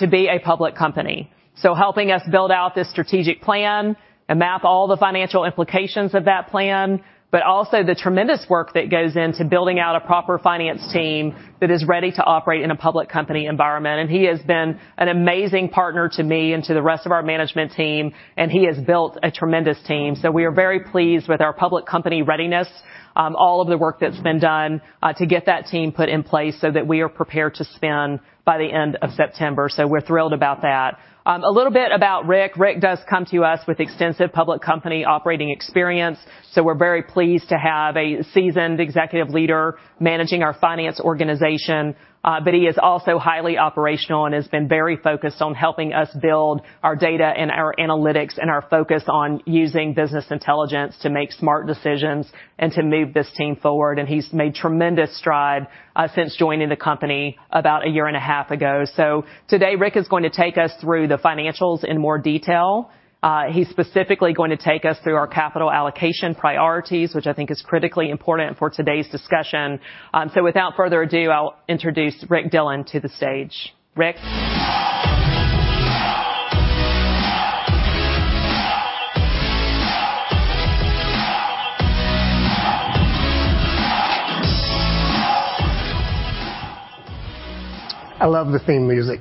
to be a public company. helping us build out this strategic plan and map all the financial implications of that plan, but also the tremendous work that goes into building out a proper finance team that is ready to operate in a public company environment. And he has been an amazing partner to me and to the rest of our management team, and he has built a tremendous team. we are very pleased with our public company readiness, all of the work that's been done, to get that team put in place so that we are prepared to spin by the end of September. we're thrilled about that. A little bit about Rick. Rick does come to us with extensive public company operating experience, so we're very pleased to have a seasoned executive leader managing our finance organization. But he is also highly operational and has been very focused on helping us build our data and our analytics, and our focus on using business intelligence to make smart decisions and to move this team forward. And he's made tremendous stride, since joining the company about a year and a half ago. today, Rick is going to take us through the financials in more detail. He's specifically going to take us through our capital allocation priorities, which I think is critically important for today's discussion. without further ado, I'll introduce Rick Dillon to the stage. Rick? I love the theme music.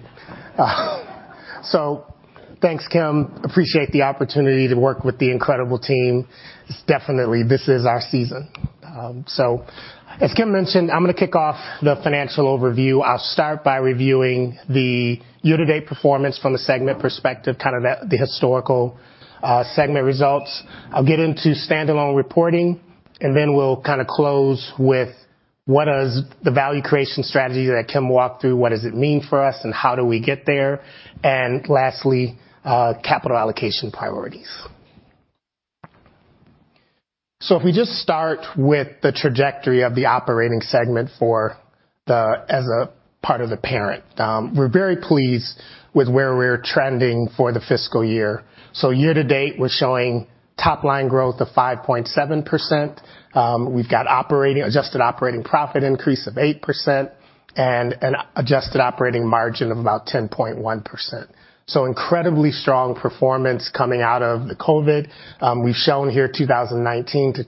thanks, Kim. Appreciate the opportunity to work with the incredible team. It's definitely. This is our season as Kim mentioned, I'm gonna kick off the financial overview. I'll start by reviewing the year-to-date performance from a segment perspective, kind of the, the historical, segment results. I'll get into standalone reporting, and then we'll kinda close with what is the value creation strategy that Kim walked through? What does it mean for us, and how do we get there? And lastly, capital allocation priorities. if we just start with the trajectory of the operating segment as a part of the parent, we're very pleased with where we're trending for the fiscal year. year to date, we're showing top-line growth of 5.7%. We've got adjusted operating profit increase of 8% and an adjusted operating margin of about 10.1%. incredibly strong performance coming out of the COVID. We've shown here 2019-2022,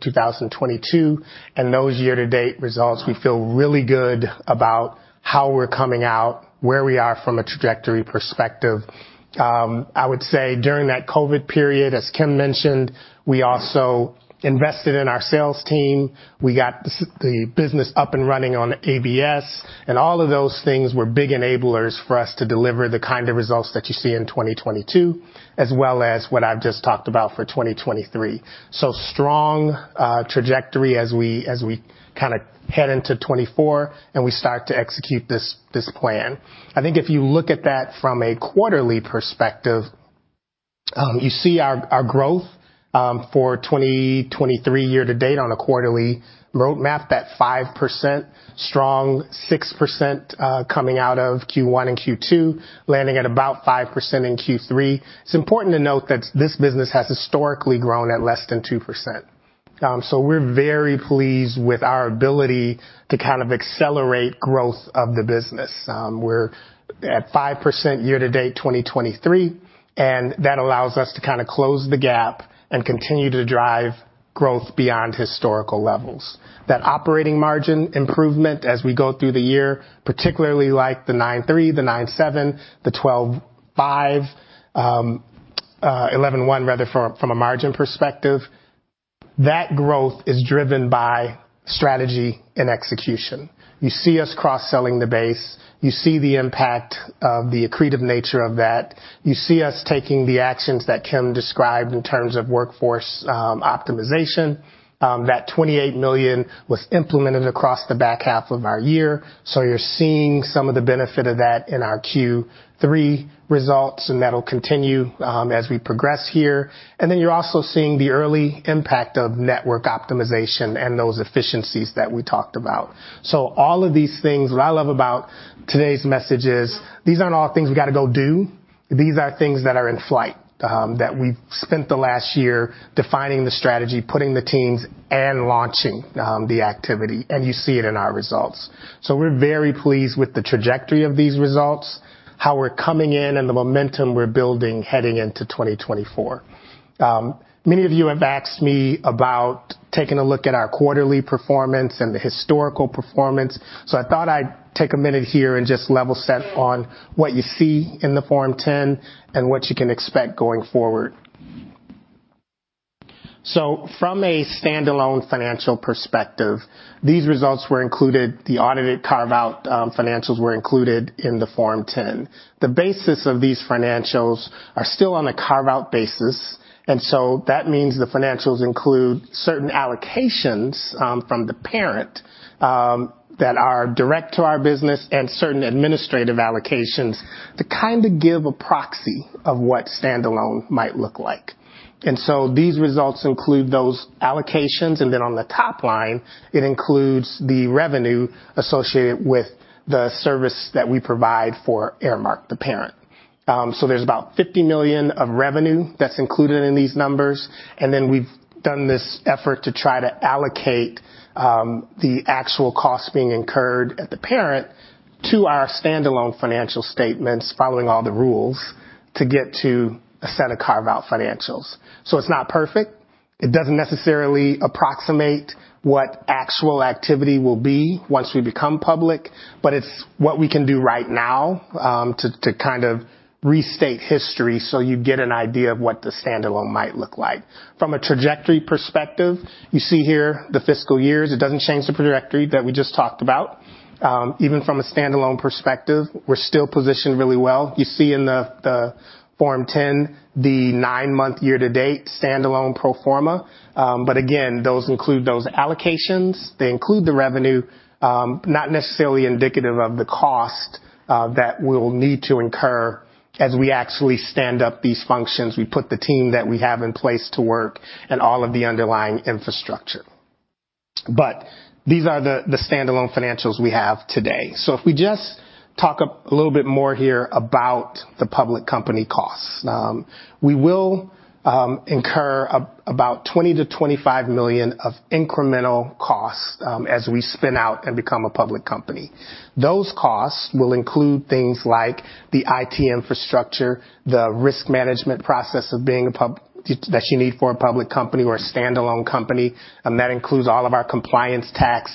and those year-to-date results, we feel really good about how we're coming out, where we are from a trajectory perspective. I would say during that COVID period, as Kim mentioned, we also invested in our sales team. We got the business up and running on ABS, and all of those things were big enablers for us to deliver the kind of results that you see in 2022, as well as what I've just talked about for 2023. strong trajectory as we kinda head into 2024, and we start to execute this, this plan. I think if you look at that from a quarterly perspective, you see our, our growth, for 2023 year to date on a quarterly roadmap, that 5% strong, 6%, coming out of Q1 and Q2, landing at about 5% in Q3. It's important to note that this business has historically grown at less than 2%. we're very pleased with our ability to kind of accelerate growth of the business. We're at 5% year to date, 2023, and that allows us to kind of close the gap and continue to drive growth beyond historical levels. That operating margin improvement as we go through the year, particularly like the 9.3, the 9.7, the 12.5, 11.1, rather, from, from a margin perspective, that growth is driven by strategy and execution. You see us cross-selling the base. You see the impact of the accretive nature of that. You see us taking the actions that Kim described in terms of workforce optimization. That $28 million was implemented across the back half of our year, so you're seeing some of the benefit of that in our Q3 results, and that'll continue as we progress here. And then you're also seeing the early impact of network optimization and those efficiencies that we talked about. all of these things, what I love about today's message is, these aren't all things we got to go do. These are things that are in flight that we've spent the last year defining the strategy, putting the teams, and launching the activity, and you see it in our results. we're very pleased with the trajectory of these results, how we're coming in, and the momentum we're building heading into 2024. Many of you have asked me about taking a look at our quarterly performance and the historical performance, so I thought I'd take a minute here and just level set on what you see in the Form 10 and what you can expect going forward. from a standalone financial perspective, these results were included, the audited carve-out financials were included in the Form 10. The basis of these financials are still on a carve-out basis, and so that means the financials include certain allocations from the parent that are direct to our business and certain administrative allocations to kind of give a proxy of what standalone might look like. these results include those allocations, and then on the top line, it includes the revenue associated with the service that we provide for Aramark, the parent. there's about $50 million of revenue that's included in these numbers, and then we've done this effort to try to allocate, the actual costs being incurred at the parent to our standalone financial statements, following all the rules, to get to a set of carve-out financials. it's not perfect. It doesn't necessarily approximate what actual activity will be once we become public, but it's what we can do right now, to kind of restate history so you get an idea of what the standalone might look like. From a trajectory perspective, you see here the fiscal years, it doesn't change the trajectory that we just talked about. Even from a standalone perspective, we're still positioned really well. You see in the Form 10, the 9-month year-to-date standalone pro forma. But again, those include those allocations. They include the revenue, not necessarily indicative of the cost, that we'll need to incur as we actually stand up these functions. We put the team that we have in place to work and all of the underlying infrastructure. But these are the standalone financials we have today. if we just talk a little bit more here about the public company costs. We will incur about $20 million-$25 million of incremental costs, as we spin out and become a public company. Those costs will include things like the IT infrastructure, the risk management process of being a pub. That you need for a public company or a standalone company, and that includes all of our compliance, tax,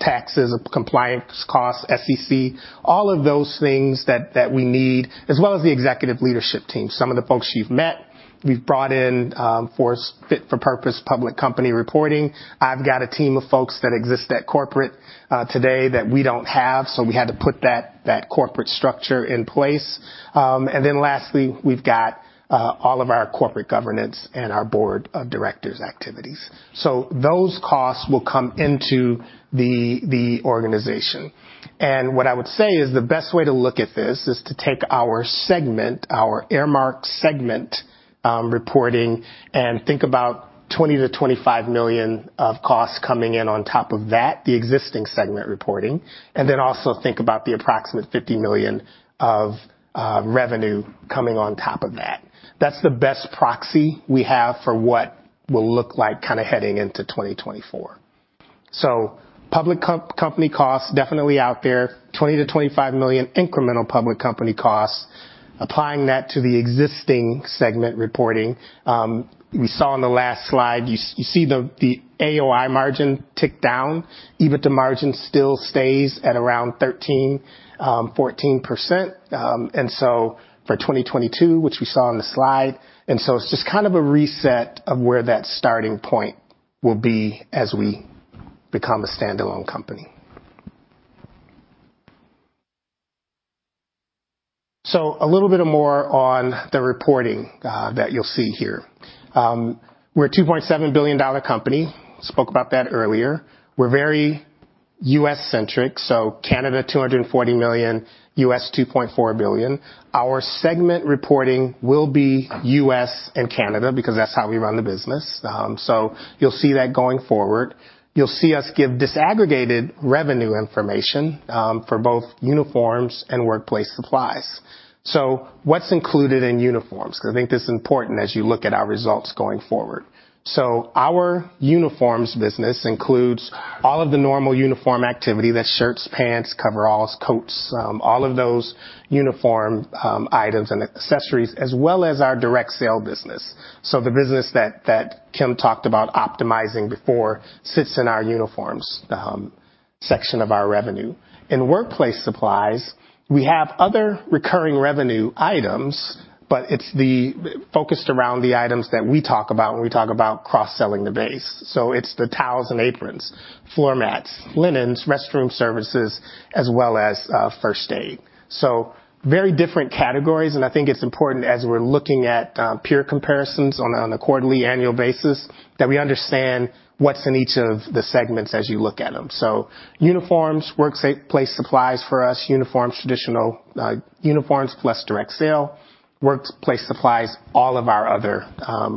taxes, compliance costs, SEC, all of those things that we need, as well as the executive leadership team. Some of the folks you've met, we've brought in, for fit for purpose, public company reporting. I've got a team of folks that exist at corporate today that we don't have, so we had to put that corporate structure in place. And then lastly, we've got all of our corporate governance and our board of directors activities. those costs will come into the organization. And what I would say is the best way to look at this is to take our segment, our Aramark segment, reporting, and think about $20-25 million of costs coming in on top of that, the existing segment reporting, and then also think about the approximate $50 million of revenue coming on top of that. That's the best proxy we have for what will look like kind of heading into 2024. public company costs definitely out there, $20-25 million incremental public company costs. Applying that to the existing segment reporting, we saw on the last slide, you see the AOI margin tick down. EBITDA margin still stays at around 13%-14%, and so for 2022, which we saw on the slide. It's just kind of a reset of where that starting point will be as we become a standalone company. A little bit more on the reporting that you'll see here. We're a $2.7 billion company. Spoke about that earlier. We're very US-centric, so Canada, $240 million, US, $2.4 billion. Our segment reporting will be US and Canada, because that's how we run the business. you'll see that going forward. You'll see us give disaggregated revenue information for both uniforms and workplace supplies. what's included in uniforms? Because I think this is important as you look at our results going forward. Our uniforms business includes all of the normal uniform activity. That's shirts, pants, coveralls, coats, all of those uniform items and accessories, as well as our direct sale business. the business that Kim talked about optimizing before sits in our uniforms section of our revenue. In workplace supplies, we have other recurring revenue items, but it's the focused around the items that we talk about when we talk about cross-selling the base. it's the towels and aprons, floor mats, linens, restroom services, as well as first aid. very different categories, and I think it's important as we're looking at peer comparisons on a quarterly annual basis, that we understand what's in each of the segments as you look at them. uniforms, workplace supplies for us, uniforms, traditional uniforms, plus direct sale, workplace supplies, all of our other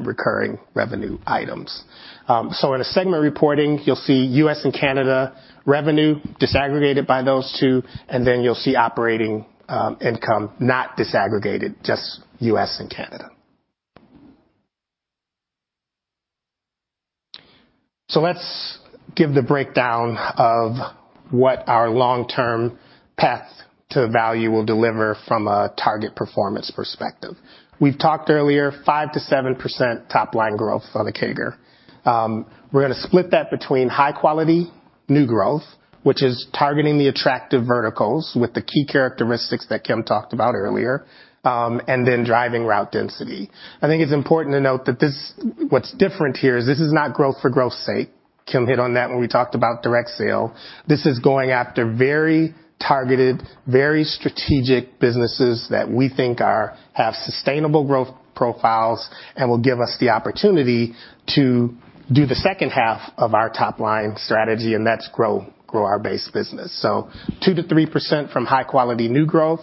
recurring revenue items. in segment reporting, you'll see U.S. and Canada revenue disaggregated by those two, and then you'll see operating income, not disaggregated, just U.S. and Canada. let's give the breakdown of what our long-term path to value will deliver from a target performance perspective. We've talked earlier, 5%-7% top line growth on the CAGR. We're gonna split that between high-quality new growth, which is targeting the attractive verticals with the key characteristics that Kim talked about earlier, and then driving route density. I think it's important to note that this, what's different here, is this is not growth for growth's sake. Kim hit on that when we talked about direct sale. This is going after very targeted, very strategic businesses that we think have sustainable growth profiles and will give us the opportunity to do the second half of our top line strategy, and that's grow, grow our base business. 2%-3% from high quality new growth,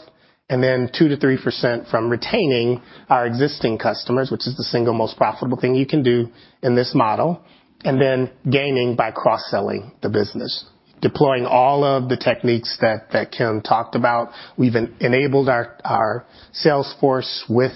and then 2%-3% from retaining our existing customers, which is the single most profitable thing you can do in this model, and then gaining by cross-selling the business, deploying all of the techniques that Kim talked about. We've enabled our sales force with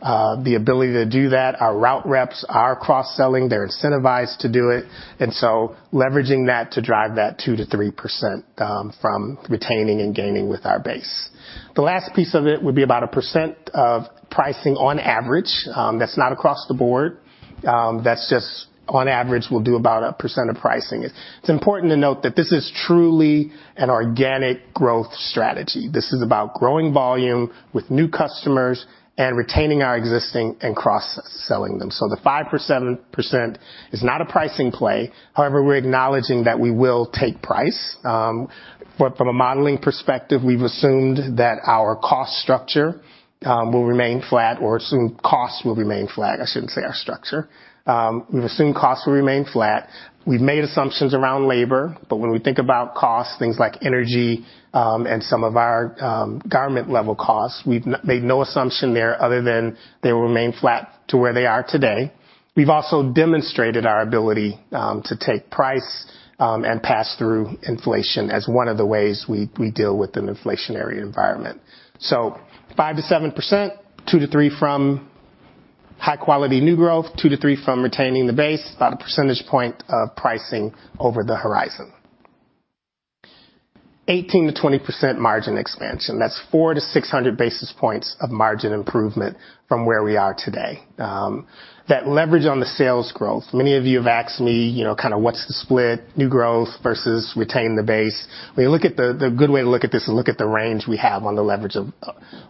the ability to do that. Our route reps are cross-selling. They're incentivized to do it, and so leveraging that to drive that 2%-3% from retaining and gaining with our base. The last piece of it would be about 1% of pricing on average. That's not across the board. That's just on average, we'll do about 1% of pricing. It's important to note that this is truly an organic growth strategy. This is about growing volume with new customers and retaining our existing and cross-selling them. the 5% is not a pricing play. However, we're acknowledging that we will take price. But from a modeling perspective, we've assumed that our cost structure will remain flat, or assumed costs will remain flat. I shouldn't say our structure. We've assumed costs will remain flat. We've made assumptions around labor, but when we think about costs, things like energy, and some of our, garment-level costs, we've made no assumption there other than they will remain flat to where they are today. We've also demonstrated our ability to take price and pass through inflation as one of the ways we deal with an inflationary environment. 5%-7%, 2-3 from high quality new growth, 2-3 from retaining the base, about a percentage point of pricing over the horizon. 18%-20% margin expansion. That's 400-600 basis points of margin improvement from where we are today. That leverage on the sales growth, many of you have asked me, you know, kind of what's the split, new growth versus retaining the base? When you look at the. The good way to look at this is look at the range we have on the leverage of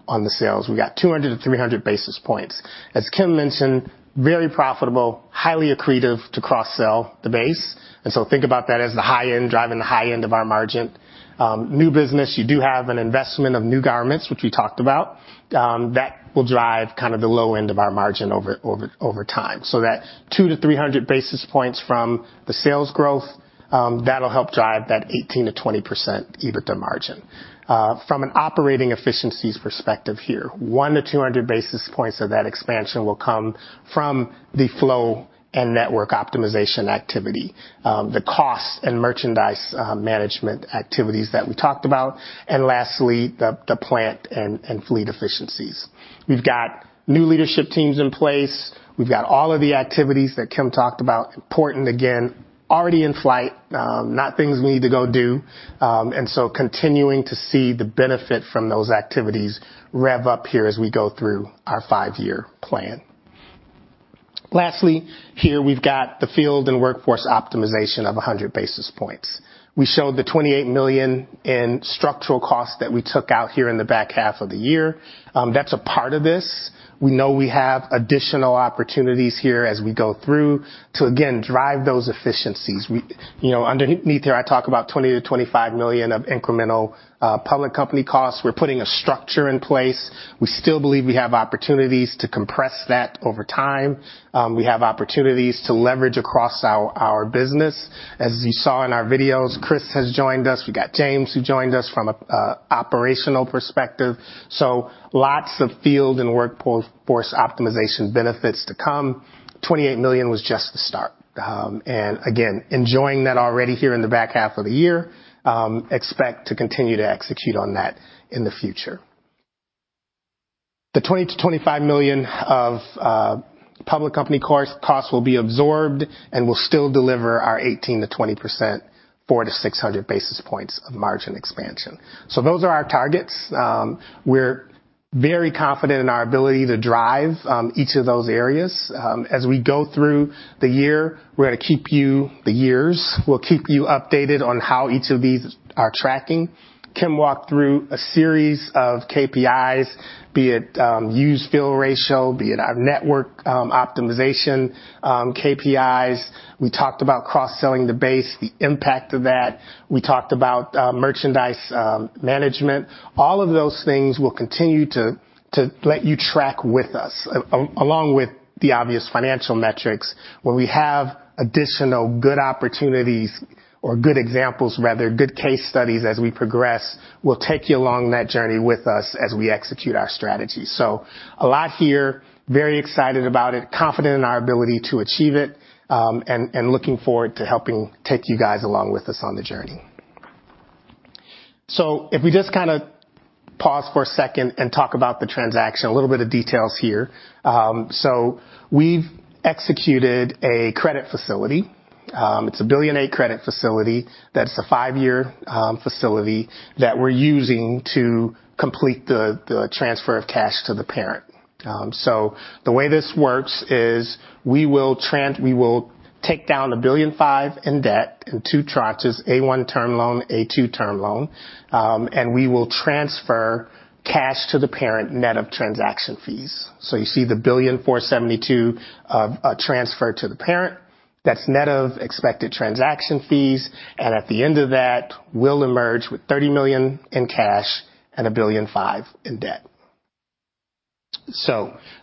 on the sales. We got 200-300 basis points. As Kim mentioned, very profitable, highly accretive to cross-sell the base, and so think about that as the high end, driving the high end of our margin. New business, you do have an investment of new garments, which we talked about. That will drive kind of the low end of our margin over time. that 200-300 basis points from the sales growth, that'll help drive that 18%-20% EBITDA margin. From an operating efficiencies perspective here, 100-200 basis points of that expansion will come from the flow and network optimization activity, the cost and merchandise management activities that we talked about, and lastly, the plant and fleet efficiencies. We've got new leadership teams in place. We've got all of the activities that Kim talked about. Important, again, already in flight, not things we need to go do. And so continuing to see the benefit from those activities rev up here as we go through our five-year plan. Lastly, here we've got the field and workforce optimization of 100 basis points. We showed the $28 million in structural costs that we took out here in the back half of the year. That's a part of this. We know we have additional opportunities here as we go through to again, drive those efficiencies., underneath here, I talk about $20-$25 million of incremental public company costs. We're putting a structure in place. We still believe we have opportunities to compress that over time. We have opportunities to leverage across our business. As you saw in our videos, Chris has joined us. We got James, who joined us from a operational perspective. lots of field and workforce optimization benefits to come. $28 million was just the start. And again, enjoying that already here in the back half of the year. Expect to continue to execute on that in the future. The $20 million-$25 million of public company costs will be absorbed, and we'll still deliver our 18%-20%, 400-600 basis points of margin expansion. those are our targets. We're very confident in our ability to drive each of those areas. As we go through the year, we're gonna keep you. The years, we'll keep you updated on how each of these are tracking. Kim walked through a series of KPIs, be it use-fill ratio, be it our network optimization KPIs. We talked about cross-selling the base, the impact of that. We talked about merchandise management. All of those things will continue to let you track with us, along with the obvious financial metrics. When we have additional good opportunities or good examples, rather, good case studies as we progress, we'll take you along that journey with us as we execute our strategy. a lot here, very excited about it, confident in our ability to achieve it, and looking forward to helping take you guys along with us on the journey. if we just kinda pause for a second and talk about the transaction, a little bit of details here. we've executed a credit facility. It's a $1.8 billion credit facility. That's a 5-year facility that we're using to complete the transfer of cash to the parent. the way this works is we will take down $1.5 billion in debt in 2 tranches, A1 term loan, A2 term loan, and we will transfer cash to the parent net of transaction fees. you see the $1.472 billion transferred to the parent. That's net of expected transaction fees, and at the end of that, we'll emerge with $30 million in cash and $1.5 billion in debt.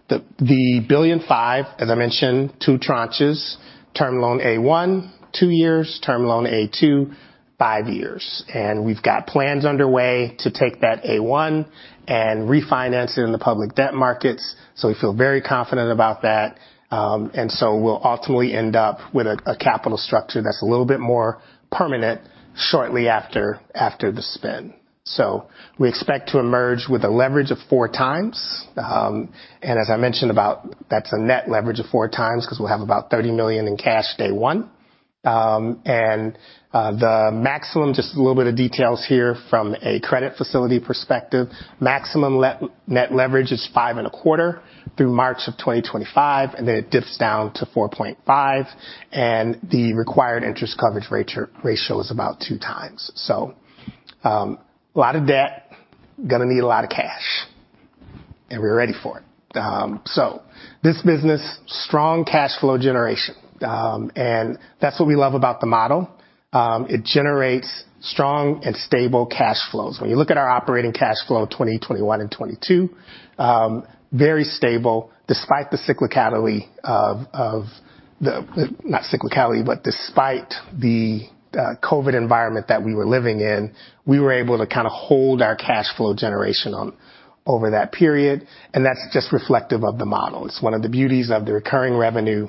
the billion 5, as I mentioned, two tranches, Term Loan A-1, 2 years, Term Loan A-2, 5 years. And we've got plans underway to take that A-1 and refinance it in the public debt markets, so we feel very confident about that. And so we'll ultimately end up with a capital structure that's a little bit more permanent shortly after the spin. we expect to emerge with a leverage of 4x. And as I mentioned, about, that's a net leverage of 4x, because we'll have about $30 million in cash, day one. And, the maximum, just a little bit of details here from a credit facility perspective. Maximum leverage is 5.25x through March of 2025, and then it dips down to 4.5x, and the required interest coverage rate ratio is about 2x., a lot of debt, gonna need a lot of cash, and we're ready for it. this business, strong cash flow generation, and that's what we love about the model. It generates strong and stable cash flows. When you look at our operating cash flow, 2021 and 2022, very stable, despite the cyclicality of, of the. Not cyclicality, but despite the COVID environment that we were living in, we were able to kind of hold our cash flow generation on over that period, and that's just reflective of the model. It's one of the beauties of the recurring revenue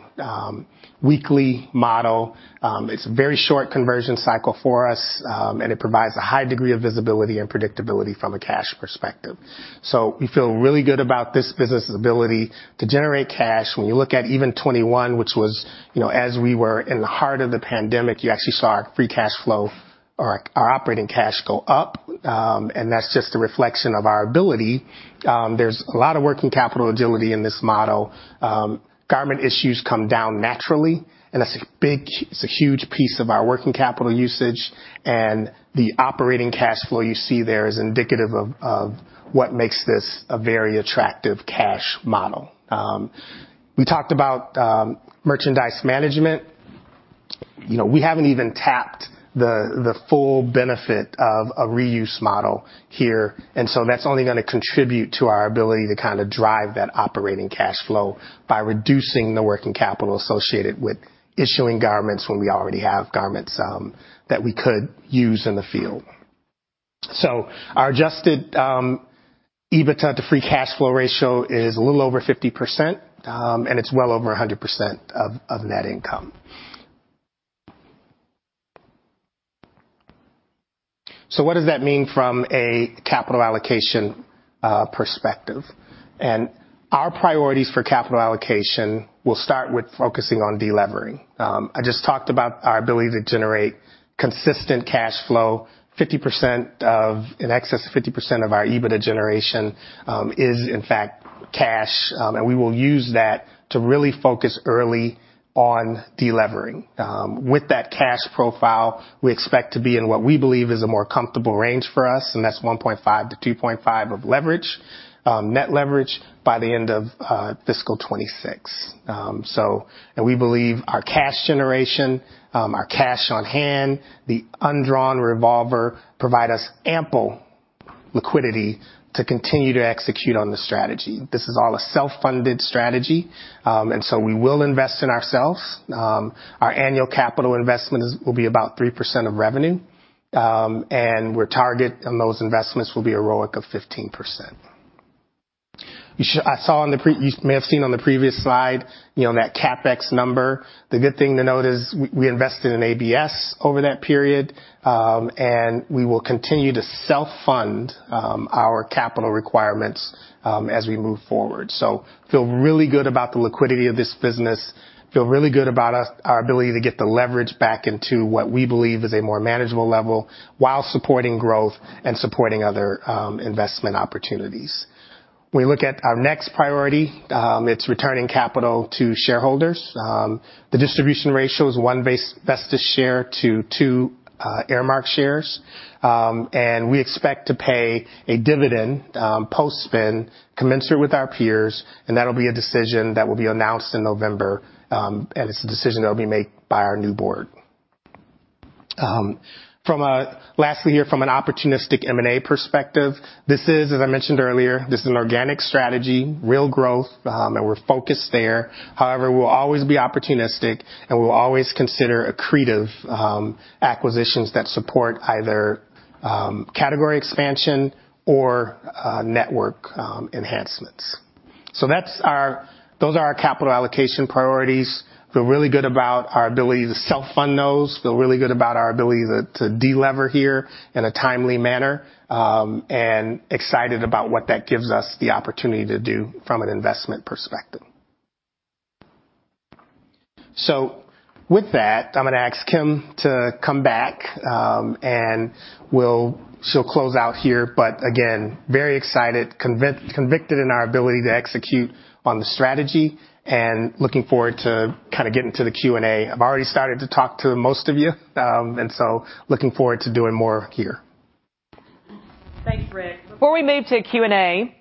weekly model. It's a very short conversion cycle for us, and it provides a high degree of visibility and predictability from a cash perspective. we feel really good about this business's ability to generate cash. When you look at even 2021, which was, you know, as we were in the heart of the pandemic, you actually saw our free cash flow or our operating cash go up. And that's just a reflection of our ability. There's a lot of working capital agility in this model. Garment issues come down naturally, and that's a big, it's a huge piece of our working capital usage. And the operating cash flow you see there is indicative of what makes this a very attractive cash model. We talked about merchandise management., we haven't even tapped the full benefit of a reuse model here, and so that's only gonna contribute to our ability to kind of drive that operating cash flow by reducing the working capital associated with issuing garments when we already have garments that we could use in the field. our Adjusted EBITDA to free cash flow ratio is a little over 50%, and it's well over 100% of net income. what does that mean from a capital allocation perspective? Our priorities for capital allocation will start with focusing on delevering. I just talked about our ability to generate consistent cash flow. In excess of 50% of our EBITDA generation is in fact cash, and we will use that to really focus early on delevering. With that cash profile, we expect to be in what we believe is a more comfortable range for us, and that's 1.5-2.5 of leverage, net leverage by the end of fiscal 2026. And we believe our cash generation, our cash on hand, the undrawn revolver, provide us ample liquidity to continue to execute on the strategy. This is all a self-funded strategy, and so we will invest in ourselves. Our annual capital investment is, will be about 3% of revenue, and we're target, and those investments will be a ROIC of 15%. You may have seen on the previous slide, you know, that CapEx number. The good thing to note is we invested in ABS over that period, and we will continue to self-fund our capital requirements as we move forward. feel really good about the liquidity of this business, feel really good about us, our ability to get the leverage back into what we believe is a more manageable level while supporting growth and supporting other investment opportunities. We look at our next priority, it's returning capital to shareholders. The distribution ratio is one base, Vestis share to two Aramark shares. And we expect to pay a dividend, post-spin, commensurate with our peers, and that'll be a decision that will be announced in November, and it's a decision that will be made by our new board. Lastly here, from an opportunistic M&A perspective, this is, as I mentioned earlier, this is an organic strategy, real growth, and we're focused there. However, we'll always be opportunistic, and we'll always consider accretive, acquisitions that support either, category expansion or, network, enhancements. Those are our capital allocation priorities. Feel really good about our ability to self-fund those, feel really good about our ability to deliver here in a timely manner, and excited about what that gives us the opportunity to do from an investment perspective. With that, I'm going to ask Kim to come back, and we'll close out here. But again, very excited, convinced in our ability to execute on the strategy and looking forward to kind of getting to the Q&A. I've already started to talk to most of you, and so looking forward to doing more here. Thanks, Rick. Before we move to Q&A,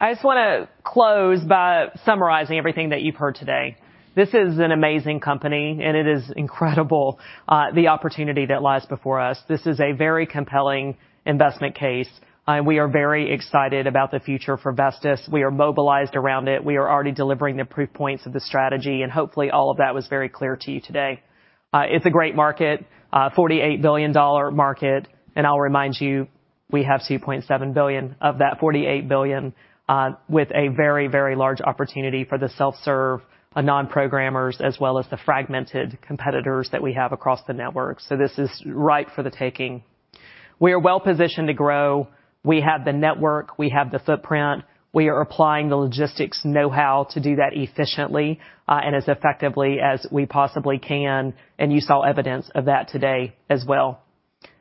I just want to close by summarizing everything that you've heard today. This is an amazing company, and it is incredible, the opportunity that lies before us. This is a very compelling investment case, and we are very excited about the future for Vestis. We are mobilized around it. We are already delivering the proof points of the strategy, and hopefully, all of that was very clear to you today. It's a great market, a $48 billion market, and I'll remind you, we have $2.7 billion of that $48 billion, with a very, very large opportunity for the self-serve, a non-programmers, as well as the fragmented competitors that we have across the network. this is ripe for the taking. We are well positioned to grow. We have the network, we have the footprint. We are applying the logistics know-how to do that efficiently, and as effectively as we possibly can, and you saw evidence of that today as well.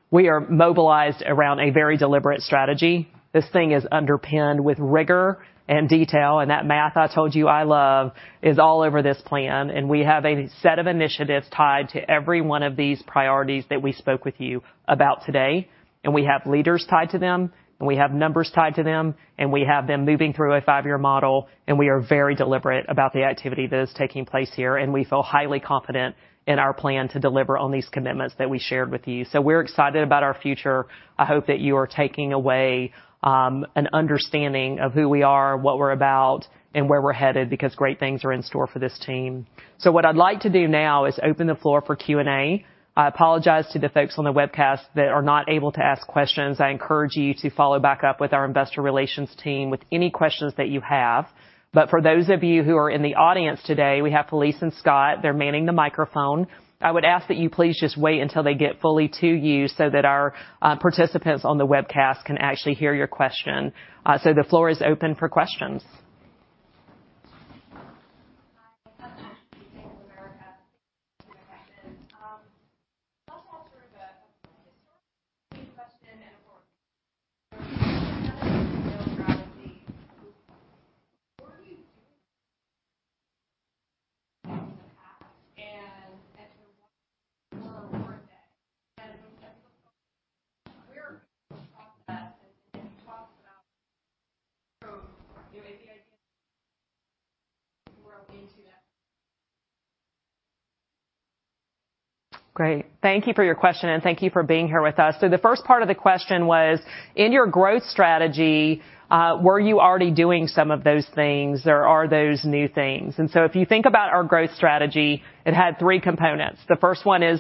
We are mobilized around a very deliberate strategy. This thing is underpinned with rigor and detail, and that math I told you I love is all over this plan, and we have a set of initiatives tied to every one of these priorities that we spoke with you about today. We have leaders tied to them, and we have numbers tied to them, and we have them moving through a five-year model, and we are very deliberate about the activity that is taking place here, and we feel highly confident in our plan to deliver on these commitments that we shared with you. We're excited about our future. I hope that you are taking away an understanding of who we are, what we're about, and where we're headed, because great things are in store for this team. what I'd like to do now is open the floor for Q&A. I apologize to the folks on the webcast that are not able to ask questions. I encourage you to follow back up with our investor relations team with any questions that you have. But for those of you who are in the audience today, we have Felise and Scott. They're manning the microphone. I would ask that you please just wait until they get fully to you so that our participants on the webcast can actually hear your question. the floor is open for questions. Hi, my name is Anne Houle. I also have sort of a historical question, and for what are you doing in the past and as you move forward? Great. Thank you for your question, and thank you for being here with us. the first part of the question was, in your growth strategy, were you already doing some of those things or are those new things? And so if you think about our growth strategy, it had three components. The first one is,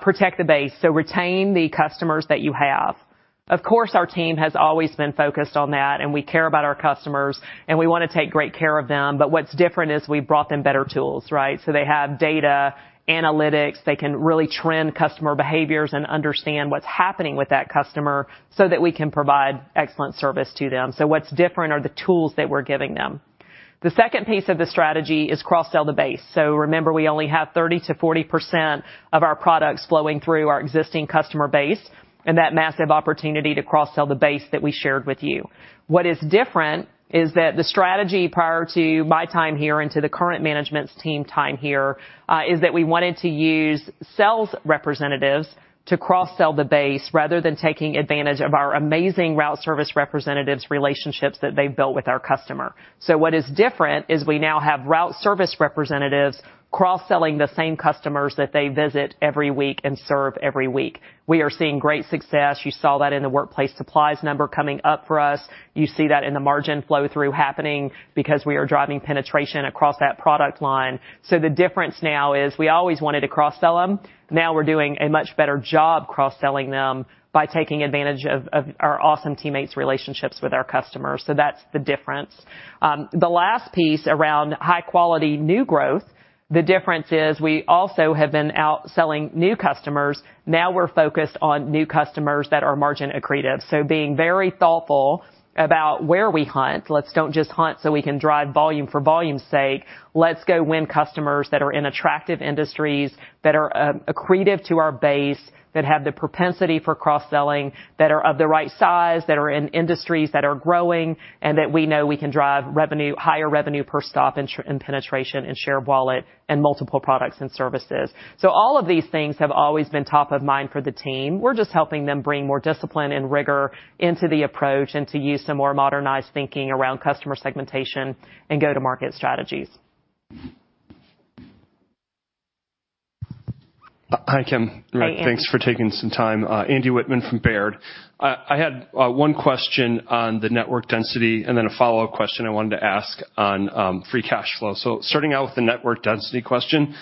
protect the base, so retain the customers that you have. Of course, our team has always been focused on that, and we care about our customers, and we want to take great care of them, but what's different is we've brought them better tools, right? they have data, analytics. They can really trend customer behaviors and understand what's happening with that customer so that we can provide excellent service to them. what's different are the tools that we're giving them. The second piece of the strategy is cross-sell the base. Remember, we only have 30%-40% of our products flowing through our existing customer base and that massive opportunity to cross-sell the base that we shared with you. What is different is that the strategy prior to my time here and to the current management's team time here, is that we wanted to use sales representatives to cross-sell the base rather than taking advantage of our amazing route service representatives' relationships that they've built with our customer. what is different is we now have route service representatives cross-selling the same customers that they visit every week and serve every week. We are seeing great success. You saw that in the workplace supplies number coming up for us. You see that in the margin flow through happening because we are driving penetration across that product line. the difference now is we always wanted to cross-sell them. Now we're doing a much better job cross-selling them by taking advantage of, of our awesome teammates' relationships with our customers. that's the difference. The last piece around high-quality new growth, the difference is we also have been out selling new customers. Now we're focused on new customers that are margin accretive. being very thoughtful about where we hunt. Let's don't just hunt so we can drive volume for volume's sake. Let's go win customers that are in attractive industries, that are, accretive to our base, that have the propensity for cross-selling, that are of the right size, that are in industries that are growing, and that we know we can drive revenue, higher revenue per stop, and penetration, and share of wallet, and multiple products and services. All of these things have always been top of mind for the team. We're just helping them bring more discipline and rigor into the approach and to use some more modernized thinking around customer segmentation and go-to-market strategies. . Hi, Kim. Hi, Andrew. Thanks for taking some time. Andrew Wittmann from Baird. I had one question on the network density, and then a follow-up question I wanted to ask on free cash flow. starting out with the network density question,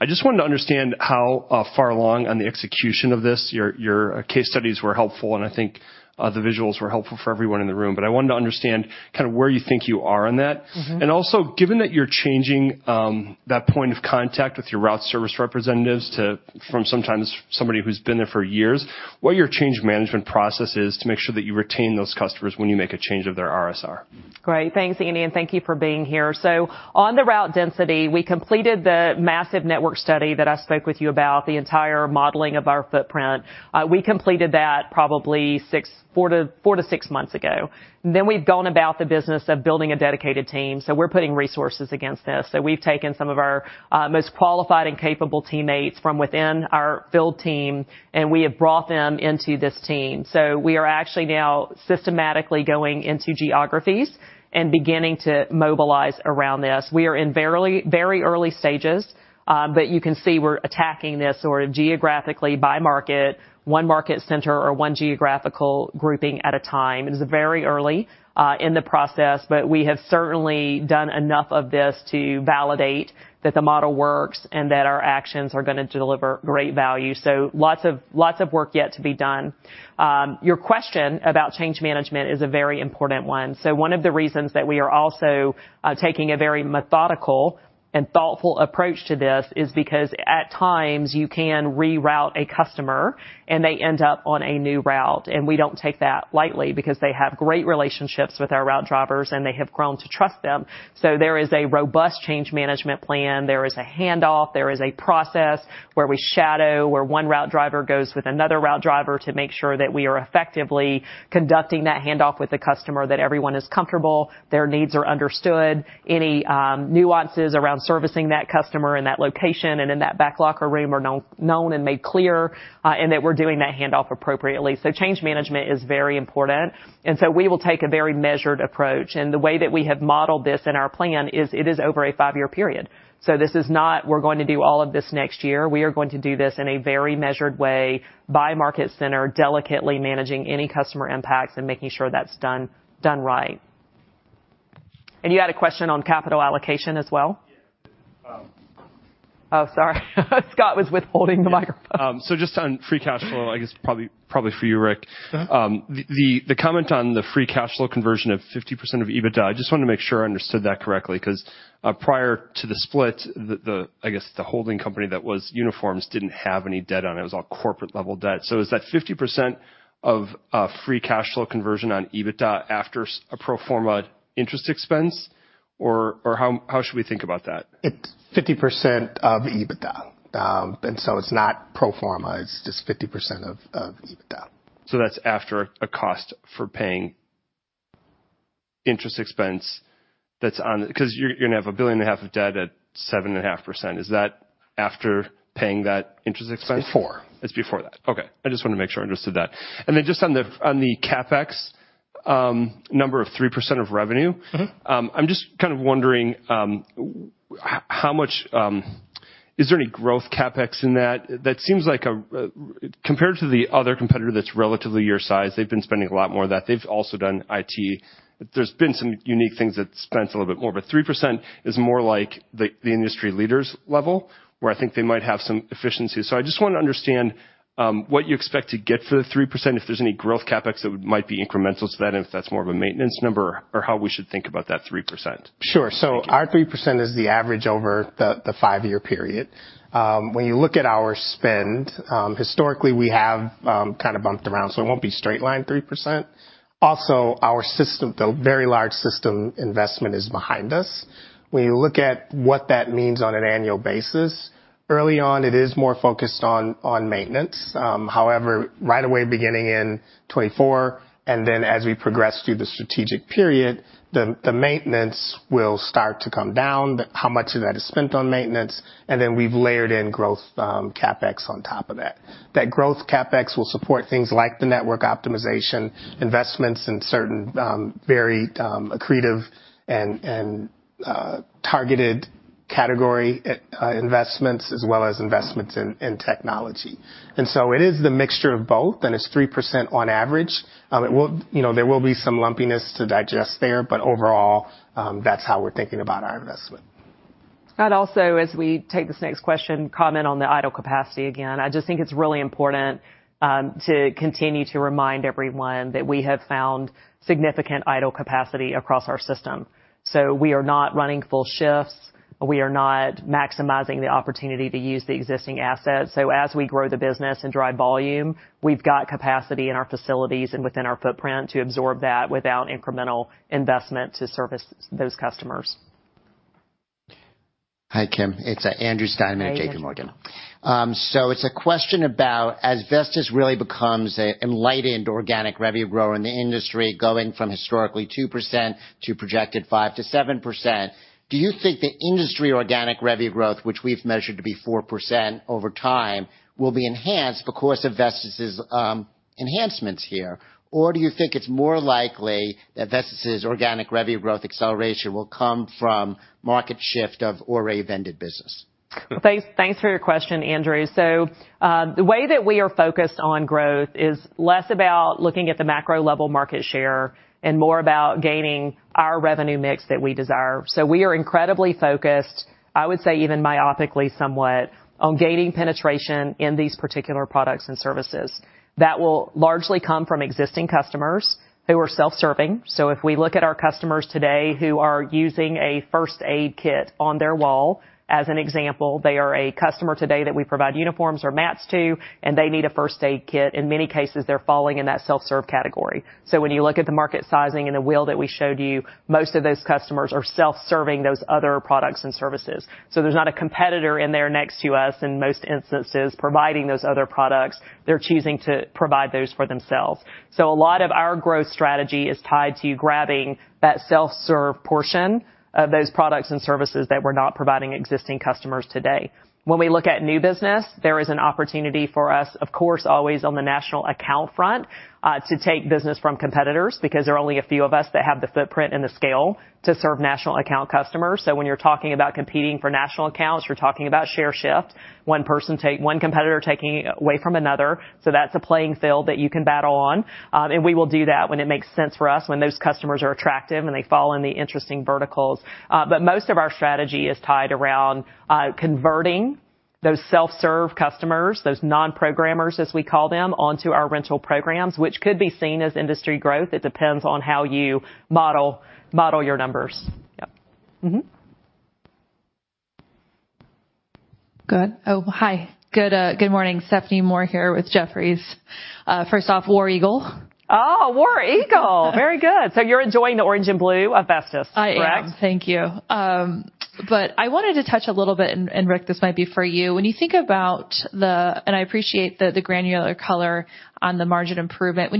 I just wanted to understand how far along on the execution of this, your case studies were helpful, and I think the visuals were helpful for everyone in the room. But I wanted to understand kind of where you think you are on that. Also, given that you're changing that point of contact with your route service representatives to—from sometimes somebody who's been there for years, what are your change management processes to make sure that you retain those customers when you make a change of their RSR? Great. Thanks, Andrew, and thank you for being here. on the route density, we completed the massive network study that I spoke with you about, the entire modeling of our footprint. We completed that probably 4-6 months ago. Then we've gone about the business of building a dedicated team, so we're putting resources against this. we've taken some of our most qualified and capable teammates from within our field team, and we have brought them into this team. we are actually now systematically going into geographies and beginning to mobilize around this. We are in very early stages, but you can see we're attacking this sort of geographically by market, one market center or one geographical grouping at a time. It is very early in the process, but we have certainly done enough of this to validate that the model works and that our actions are gonna deliver great value. lots of, lots of work yet to be done. Your question about change management is a very important one. one of the reasons that we are also taking a very methodical and thoughtful approach to this is because at times you can reroute a customer, and they end up on a new route, and we don't take that lightly because they have great relationships with our route drivers, and they have grown to trust them. there is a robust change management plan. There is a handoff. There is a process where we shadow, where one route driver goes with another route driver to make sure that we are effectively conducting that handoff with the customer, that everyone is comfortable, their needs are understood, any nuances around servicing that customer in that location and in that back locker room are known, known and made clear, and that we're doing that handoff appropriately. change management is very important, and so we will take a very measured approach. And the way that we have modeled this in our plan is it is over a five-year period. this is not, we're going to do all of this next year. We are going to do this in a very measured way by market center, delicately managing any customer impacts and making sure that's done, done right. And you had a question on capital allocation as well? Oh, sorry. Scott was withholding the microphone. Just on free cash flow, I guess probably for you, Rick. The comment on the free cash flow conversion of 50% of EBITDA, I just wanted to make sure I understood that correctly, 'cause prior to the split, I guess, the holding company that was uniforms didn't have any debt on it. It was all corporate-level debt. is that 50% of free cash flow conversion on EBITDA after a pro forma interest expense, or how should we think about that? It's 50% of EBITDA. And so it's not pro forma, it's just 50% of EBITDA. That's after a cost for paying interest expense that's on. 'cause you're gonna have $1.5 billion of debt at 7.5%. Is that after paying that interest expense? Before. It's before that. Okay. I just wanted to make sure I understood that. And then just on the, on the CapEx, number of 3% of revenue? I'm just kind of wondering, how much, is there any growth CapEx in that? That seems like a, compared to the other competitor that's relatively your size, they've been spending a lot more of that. They've also done IT. There's been some unique things that spent a little bit more, but 3% is more like the, the industry leaders level, where I think they might have some efficiency. I just wanted to understand, what you expect to get for the 3%, if there's any growth CapEx that would might be incremental to that, and if that's more of a maintenance number or how we should think about that 3%? Sure. Thank you. Our 3% is the average over the five-year period. When you look at our spend, historically, we have kind of bumped around, so it won't be straight-line 3%. Also, our system—the very large system investment is behind us. When you look at what that means on an annual basis, early on, it is more focused on maintenance. However, right away, beginning in 2024, and then as we progress through the strategic period, the maintenance will start to come down, but how much of that is spent on maintenance, and then we've layered in growth CapEx on top of that. That growth CapEx will support things like the network optimization, investments in certain very accretive and targeted category investments, as well as investments in technology. And so it is the mixture of both, and it's 3% on average. It will there will be some lumpiness to digest there, but overall, that's how we're thinking about our investment. I'd also, as we take this next question, comment on the idle capacity again. I just think it's really important to continue to remind everyone that we have found significant idle capacity across our system, so we are not running full shifts. We are not maximizing the opportunity to use the existing assets. as we grow the business and drive volume, we've got capacity in our facilities and within our footprint to absorb that without incremental investment to service those customers. Hi, Kim. It's Andrew Steinerman at JP Morgan. Hey, Andrew. it's a question about, as Vestis really becomes a enlightened organic revenue grower in the industry, going from historically 2% to projected 5%-7%, do you think the industry organic revenue growth, which we've measured to be 4% over time, will be enhanced because of Vestis's enhancements here? Or do you think it's more likely that Vestis's organic revenue growth acceleration will come from market shift of Aramark vended business? Thanks, thanks for your question, Andrew., the way that we are focused on growth is less about looking at the macro level market share and more about gaining our revenue mix that we desire. we are incredibly focused, I would say, even myopically somewhat, on gaining penetration in these particular products and services. That will largely come from existing customers who are self-serving. if we look at our customers today who are using a first aid kit on their wall, as an example, they are a customer today that we provide uniforms or mats to, and they need a first aid kit. In many cases, they're falling in that self-serve category. when you look at the market sizing and the wheel that we showed you, most of those customers are self-serving, those other products and services. there's not a competitor in there next to us, in most instances, providing those other products. They're choosing to provide those for themselves. a lot of our growth strategy is tied to grabbing that self-serve portion of those products and services that we're not providing existing customers today. When we look at new business, there is an opportunity for us, of course, always on the national account front, to take business from competitors, because there are only a few of us that have the footprint and the scale to serve national account customers. when you're talking about competing for national accounts, you're talking about share shift, one competitor taking away from another. that's a playing field that you can battle on, and we will do that when it makes sense for us, when those customers are attractive and they fall in the interesting verticals. But most of our strategy is tied around converting those self-serve customers, those non-programmers, as we call them, onto our rental programs, which could be seen as industry growth. It depends on how you model your numbers. Good. Oh, hi. Good, good morning, Stephanie Moore here with Jefferies. First off, War Eagle. Oh, War Eagle! Very good. you're enjoying the orange and blue of Vestis, correct? I am. Thank you. But I wanted to touch a little bit, and Rick, this might be for you. When you think about the. I appreciate the granular color on the margin improvement.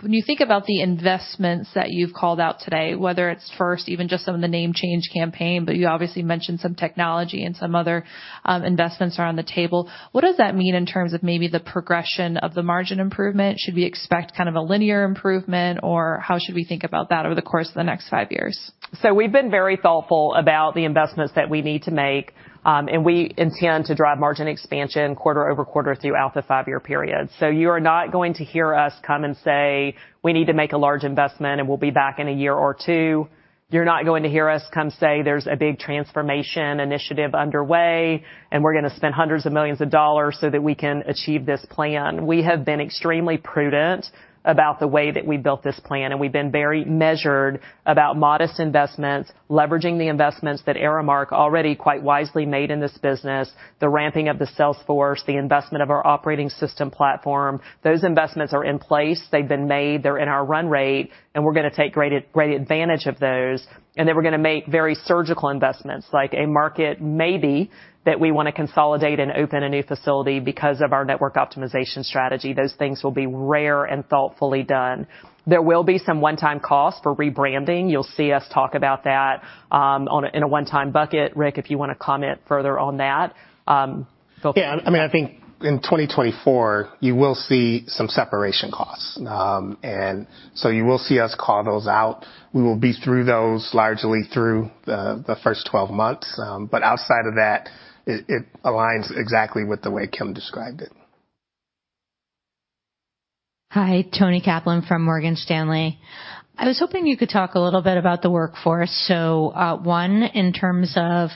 When you think about the investments that you've called out today, whether it's first, even just some of the name change campaign, but you obviously mentioned some technology and some other investments are on the table, what does that mean in terms of maybe the progression of the margin improvement? Should we expect kind of a linear improvement, or how should we think about that over the course of the next 5 years? we've been very thoughtful about the investments that we need to make, and we intend to drive margin expansion quarter over quarter throughout the five-year period. You are not going to hear us come and say, "We need to make a large investment, and we'll be back in a year or two." You're not going to hear us come say, "There's a big transformation initiative underway, and we're gonna spend $hundreds of millions so that we can achieve this plan." We have been extremely prudent about the way that we built this plan, and we've been very measured about modest investments, leveraging the investments that Aramark already quite wisely made in this business, the ramping of the sales force, the investment of our operating system platform. Those investments are in place. They've been made, they're in our run rate, and we're gonna take great, great advantage of those. And then we're gonna make very surgical investments, like a market, maybe, that we want to consolidate and open a new facility because of our network optimization strategy. Those things will be rare and thoughtfully done. There will be some one-time costs for rebranding. You'll see us talk about that, on a, in a one-time bucket. Rick, if you want to comment further on that, feel Yeah, I mean, I think in 2024, you will see some separation costs. And so you will see us call those out. We will be through those largely through the first 12 months. But outside of that, it aligns exactly with the way Kim described it. Hi, Toni Kaplan from Morgan Stanley. I was hoping you could talk a little bit about the workforce., one, in terms of,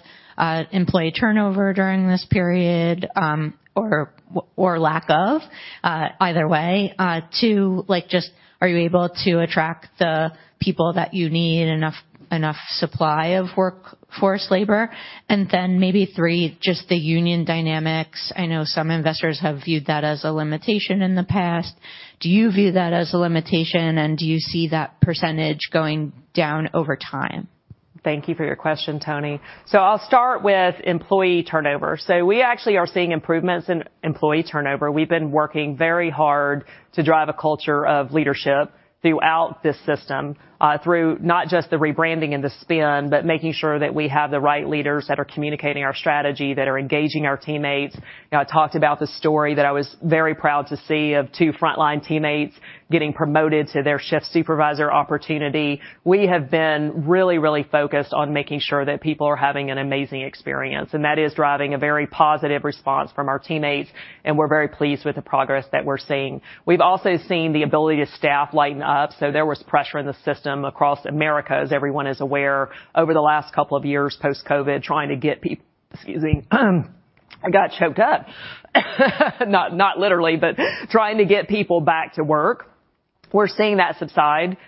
employee turnover during this period, or, or lack of, either way. Two, like, just, are you able to attract the people that you need, enough, enough supply of workforce labor? And then maybe three, just the union dynamics. I know some investors have viewed that as a limitation in the past. Do you view that as a limitation, and do you see that percentage going down over time? Thank you for your question, Toni. I'll start with employee turnover. we actually are seeing improvements in employee turnover. We've been working very hard to drive a culture of leadership throughout this system, through not just the rebranding and the spin, but making sure that we have the right leaders that are communicating our strategy, that are engaging our teammates. I talked about the story that I was very proud to see of two frontline teammates getting promoted to their shift supervisor opportunity. We have been really, really focused on making sure that people are having an amazing experience, and that is driving a very positive response from our teammates, and we're very pleased with the progress that we're seeing. We've also seen the ability to staff lighten up, so there was pressure in the system across America, as everyone is aware, over the last couple of years, post-COVID, trying to get pe- excuse me, I got choked up. Not, not literally, but trying to get people back to work. We're seeing that subside,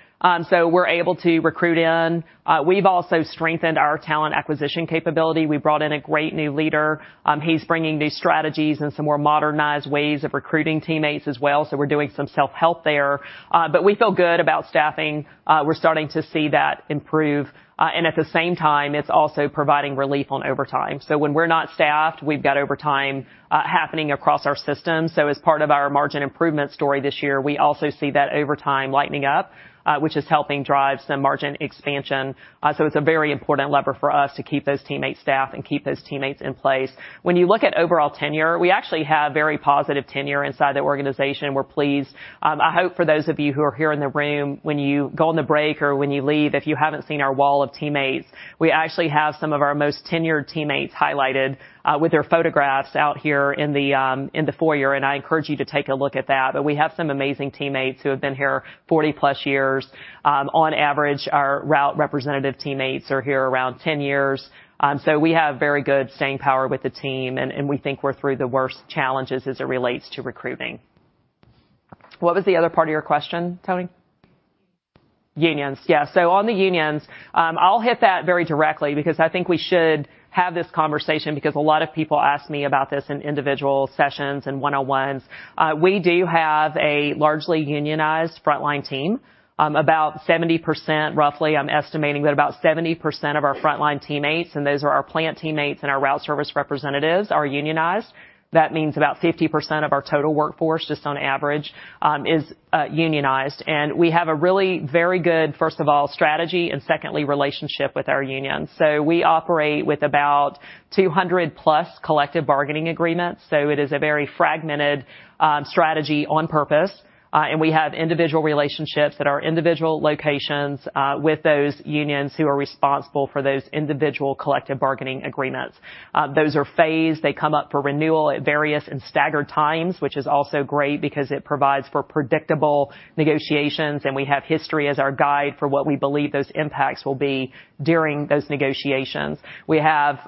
so we're able to recruit in. We've also strengthened our talent acquisition capability. We brought in a great new leader. He's bringing new strategies and some more modernized ways of recruiting teammates as well, so we're doing some self-help there. But we feel good about staffing. We're starting to see that improve, and at the same time, it's also providing relief on overtime. when we're not staffed, we've got overtime happening across our system. as part of our margin improvement story this year, we also see that overtime lightening up, which is helping drive some margin expansion. it's a very important lever for us to keep those teammates staffed and keep those teammates in place. When you look at overall tenure, we actually have very positive tenure inside the organization. We're pleased. I hope for those of you who are here in the room, when you go on the break or when you leave, if you haven't seen our wall of teammates, we actually have some of our most tenured teammates highlighted, with their photographs out here in the foyer, and I encourage you to take a look at that. But we have some amazing teammates who have been here 40-plus years. On average, our route representative teammates are here around 10 years. we have very good staying power with the team, and we think we're through the worst challenges as it relates to recruiting. What was the other part of your question, Toni? Unions. Yeah, so on the unions, I'll hit that very directly because I think we should have this conversation because a lot of people ask me about this in individual sessions and one-on-ones. We do have a largely unionized frontline team, about 70%, roughly. I'm estimating that about 70% of our frontline teammates, and those are our plant teammates and our route service representatives, are unionized. That means about 50% of our total workforce, just on average, is unionized. And we have a really very good, first of all, strategy, and secondly, relationship with our unions. we operate with about 200+ collective bargaining agreements. it is a very fragmented strategy on purpose. And we have individual relationships at our individual locations with those unions who are responsible for those individual collective bargaining agreements. Those are phased. They come up for renewal at various and staggered times, which is also great because it provides for predictable negotiations, and we have history as our guide for what we believe those impacts will be during those negotiations. We have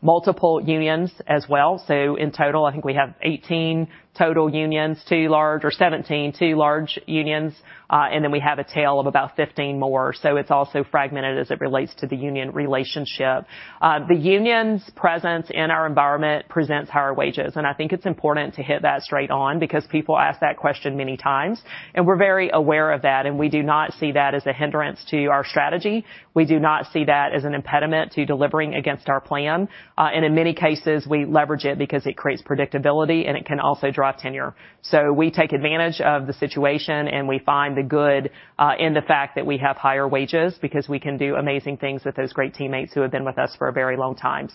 multiple unions as well. in total, I think we have 18 total unions, 2 large or 17, 2 large unions, and then we have a tail of about 15 more. it's also fragmented as it relates to the union relationship. The union's presence in our environment presents higher wages, and I think it's important to hit that straight on because people ask that question many times, and we're very aware of that, and we do not see that as a hindrance to our strategy. We do not see that as an impediment to delivering against our plan. In many cases, we leverage it because it creates predictability, and it can also drive tenure. we take advantage of the situation, and we find the good in the fact that we have higher wages, because we can do amazing things with those great teammates who have been with us for a very long time.,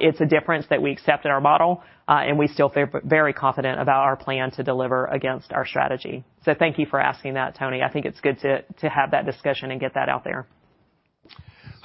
it's a difference that we accept in our model, and we still feel very confident about our plan to deliver against our strategy. thank you for asking that, Tony. I think it's good to have that discussion and get that out there.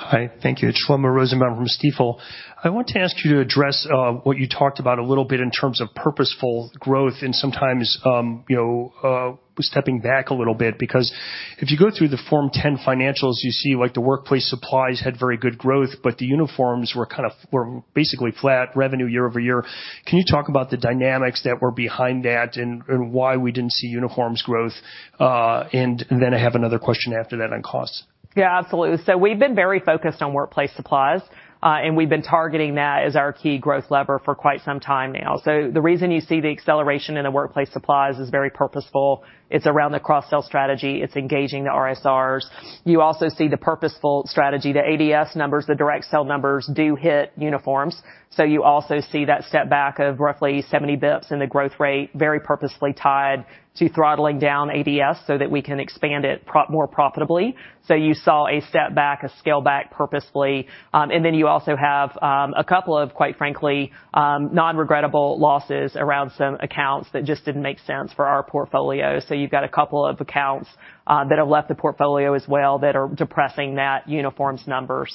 Hi, thank you. It's Shlomo Rosenbaum from Stifel. I want to ask you to address what you talked about a little bit in terms of purposeful growth and sometimes, you know, stepping back a little bit, because if you go through the Form 10 financials, you see, like, the workplace supplies had very good growth, but the uniforms were kind of were basically flat revenue year over year. Can you talk about the dynamics that were behind that and why we didn't see uniforms growth? And then I have another question after that on costs. Yeah, absolutely. we've been very focused on workplace supplies, and we've been targeting that as our key growth lever for quite some time now. the reason you see the acceleration in the workplace supplies is very purposeful. It's around the cross-sell strategy. It's engaging the RSR. You also see the purposeful strategy. The ADS numbers, the direct sell numbers, do hit uniforms. you also see that step back of roughly 70 basis points in the growth rate, very purposefully tied to throttling down ADS so that we can expand it more profitably. you saw a step back, a scale back, purposefully. And then you also have a couple of, quite frankly, non-regrettable losses around some accounts that just didn't make sense for our portfolio. you've got a couple of accounts that have left the portfolio as well, that are depressing that uniforms number.,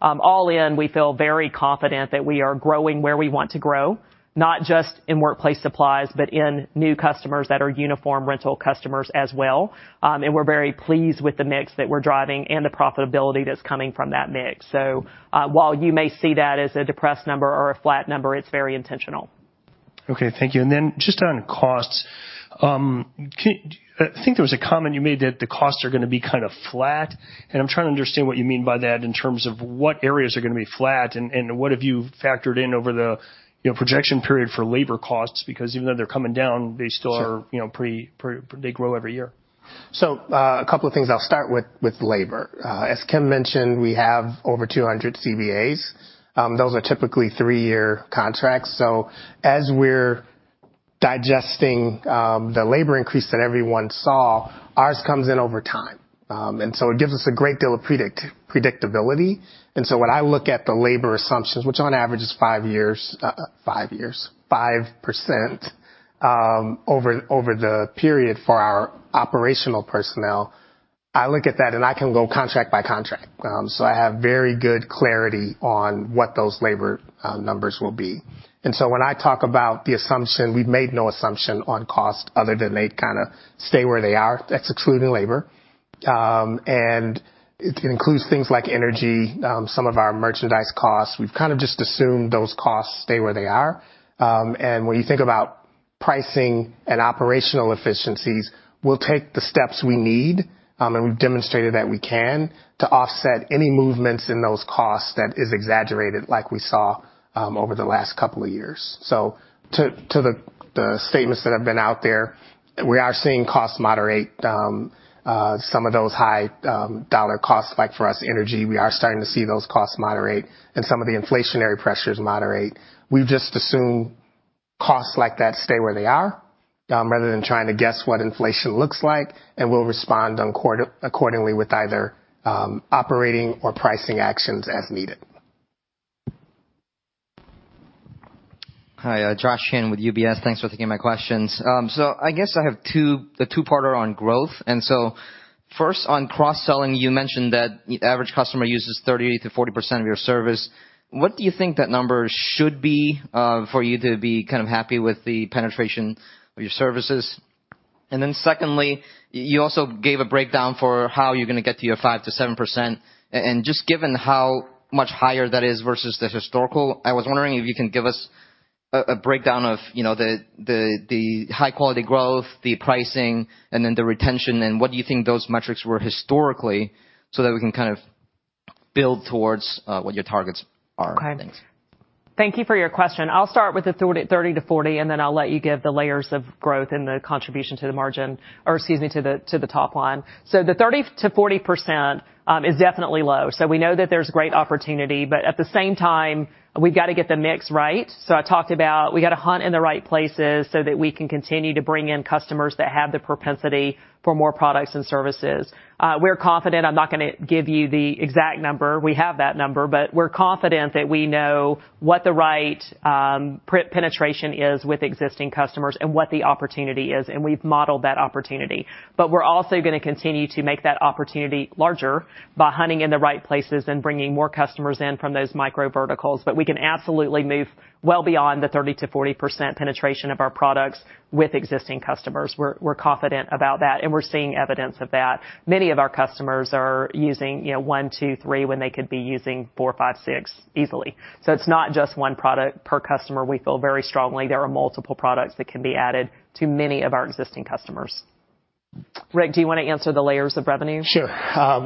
all in, we feel very confident that we are growing where we want to grow, not just in workplace supplies, but in new customers that are uniform rental customers as well. And we're very pleased with the mix that we're driving and the profitability that's coming from that mix., while you may see that as a depressed number or a flat number, it's very intentional. Okay, thank you. And then just on costs, can. I think there was a comment you made that the costs are gonna be kind of flat, and I'm trying to understand what you mean by that in terms of what areas are gonna be flat, and, and what have you factored in over the, you know, projection period for labor costs? Because even though they're coming down, they still are Sure., pretty. They grow every year. A couple of things. I'll start with labor. As Kim mentioned, we have over 200 CBAs. Those are typically three-year contracts. as we're digesting the labor increase that everyone saw, ours comes in over time. And so it gives us a great deal of predictability. And so when I look at the labor assumptions, which on average is five years, five years, 5%, over the period for our operational personnel, I look at that, and I can go contract by contract. I have very good clarity on what those labor numbers will be. And so when I talk about the assumption, we've made no assumption on cost other than they'd kind of stay where they are. That's excluding labor. And it includes things like energy, some of our merchandise costs. We've kind of just assumed those costs stay where they are. And when you think about pricing and operational efficiencies, we'll take the steps we need, and we've demonstrated that we can, to offset any movements in those costs that is exaggerated, like we saw, over the last couple of years. to the statements that have been out there, we are seeing costs moderate. me of those high dollar costs, like for us, energy, we are starting to see those costs moderate and some of the inflationary pressures moderate. We've just assumed costs like that stay where they are, rather than trying to guess what inflation looks like, and we'll respond accordingly with either operating or pricing actions as needed. Hi, Josh Chan with UBS. Thanks for taking my questions. I guess I have two- a two-parter on growth, and so first, on cross-selling, you mentioned that the average customer uses 30%-40% of your service. What do you think that number should be, for you to be kind of happy with the penetration of your services? And then secondly, you also gave a breakdown for how you're gonna get to your 5%-7%, and just given how much higher that is versus the historical, I was wondering if you can give us a breakdown of, you know, the high quality growth, the pricing, and then the retention, and what do you think those metrics were historically, so that we can kind of build towards what your targets are? Okay. Thank you for your question. I'll start with the 30-40, and then I'll let you give the layers of growth and the contribution to the margin or, excuse me, to the, to the top line. the 30%-40% is definitely low, so we know that there's great opportunity, but at the same time, we've got to get the mix right. I talked about we got to hunt in the right places so that we can continue to bring in customers that have the propensity for more products and services. We're confident, I'm not gonna give you the exact number, we have that number, but we're confident that we know what the right, penetration is with existing customers and what the opportunity is, and we've modeled that opportunity. But we're also gonna continue to make that opportunity larger by hunting in the right places and bringing more customers in from those micro verticals. But we can absolutely move well beyond the 30%-40% penetration of our products with existing customers. We're, we're confident about that, and we're seeing evidence of that. Many of our customers are using, you know, 1, 2, 3, when they could be using 4, 5, 6 easily. it's not just one product per customer. We feel very strongly there are multiple products that can be added to many of our existing customers. Rick, do you want to answer the layers of revenue? Sure.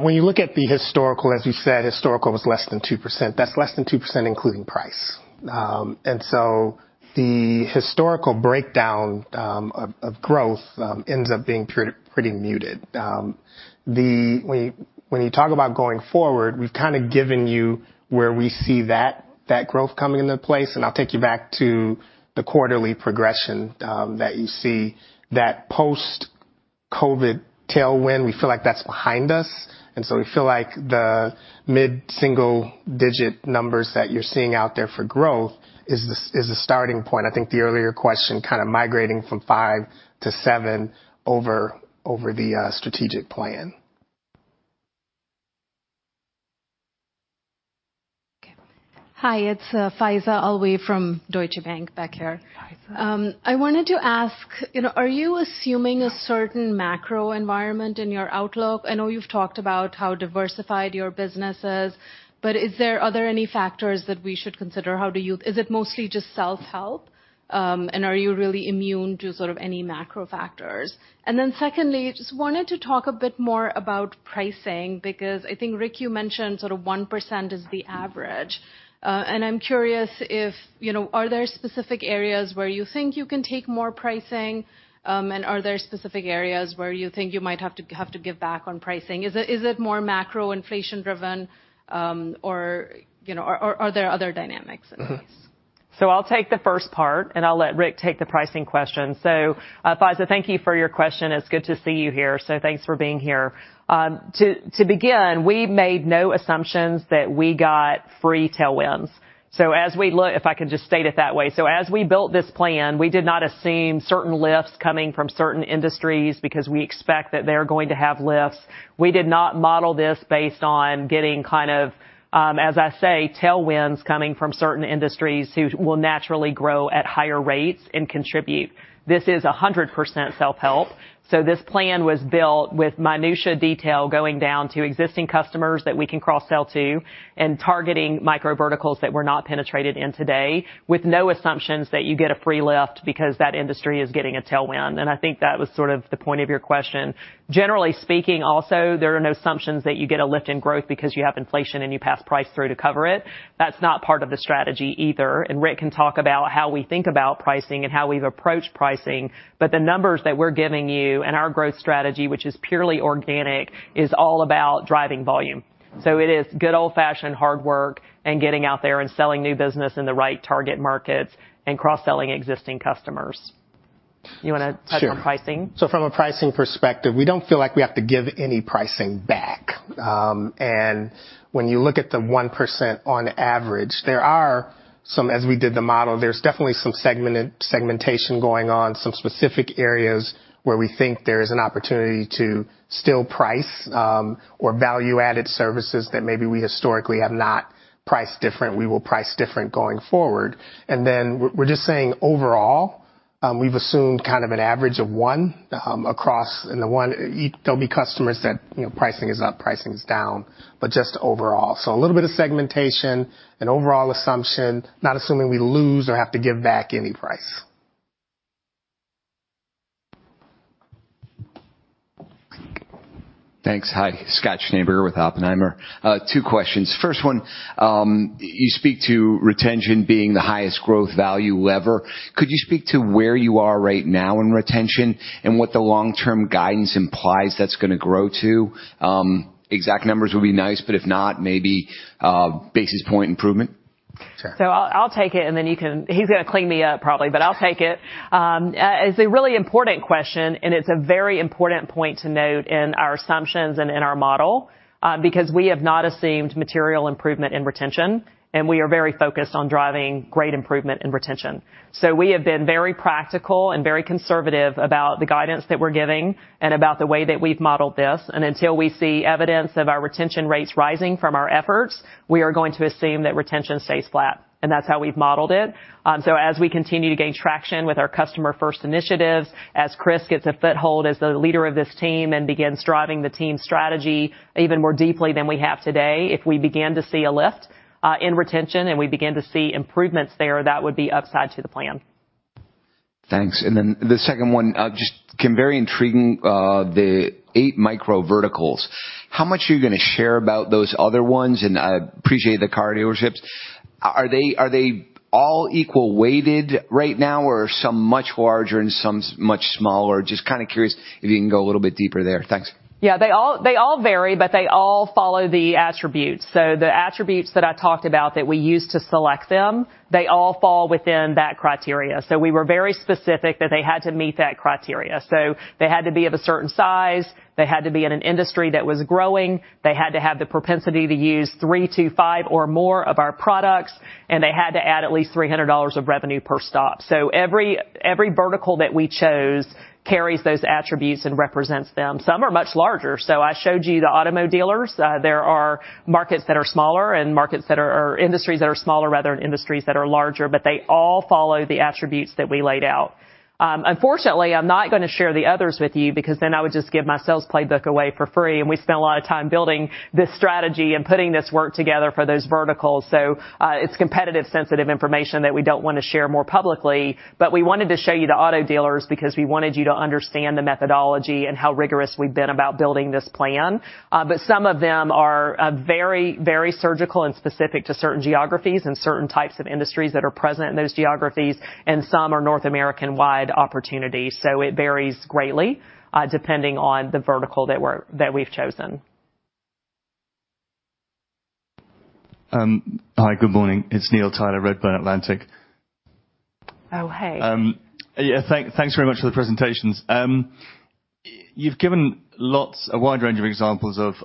When you look at the historical, as we said, historical was less than 2%. That's less than 2%, including price. And so the historical breakdown of growth ends up being pretty, pretty muted. When you talk about going forward, we've kind of given you where we see that growth coming into place. And I'll take you back to the quarterly progression that you see, that post-COVID tailwind, we feel like that's behind us, and so we feel like the mid-single digit numbers that you're seeing out there for growth is the starting point. I think the earlier question, kind of migrating from 5%-7% over the strategic plan. Okay. Hi, it's Faiza Alwy from Deutsche Bank back here. Hi, Faiza. I wanted to ask, you know, are you assuming a certain macro environment in your outlook? I know you've talked about how diversified your business is, but are there any factors that we should consider? How do you. Is it mostly just self-help? And are you really immune to sort of any macro factors? And then secondly, just wanted to talk a bit more about pricing, because I think, Rick, you mentioned sort of 1% is the average. And I'm curious if, you know, are there specific areas where you think you can take more pricing? And are there specific areas where you think you might have to give back on pricing? Is it more macro inflation driven, or, you know, or are there other dynamics in place? I'll take the first part, and I'll let Rick take the pricing question., Faiza, thank you for your question. It's good to see you here, so thanks for being here. To begin, we made no assumptions that we got free tailwinds. as we look. If I can just state it that way. as we built this plan, we did not assume certain lifts coming from certain industries because we expect that they're going to have lifts. We did not model this based on getting kind of, as I say, tailwinds coming from certain industries who will naturally grow at higher rates and contribute. This is 100% self-help. this plan was built with minutiae detail, going down to existing customers that we can cross-sell to and targeting micro verticals that we're not penetrated in today, with no assumptions that you get a free lift because that industry is getting a tailwind, and I think that was sort of the point of your question. Generally speaking, also, there are no assumptions that you get a lift in growth because you have inflation and you pass price through to cover it. That's not part of the strategy either, and Rick can talk about how we think about pricing and how we've approached pricing, but the numbers that we're giving you and our growth strategy, which is purely organic, is all about driving volume. it is good old-fashioned hard work and getting out there and selling new business in the right target markets and cross-selling existing customers. You want to touch on pricing? Sure. from a pricing perspective, we don't feel like we have to give any pricing back. And when you look at the 1% on average, there are some. As we did the model, there's definitely some segmentation going on, some specific areas where we think there is an opportunity to still price, or value-added services that maybe we historically have not priced different, we will price different going forward. And then we're just saying, overall, we've assumed kind of an average of 1% across. And there'll be customers that, you know, pricing is up, pricing is down, but just overall. a little bit of segmentation, an overall assumption, not assuming we lose or have to give back any price. Thanks. Hi, Scott Schneeberger with Oppenheimer. Two questions. First one, you speak to retention being the highest growth value lever. Could you speak to where you are right now in retention and what the long-term guidance implies that's gonna grow to? Exact numbers would be nice, but if not, maybe, basis point improvement. I'll take it, and then you can- he's gonna clean me up, probably, but I'll take it. It's a really important question, and it's a very important point to note in our assumptions and in our model, because we have not assumed material improvement in retention, and we are very focused on driving great improvement in retention. we have been very practical and very conservative about the guidance that we're giving and about the way that we've modeled this. And until we see evidence of our retention rates rising from our efforts, we are going to assume that retention stays flat, and that's how we've modeled it. As we continue to gain traction with our customer-first initiatives, as Chris gets a foothold as the leader of this team and begins driving the team's strategy even more deeply than we have today, if we begin to see a lift in retention and we begin to see improvements there, that would be upside to the plan. Thanks. And then the second one, just Kim, very intriguing, the eight micro verticals. How much are you going to share about those other ones? And I appreciate the car dealerships. Are they, are they all equal weighted right now, or are some much larger and some much smaller? Just kind of curious if you can go a little bit deeper there. Thanks. Yeah, they all, they all vary, but they all follow the attributes. the attributes that I talked about that we use to select them, they all fall within that criteria. we were very specific that they had to meet that criteria. they had to be of a certain size, they had to be in an industry that was growing, they had to have the propensity to use 3-5 or more of our products, and they had to add at least $300 of revenue per stop. every, every vertical that we chose carries those attributes and represents them. me are much larger. I showed you the auto dealers. There are markets that are smaller and markets that are or industries that are smaller rather than industries that are larger, but they all follow the attributes that we laid out. Unfortunately, I'm not going to share the others with you because then I would just give my sales playbook away for free, and we spent a lot of time building this strategy and putting this work together for those verticals., it's competitive, sensitive information that we don't want to share more publicly. But we wanted to show you the auto dealers because we wanted you to understand the methodology and how rigorous we've been about building this plan. But some of them are, very, very surgical and specific to certain geographies and certain types of industries that are present in those geographies, and some are North American-wide opportunities. it varies greatly, depending on the vertical that we're, that we've chosen. Hi, good morning. It's Neil Tyler, Redburn Atlantic. Oh, hey. Yeah, thanks very much for the presentations. You've given lots. a wide range of examples of,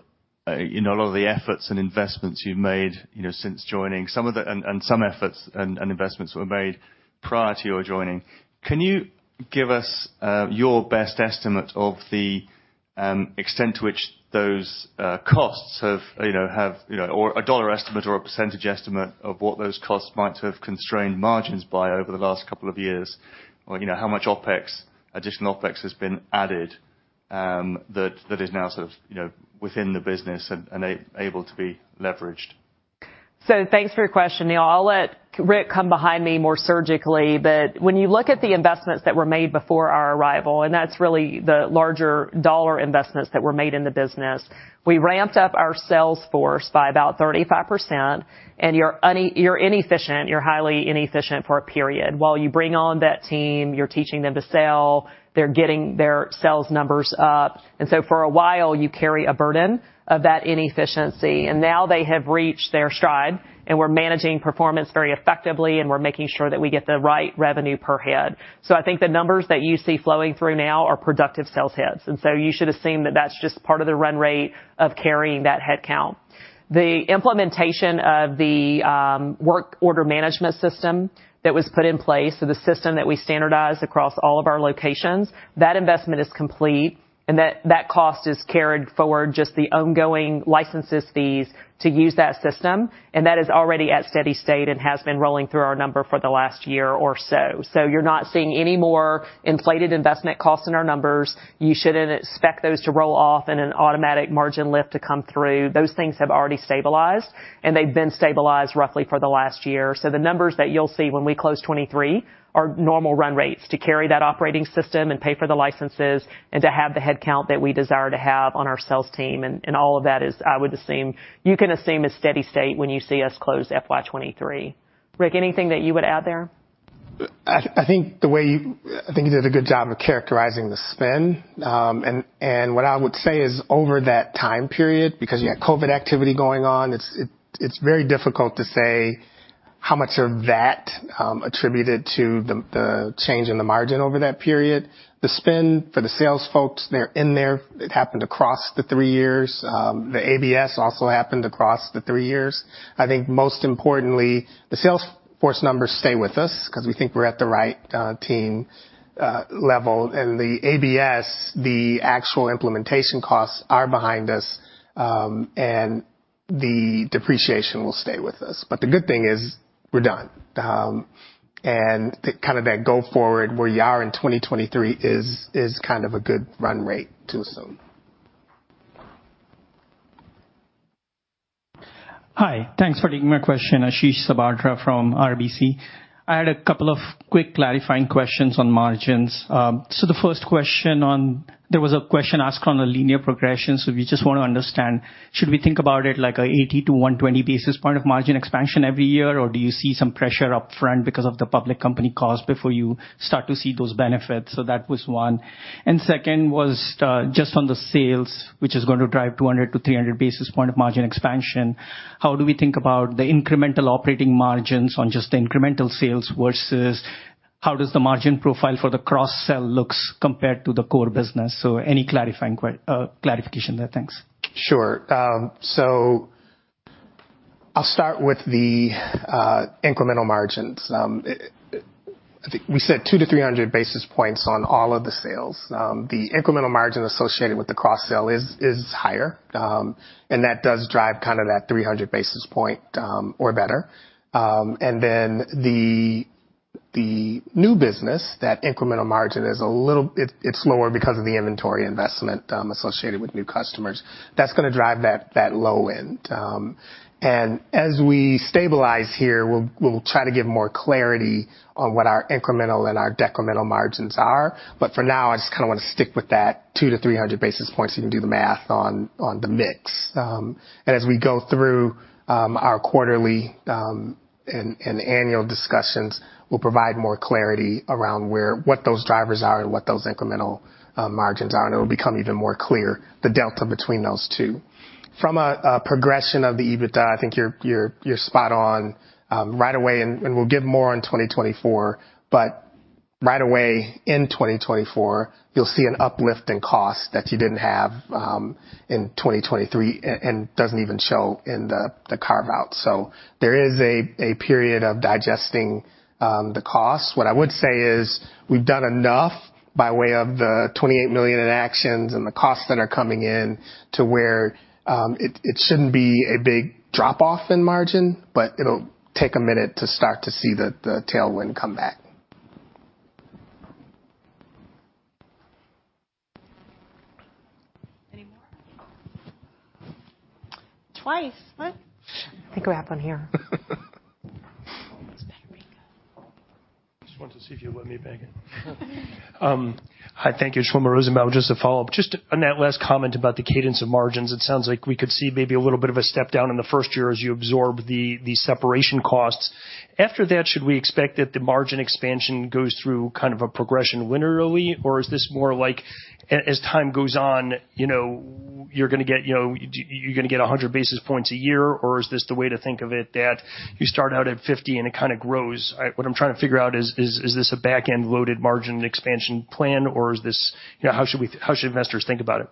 you know, a lot of the efforts and investments you've made, you know, since joining. me of the and some efforts and investments were made prior to your joining. Can you give us your best estimate of the extent to which those costs have, you know, or a dollar estimate or a percentage estimate of what those costs might have constrained margins by over the last couple of years? Or, you know, how much OpEx, additional OpEx has been added, that that is now sort of, you know, within the business and able to be leveraged? thanks for your question, Neil. I'll let Rick come behind me more surgically, but when you look at the investments that were made before our arrival, and that's really the larger dollar investments that were made in the business, we ramped up our sales force by about 35%, and you're highly inefficient for a period. While you bring on that team, you're teaching them to sell, they're getting their sales numbers up, and so for a while, you carry a burden of that inefficiency. And now they have reached their stride, and we're managing performance very effectively, and we're making sure that we get the right revenue per head. I think the numbers that you see flowing through now are productive sales heads. And so you should assume that that's just part of the run rate of carrying that headcount. The implementation of the work order management system that was put in place, so the system that we standardized across all of our locations, that investment is complete, and that cost is carried forward, just the ongoing licenses fees to use that system, and that is already at steady state and has been rolling through our number for the last year or so. You're not seeing any more inflated investment costs in our numbers. You shouldn't expect those to roll off in an automatic margin lift to come through. Those things have already stabilized, and they've been stabilized roughly for the last year. The numbers that you'll see when we close 2023 are normal run rates to carry that operating system and pay for the licenses and to have the headcount that we desire to have on our sales team. All of that is, I would assume, you can assume a steady state when you see us close FY 2023. Rick, anything that you would add there? I think you did a good job of characterizing the spend. What I would say is over that time period, because you had COVID activity going on, it's very difficult to say how much of that attributed to the change in the margin over that period. The spend for the sales folks, they're in there. It happened across the three years. The ABS also happened across the three years. I think most importantly, the sales force numbers stay with us because we think we're at the right team level. And the ABS, the actual implementation costs are behind us, and the depreciation will stay with us. But the good thing is we're done. Kind of that go forward, where you are in 2023 is kind of a good run rate, too, so. Hi, thanks for taking my question. Ashish Sabadra from RBC. I had a couple of quick clarifying questions on margins. the first question on. There was a question asked on the linear progression, so we just want to understand, should we think about it like a 80-120 basis point of margin expansion every year, or do you see some pressure upfront because of the public company cost before you start to see those benefits? that was one. And second was, just on the sales, which is going to drive 200-300 basis point of margin expansion, how do we think about the incremental operating margins on just the incremental sales versus how does the margin profile for the cross sell looks compared to the core business? any clarifying clarification there? Thanks. Sure. I'll start with the incremental margins. I think we said 200-300 basis points on all of the sales. The incremental margin associated with the cross sell is higher, and that does drive kind of that 300 basis point or better. And then the new business, that incremental margin is a little, it's lower because of the inventory investment associated with new customers. That's gonna drive that low end. And as we stabilize here, we'll try to give more clarity on what our incremental and our decremental margins are, but for now, I just kinda wanna stick with that 200-300 basis points. You can do the math on the mix. And as we go through our quarterly and annual discussions, we'll provide more clarity around where—what those drivers are and what those incremental margins are, and it will become even more clear, the delta between those two. From a progression of the EBITDA, I think you're spot on right away, and we'll give more on 2024, but right away in 2024, you'll see an uplift in costs that you didn't have in 2023, and doesn't even show in the carve-out. there is a period of digesting the costs. What I would say is, we've done enough by way of the $28 million in actions and the costs that are coming in to where, it shouldn't be a big drop-off in margin, but it'll take a minute to start to see the tailwind come back. Any more? Twice, what? I think we have one here. Just wanted to see if you'd let me back in. Hi, thank you. Shlomo Rosenbaum, just to follow up, just on that last comment about the cadence of margins, it sounds like we could see maybe a little bit of a step down in the first year as you absorb the, the separation costs. After that, should we expect that the margin expansion goes through kind of a progression linearly? Or is this more like a- as time goes on, you know, you're gonna get, you know, you're gonna get 100 basis points a year, or is this the way to think of it, that you start out at 50 and it kinda grows? I-- what I'm trying to figure out is, is this a back-end-loaded margin expansion plan, or is this., how should we- how should investors think about it?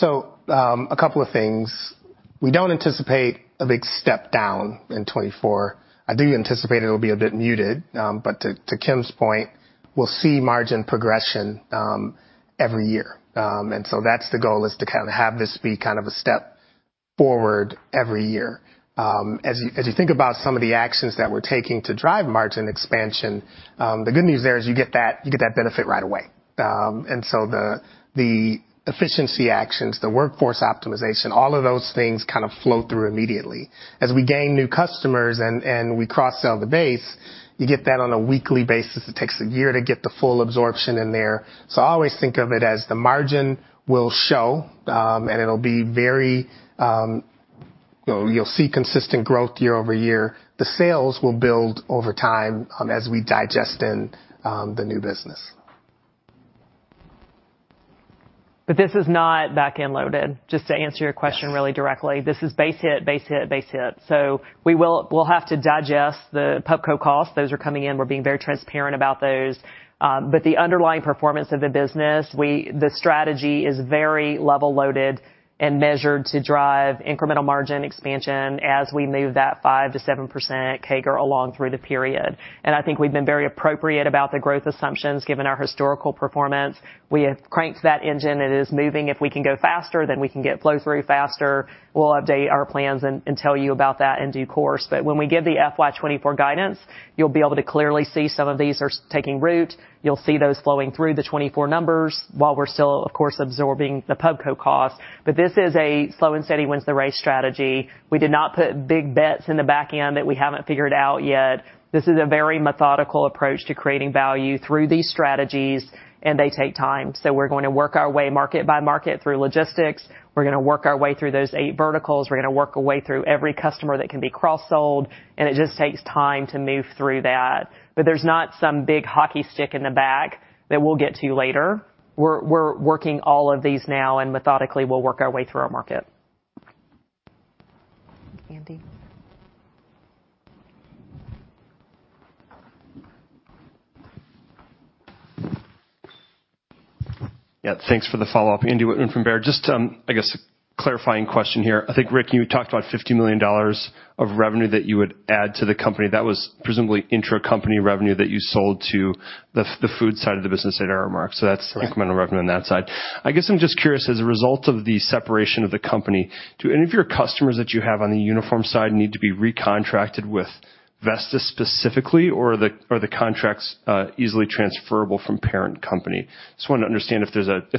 A couple of things. We don't anticipate a big step down in 2024. I do anticipate it'll be a bit muted, but to, to Kim's point, we'll see margin progression every year. And so that's the goal, is to kind of have this be kind of a step forward every year. As you, as you think about some of the actions that we're taking to drive margin expansion, the good news there is you get that, you get that benefit right away. And so the, the efficiency actions, the workforce optimization, all of those things kind of flow through immediately. As we gain new customers and, and we cross-sell the base, you get that on a weekly basis. It takes a year to get the full absorption in there. I always think of it as the margin will show, and it'll be very., you'll see consistent growth year-over-year. The sales will build over time, as we digest in the new business. This is not back-end loaded, just to answer your question really directly. This is base hit, base hit, base hit. we'll have to digest the PubCo costs. Those are coming in. We're being very transparent about those. But the underlying performance of the business, the strategy is very level-loaded and measured to drive incremental margin expansion as we move that 5%-7% CAGR along through the period. And I think we've been very appropriate about the growth assumptions, given our historical performance. We have cranked that engine. It is moving. If we can go faster, then we can get flow-through faster. We'll update our plans and tell you about that in due course. But when we give the FY 2024 guidance, you'll be able to clearly see some of these are taking root. You'll see those flowing through the 2024 numbers, while we're still, of course, absorbing the PubCo costs. But this is a slow and steady wins the race strategy. We did not put big bets in the back end that we haven't figured out yet. This is a very methodical approach to creating value through these strategies, and they take time. we're going to work our way market by market, through logistics. We're gonna work our way through those eight verticals. We're gonna work our way through every customer that can be cross-sold, and it just takes time to move through that. But there's not some big hockey stick in the back that we'll get to later. We're working all of these now, and methodically, we'll work our way through our market. Andrew? Yeah, thanks for the follow-up. Andy Wittmann from Baird. Just, I guess, a clarifying question here. I think, Rick, you talked about $50 million of revenue that you would add to the company. That was presumably intracompany revenue that you sold to the, the food side of the business at Aramark. that's incremental revenue on that side. I guess I'm just curious, as a result of the separation of the company, do any of your customers that you have on the uniform side need to be recontracted with Vestis specifically, or are the contracts easily transferable from parent company? Just wanted to understand if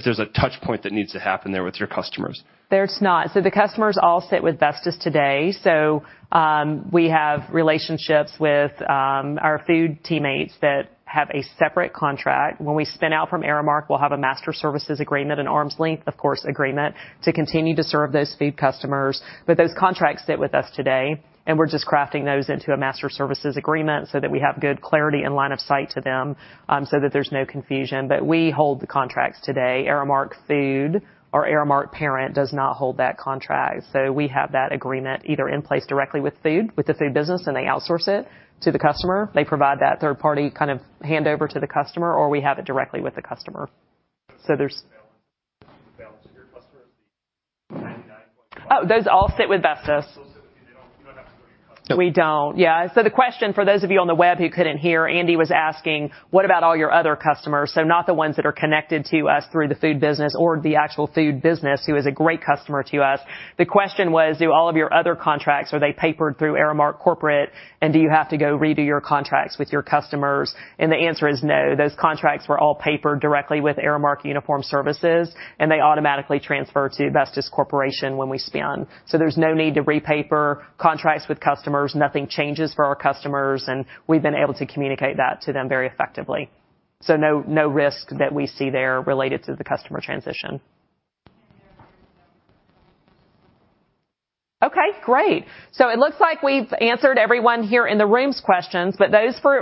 there's a touch point that needs to happen there with your customers. There's not. the customers all sit with Vestis today, so we have relationships with our food teammates that have a separate contract. When we spin out from Aramark, we'll have a master services agreement, an arm's length, of course, agreement, to continue to serve those food customers. But those contracts sit with us today, and we're just crafting those into a master services agreement so that we have good clarity and line of sight to them, so that there's no confusion. But we hold the contracts today. Aramark Food or Aramark parent does not hold that contract. we have that agreement either in place directly with food, with the food business, and they outsource it to the customer. They provide that third-party kind of handover to the customer, or we have it directly with the customer. there's- Balance to your customers?. Oh, those all sit with Vestis. We don't. Yeah, so the question, for those of you on the web who couldn't hear, Andy was asking: What about all your other customers? not the ones that are connected to us through the food business or the actual food business, who is a great customer to us. The question was, do all of your other contracts, are they papered through Aramark corporate, and do you have to go redo your contracts with your customers? And the answer is no. Those contracts were all papered directly with Aramark Uniform Services, and they automatically transfer to Vestis Corporation when we spin off. there's no need to repaper contracts with customers. Nothing changes for our customers, and we've been able to communicate that to them very effectively. no, no risk that we see there related to the customer transition. Okay, great! it looks like we've answered everyone here in the room's questions, but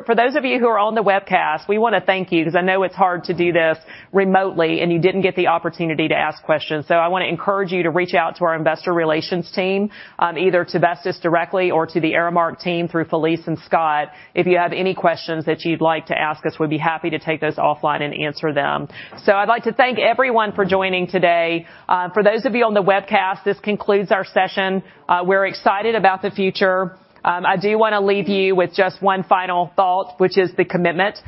for those of you who are on the webcast, we wanna thank you, because I know it's hard to do this remotely, and you didn't get the opportunity to ask questions. I wanna encourage you to reach out to our investor relations team, either to Vestis directly or to the Aramark team through Felise and Scott. If you have any questions that you'd like to ask us, we'd be happy to take those offline and answer them. I'd like to thank everyone for joining today. For those of you on the webcast, this concludes our session. We're excited about the future. I do wanna leave you with just one final thought, which is the commitment.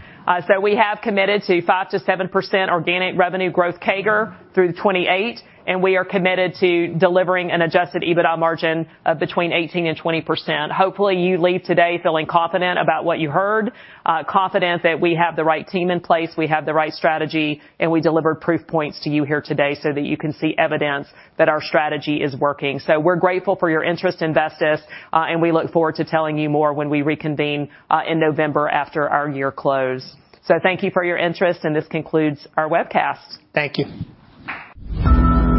we have committed to 5%-7% organic revenue growth CAGR through 2028, and we are committed to delivering an adjusted EBITDA margin of between 18%-20%. Hopefully, you leave today feeling confident about what you heard, confident that we have the right team in place, we have the right strategy, and we delivered proof points to you here today so that you can see evidence that our strategy is working. we're grateful for your interest in Vestis, and we look forward to telling you more when we reconvene, in November after our year close. thank you for your interest, and this concludes our webcast. Thank you.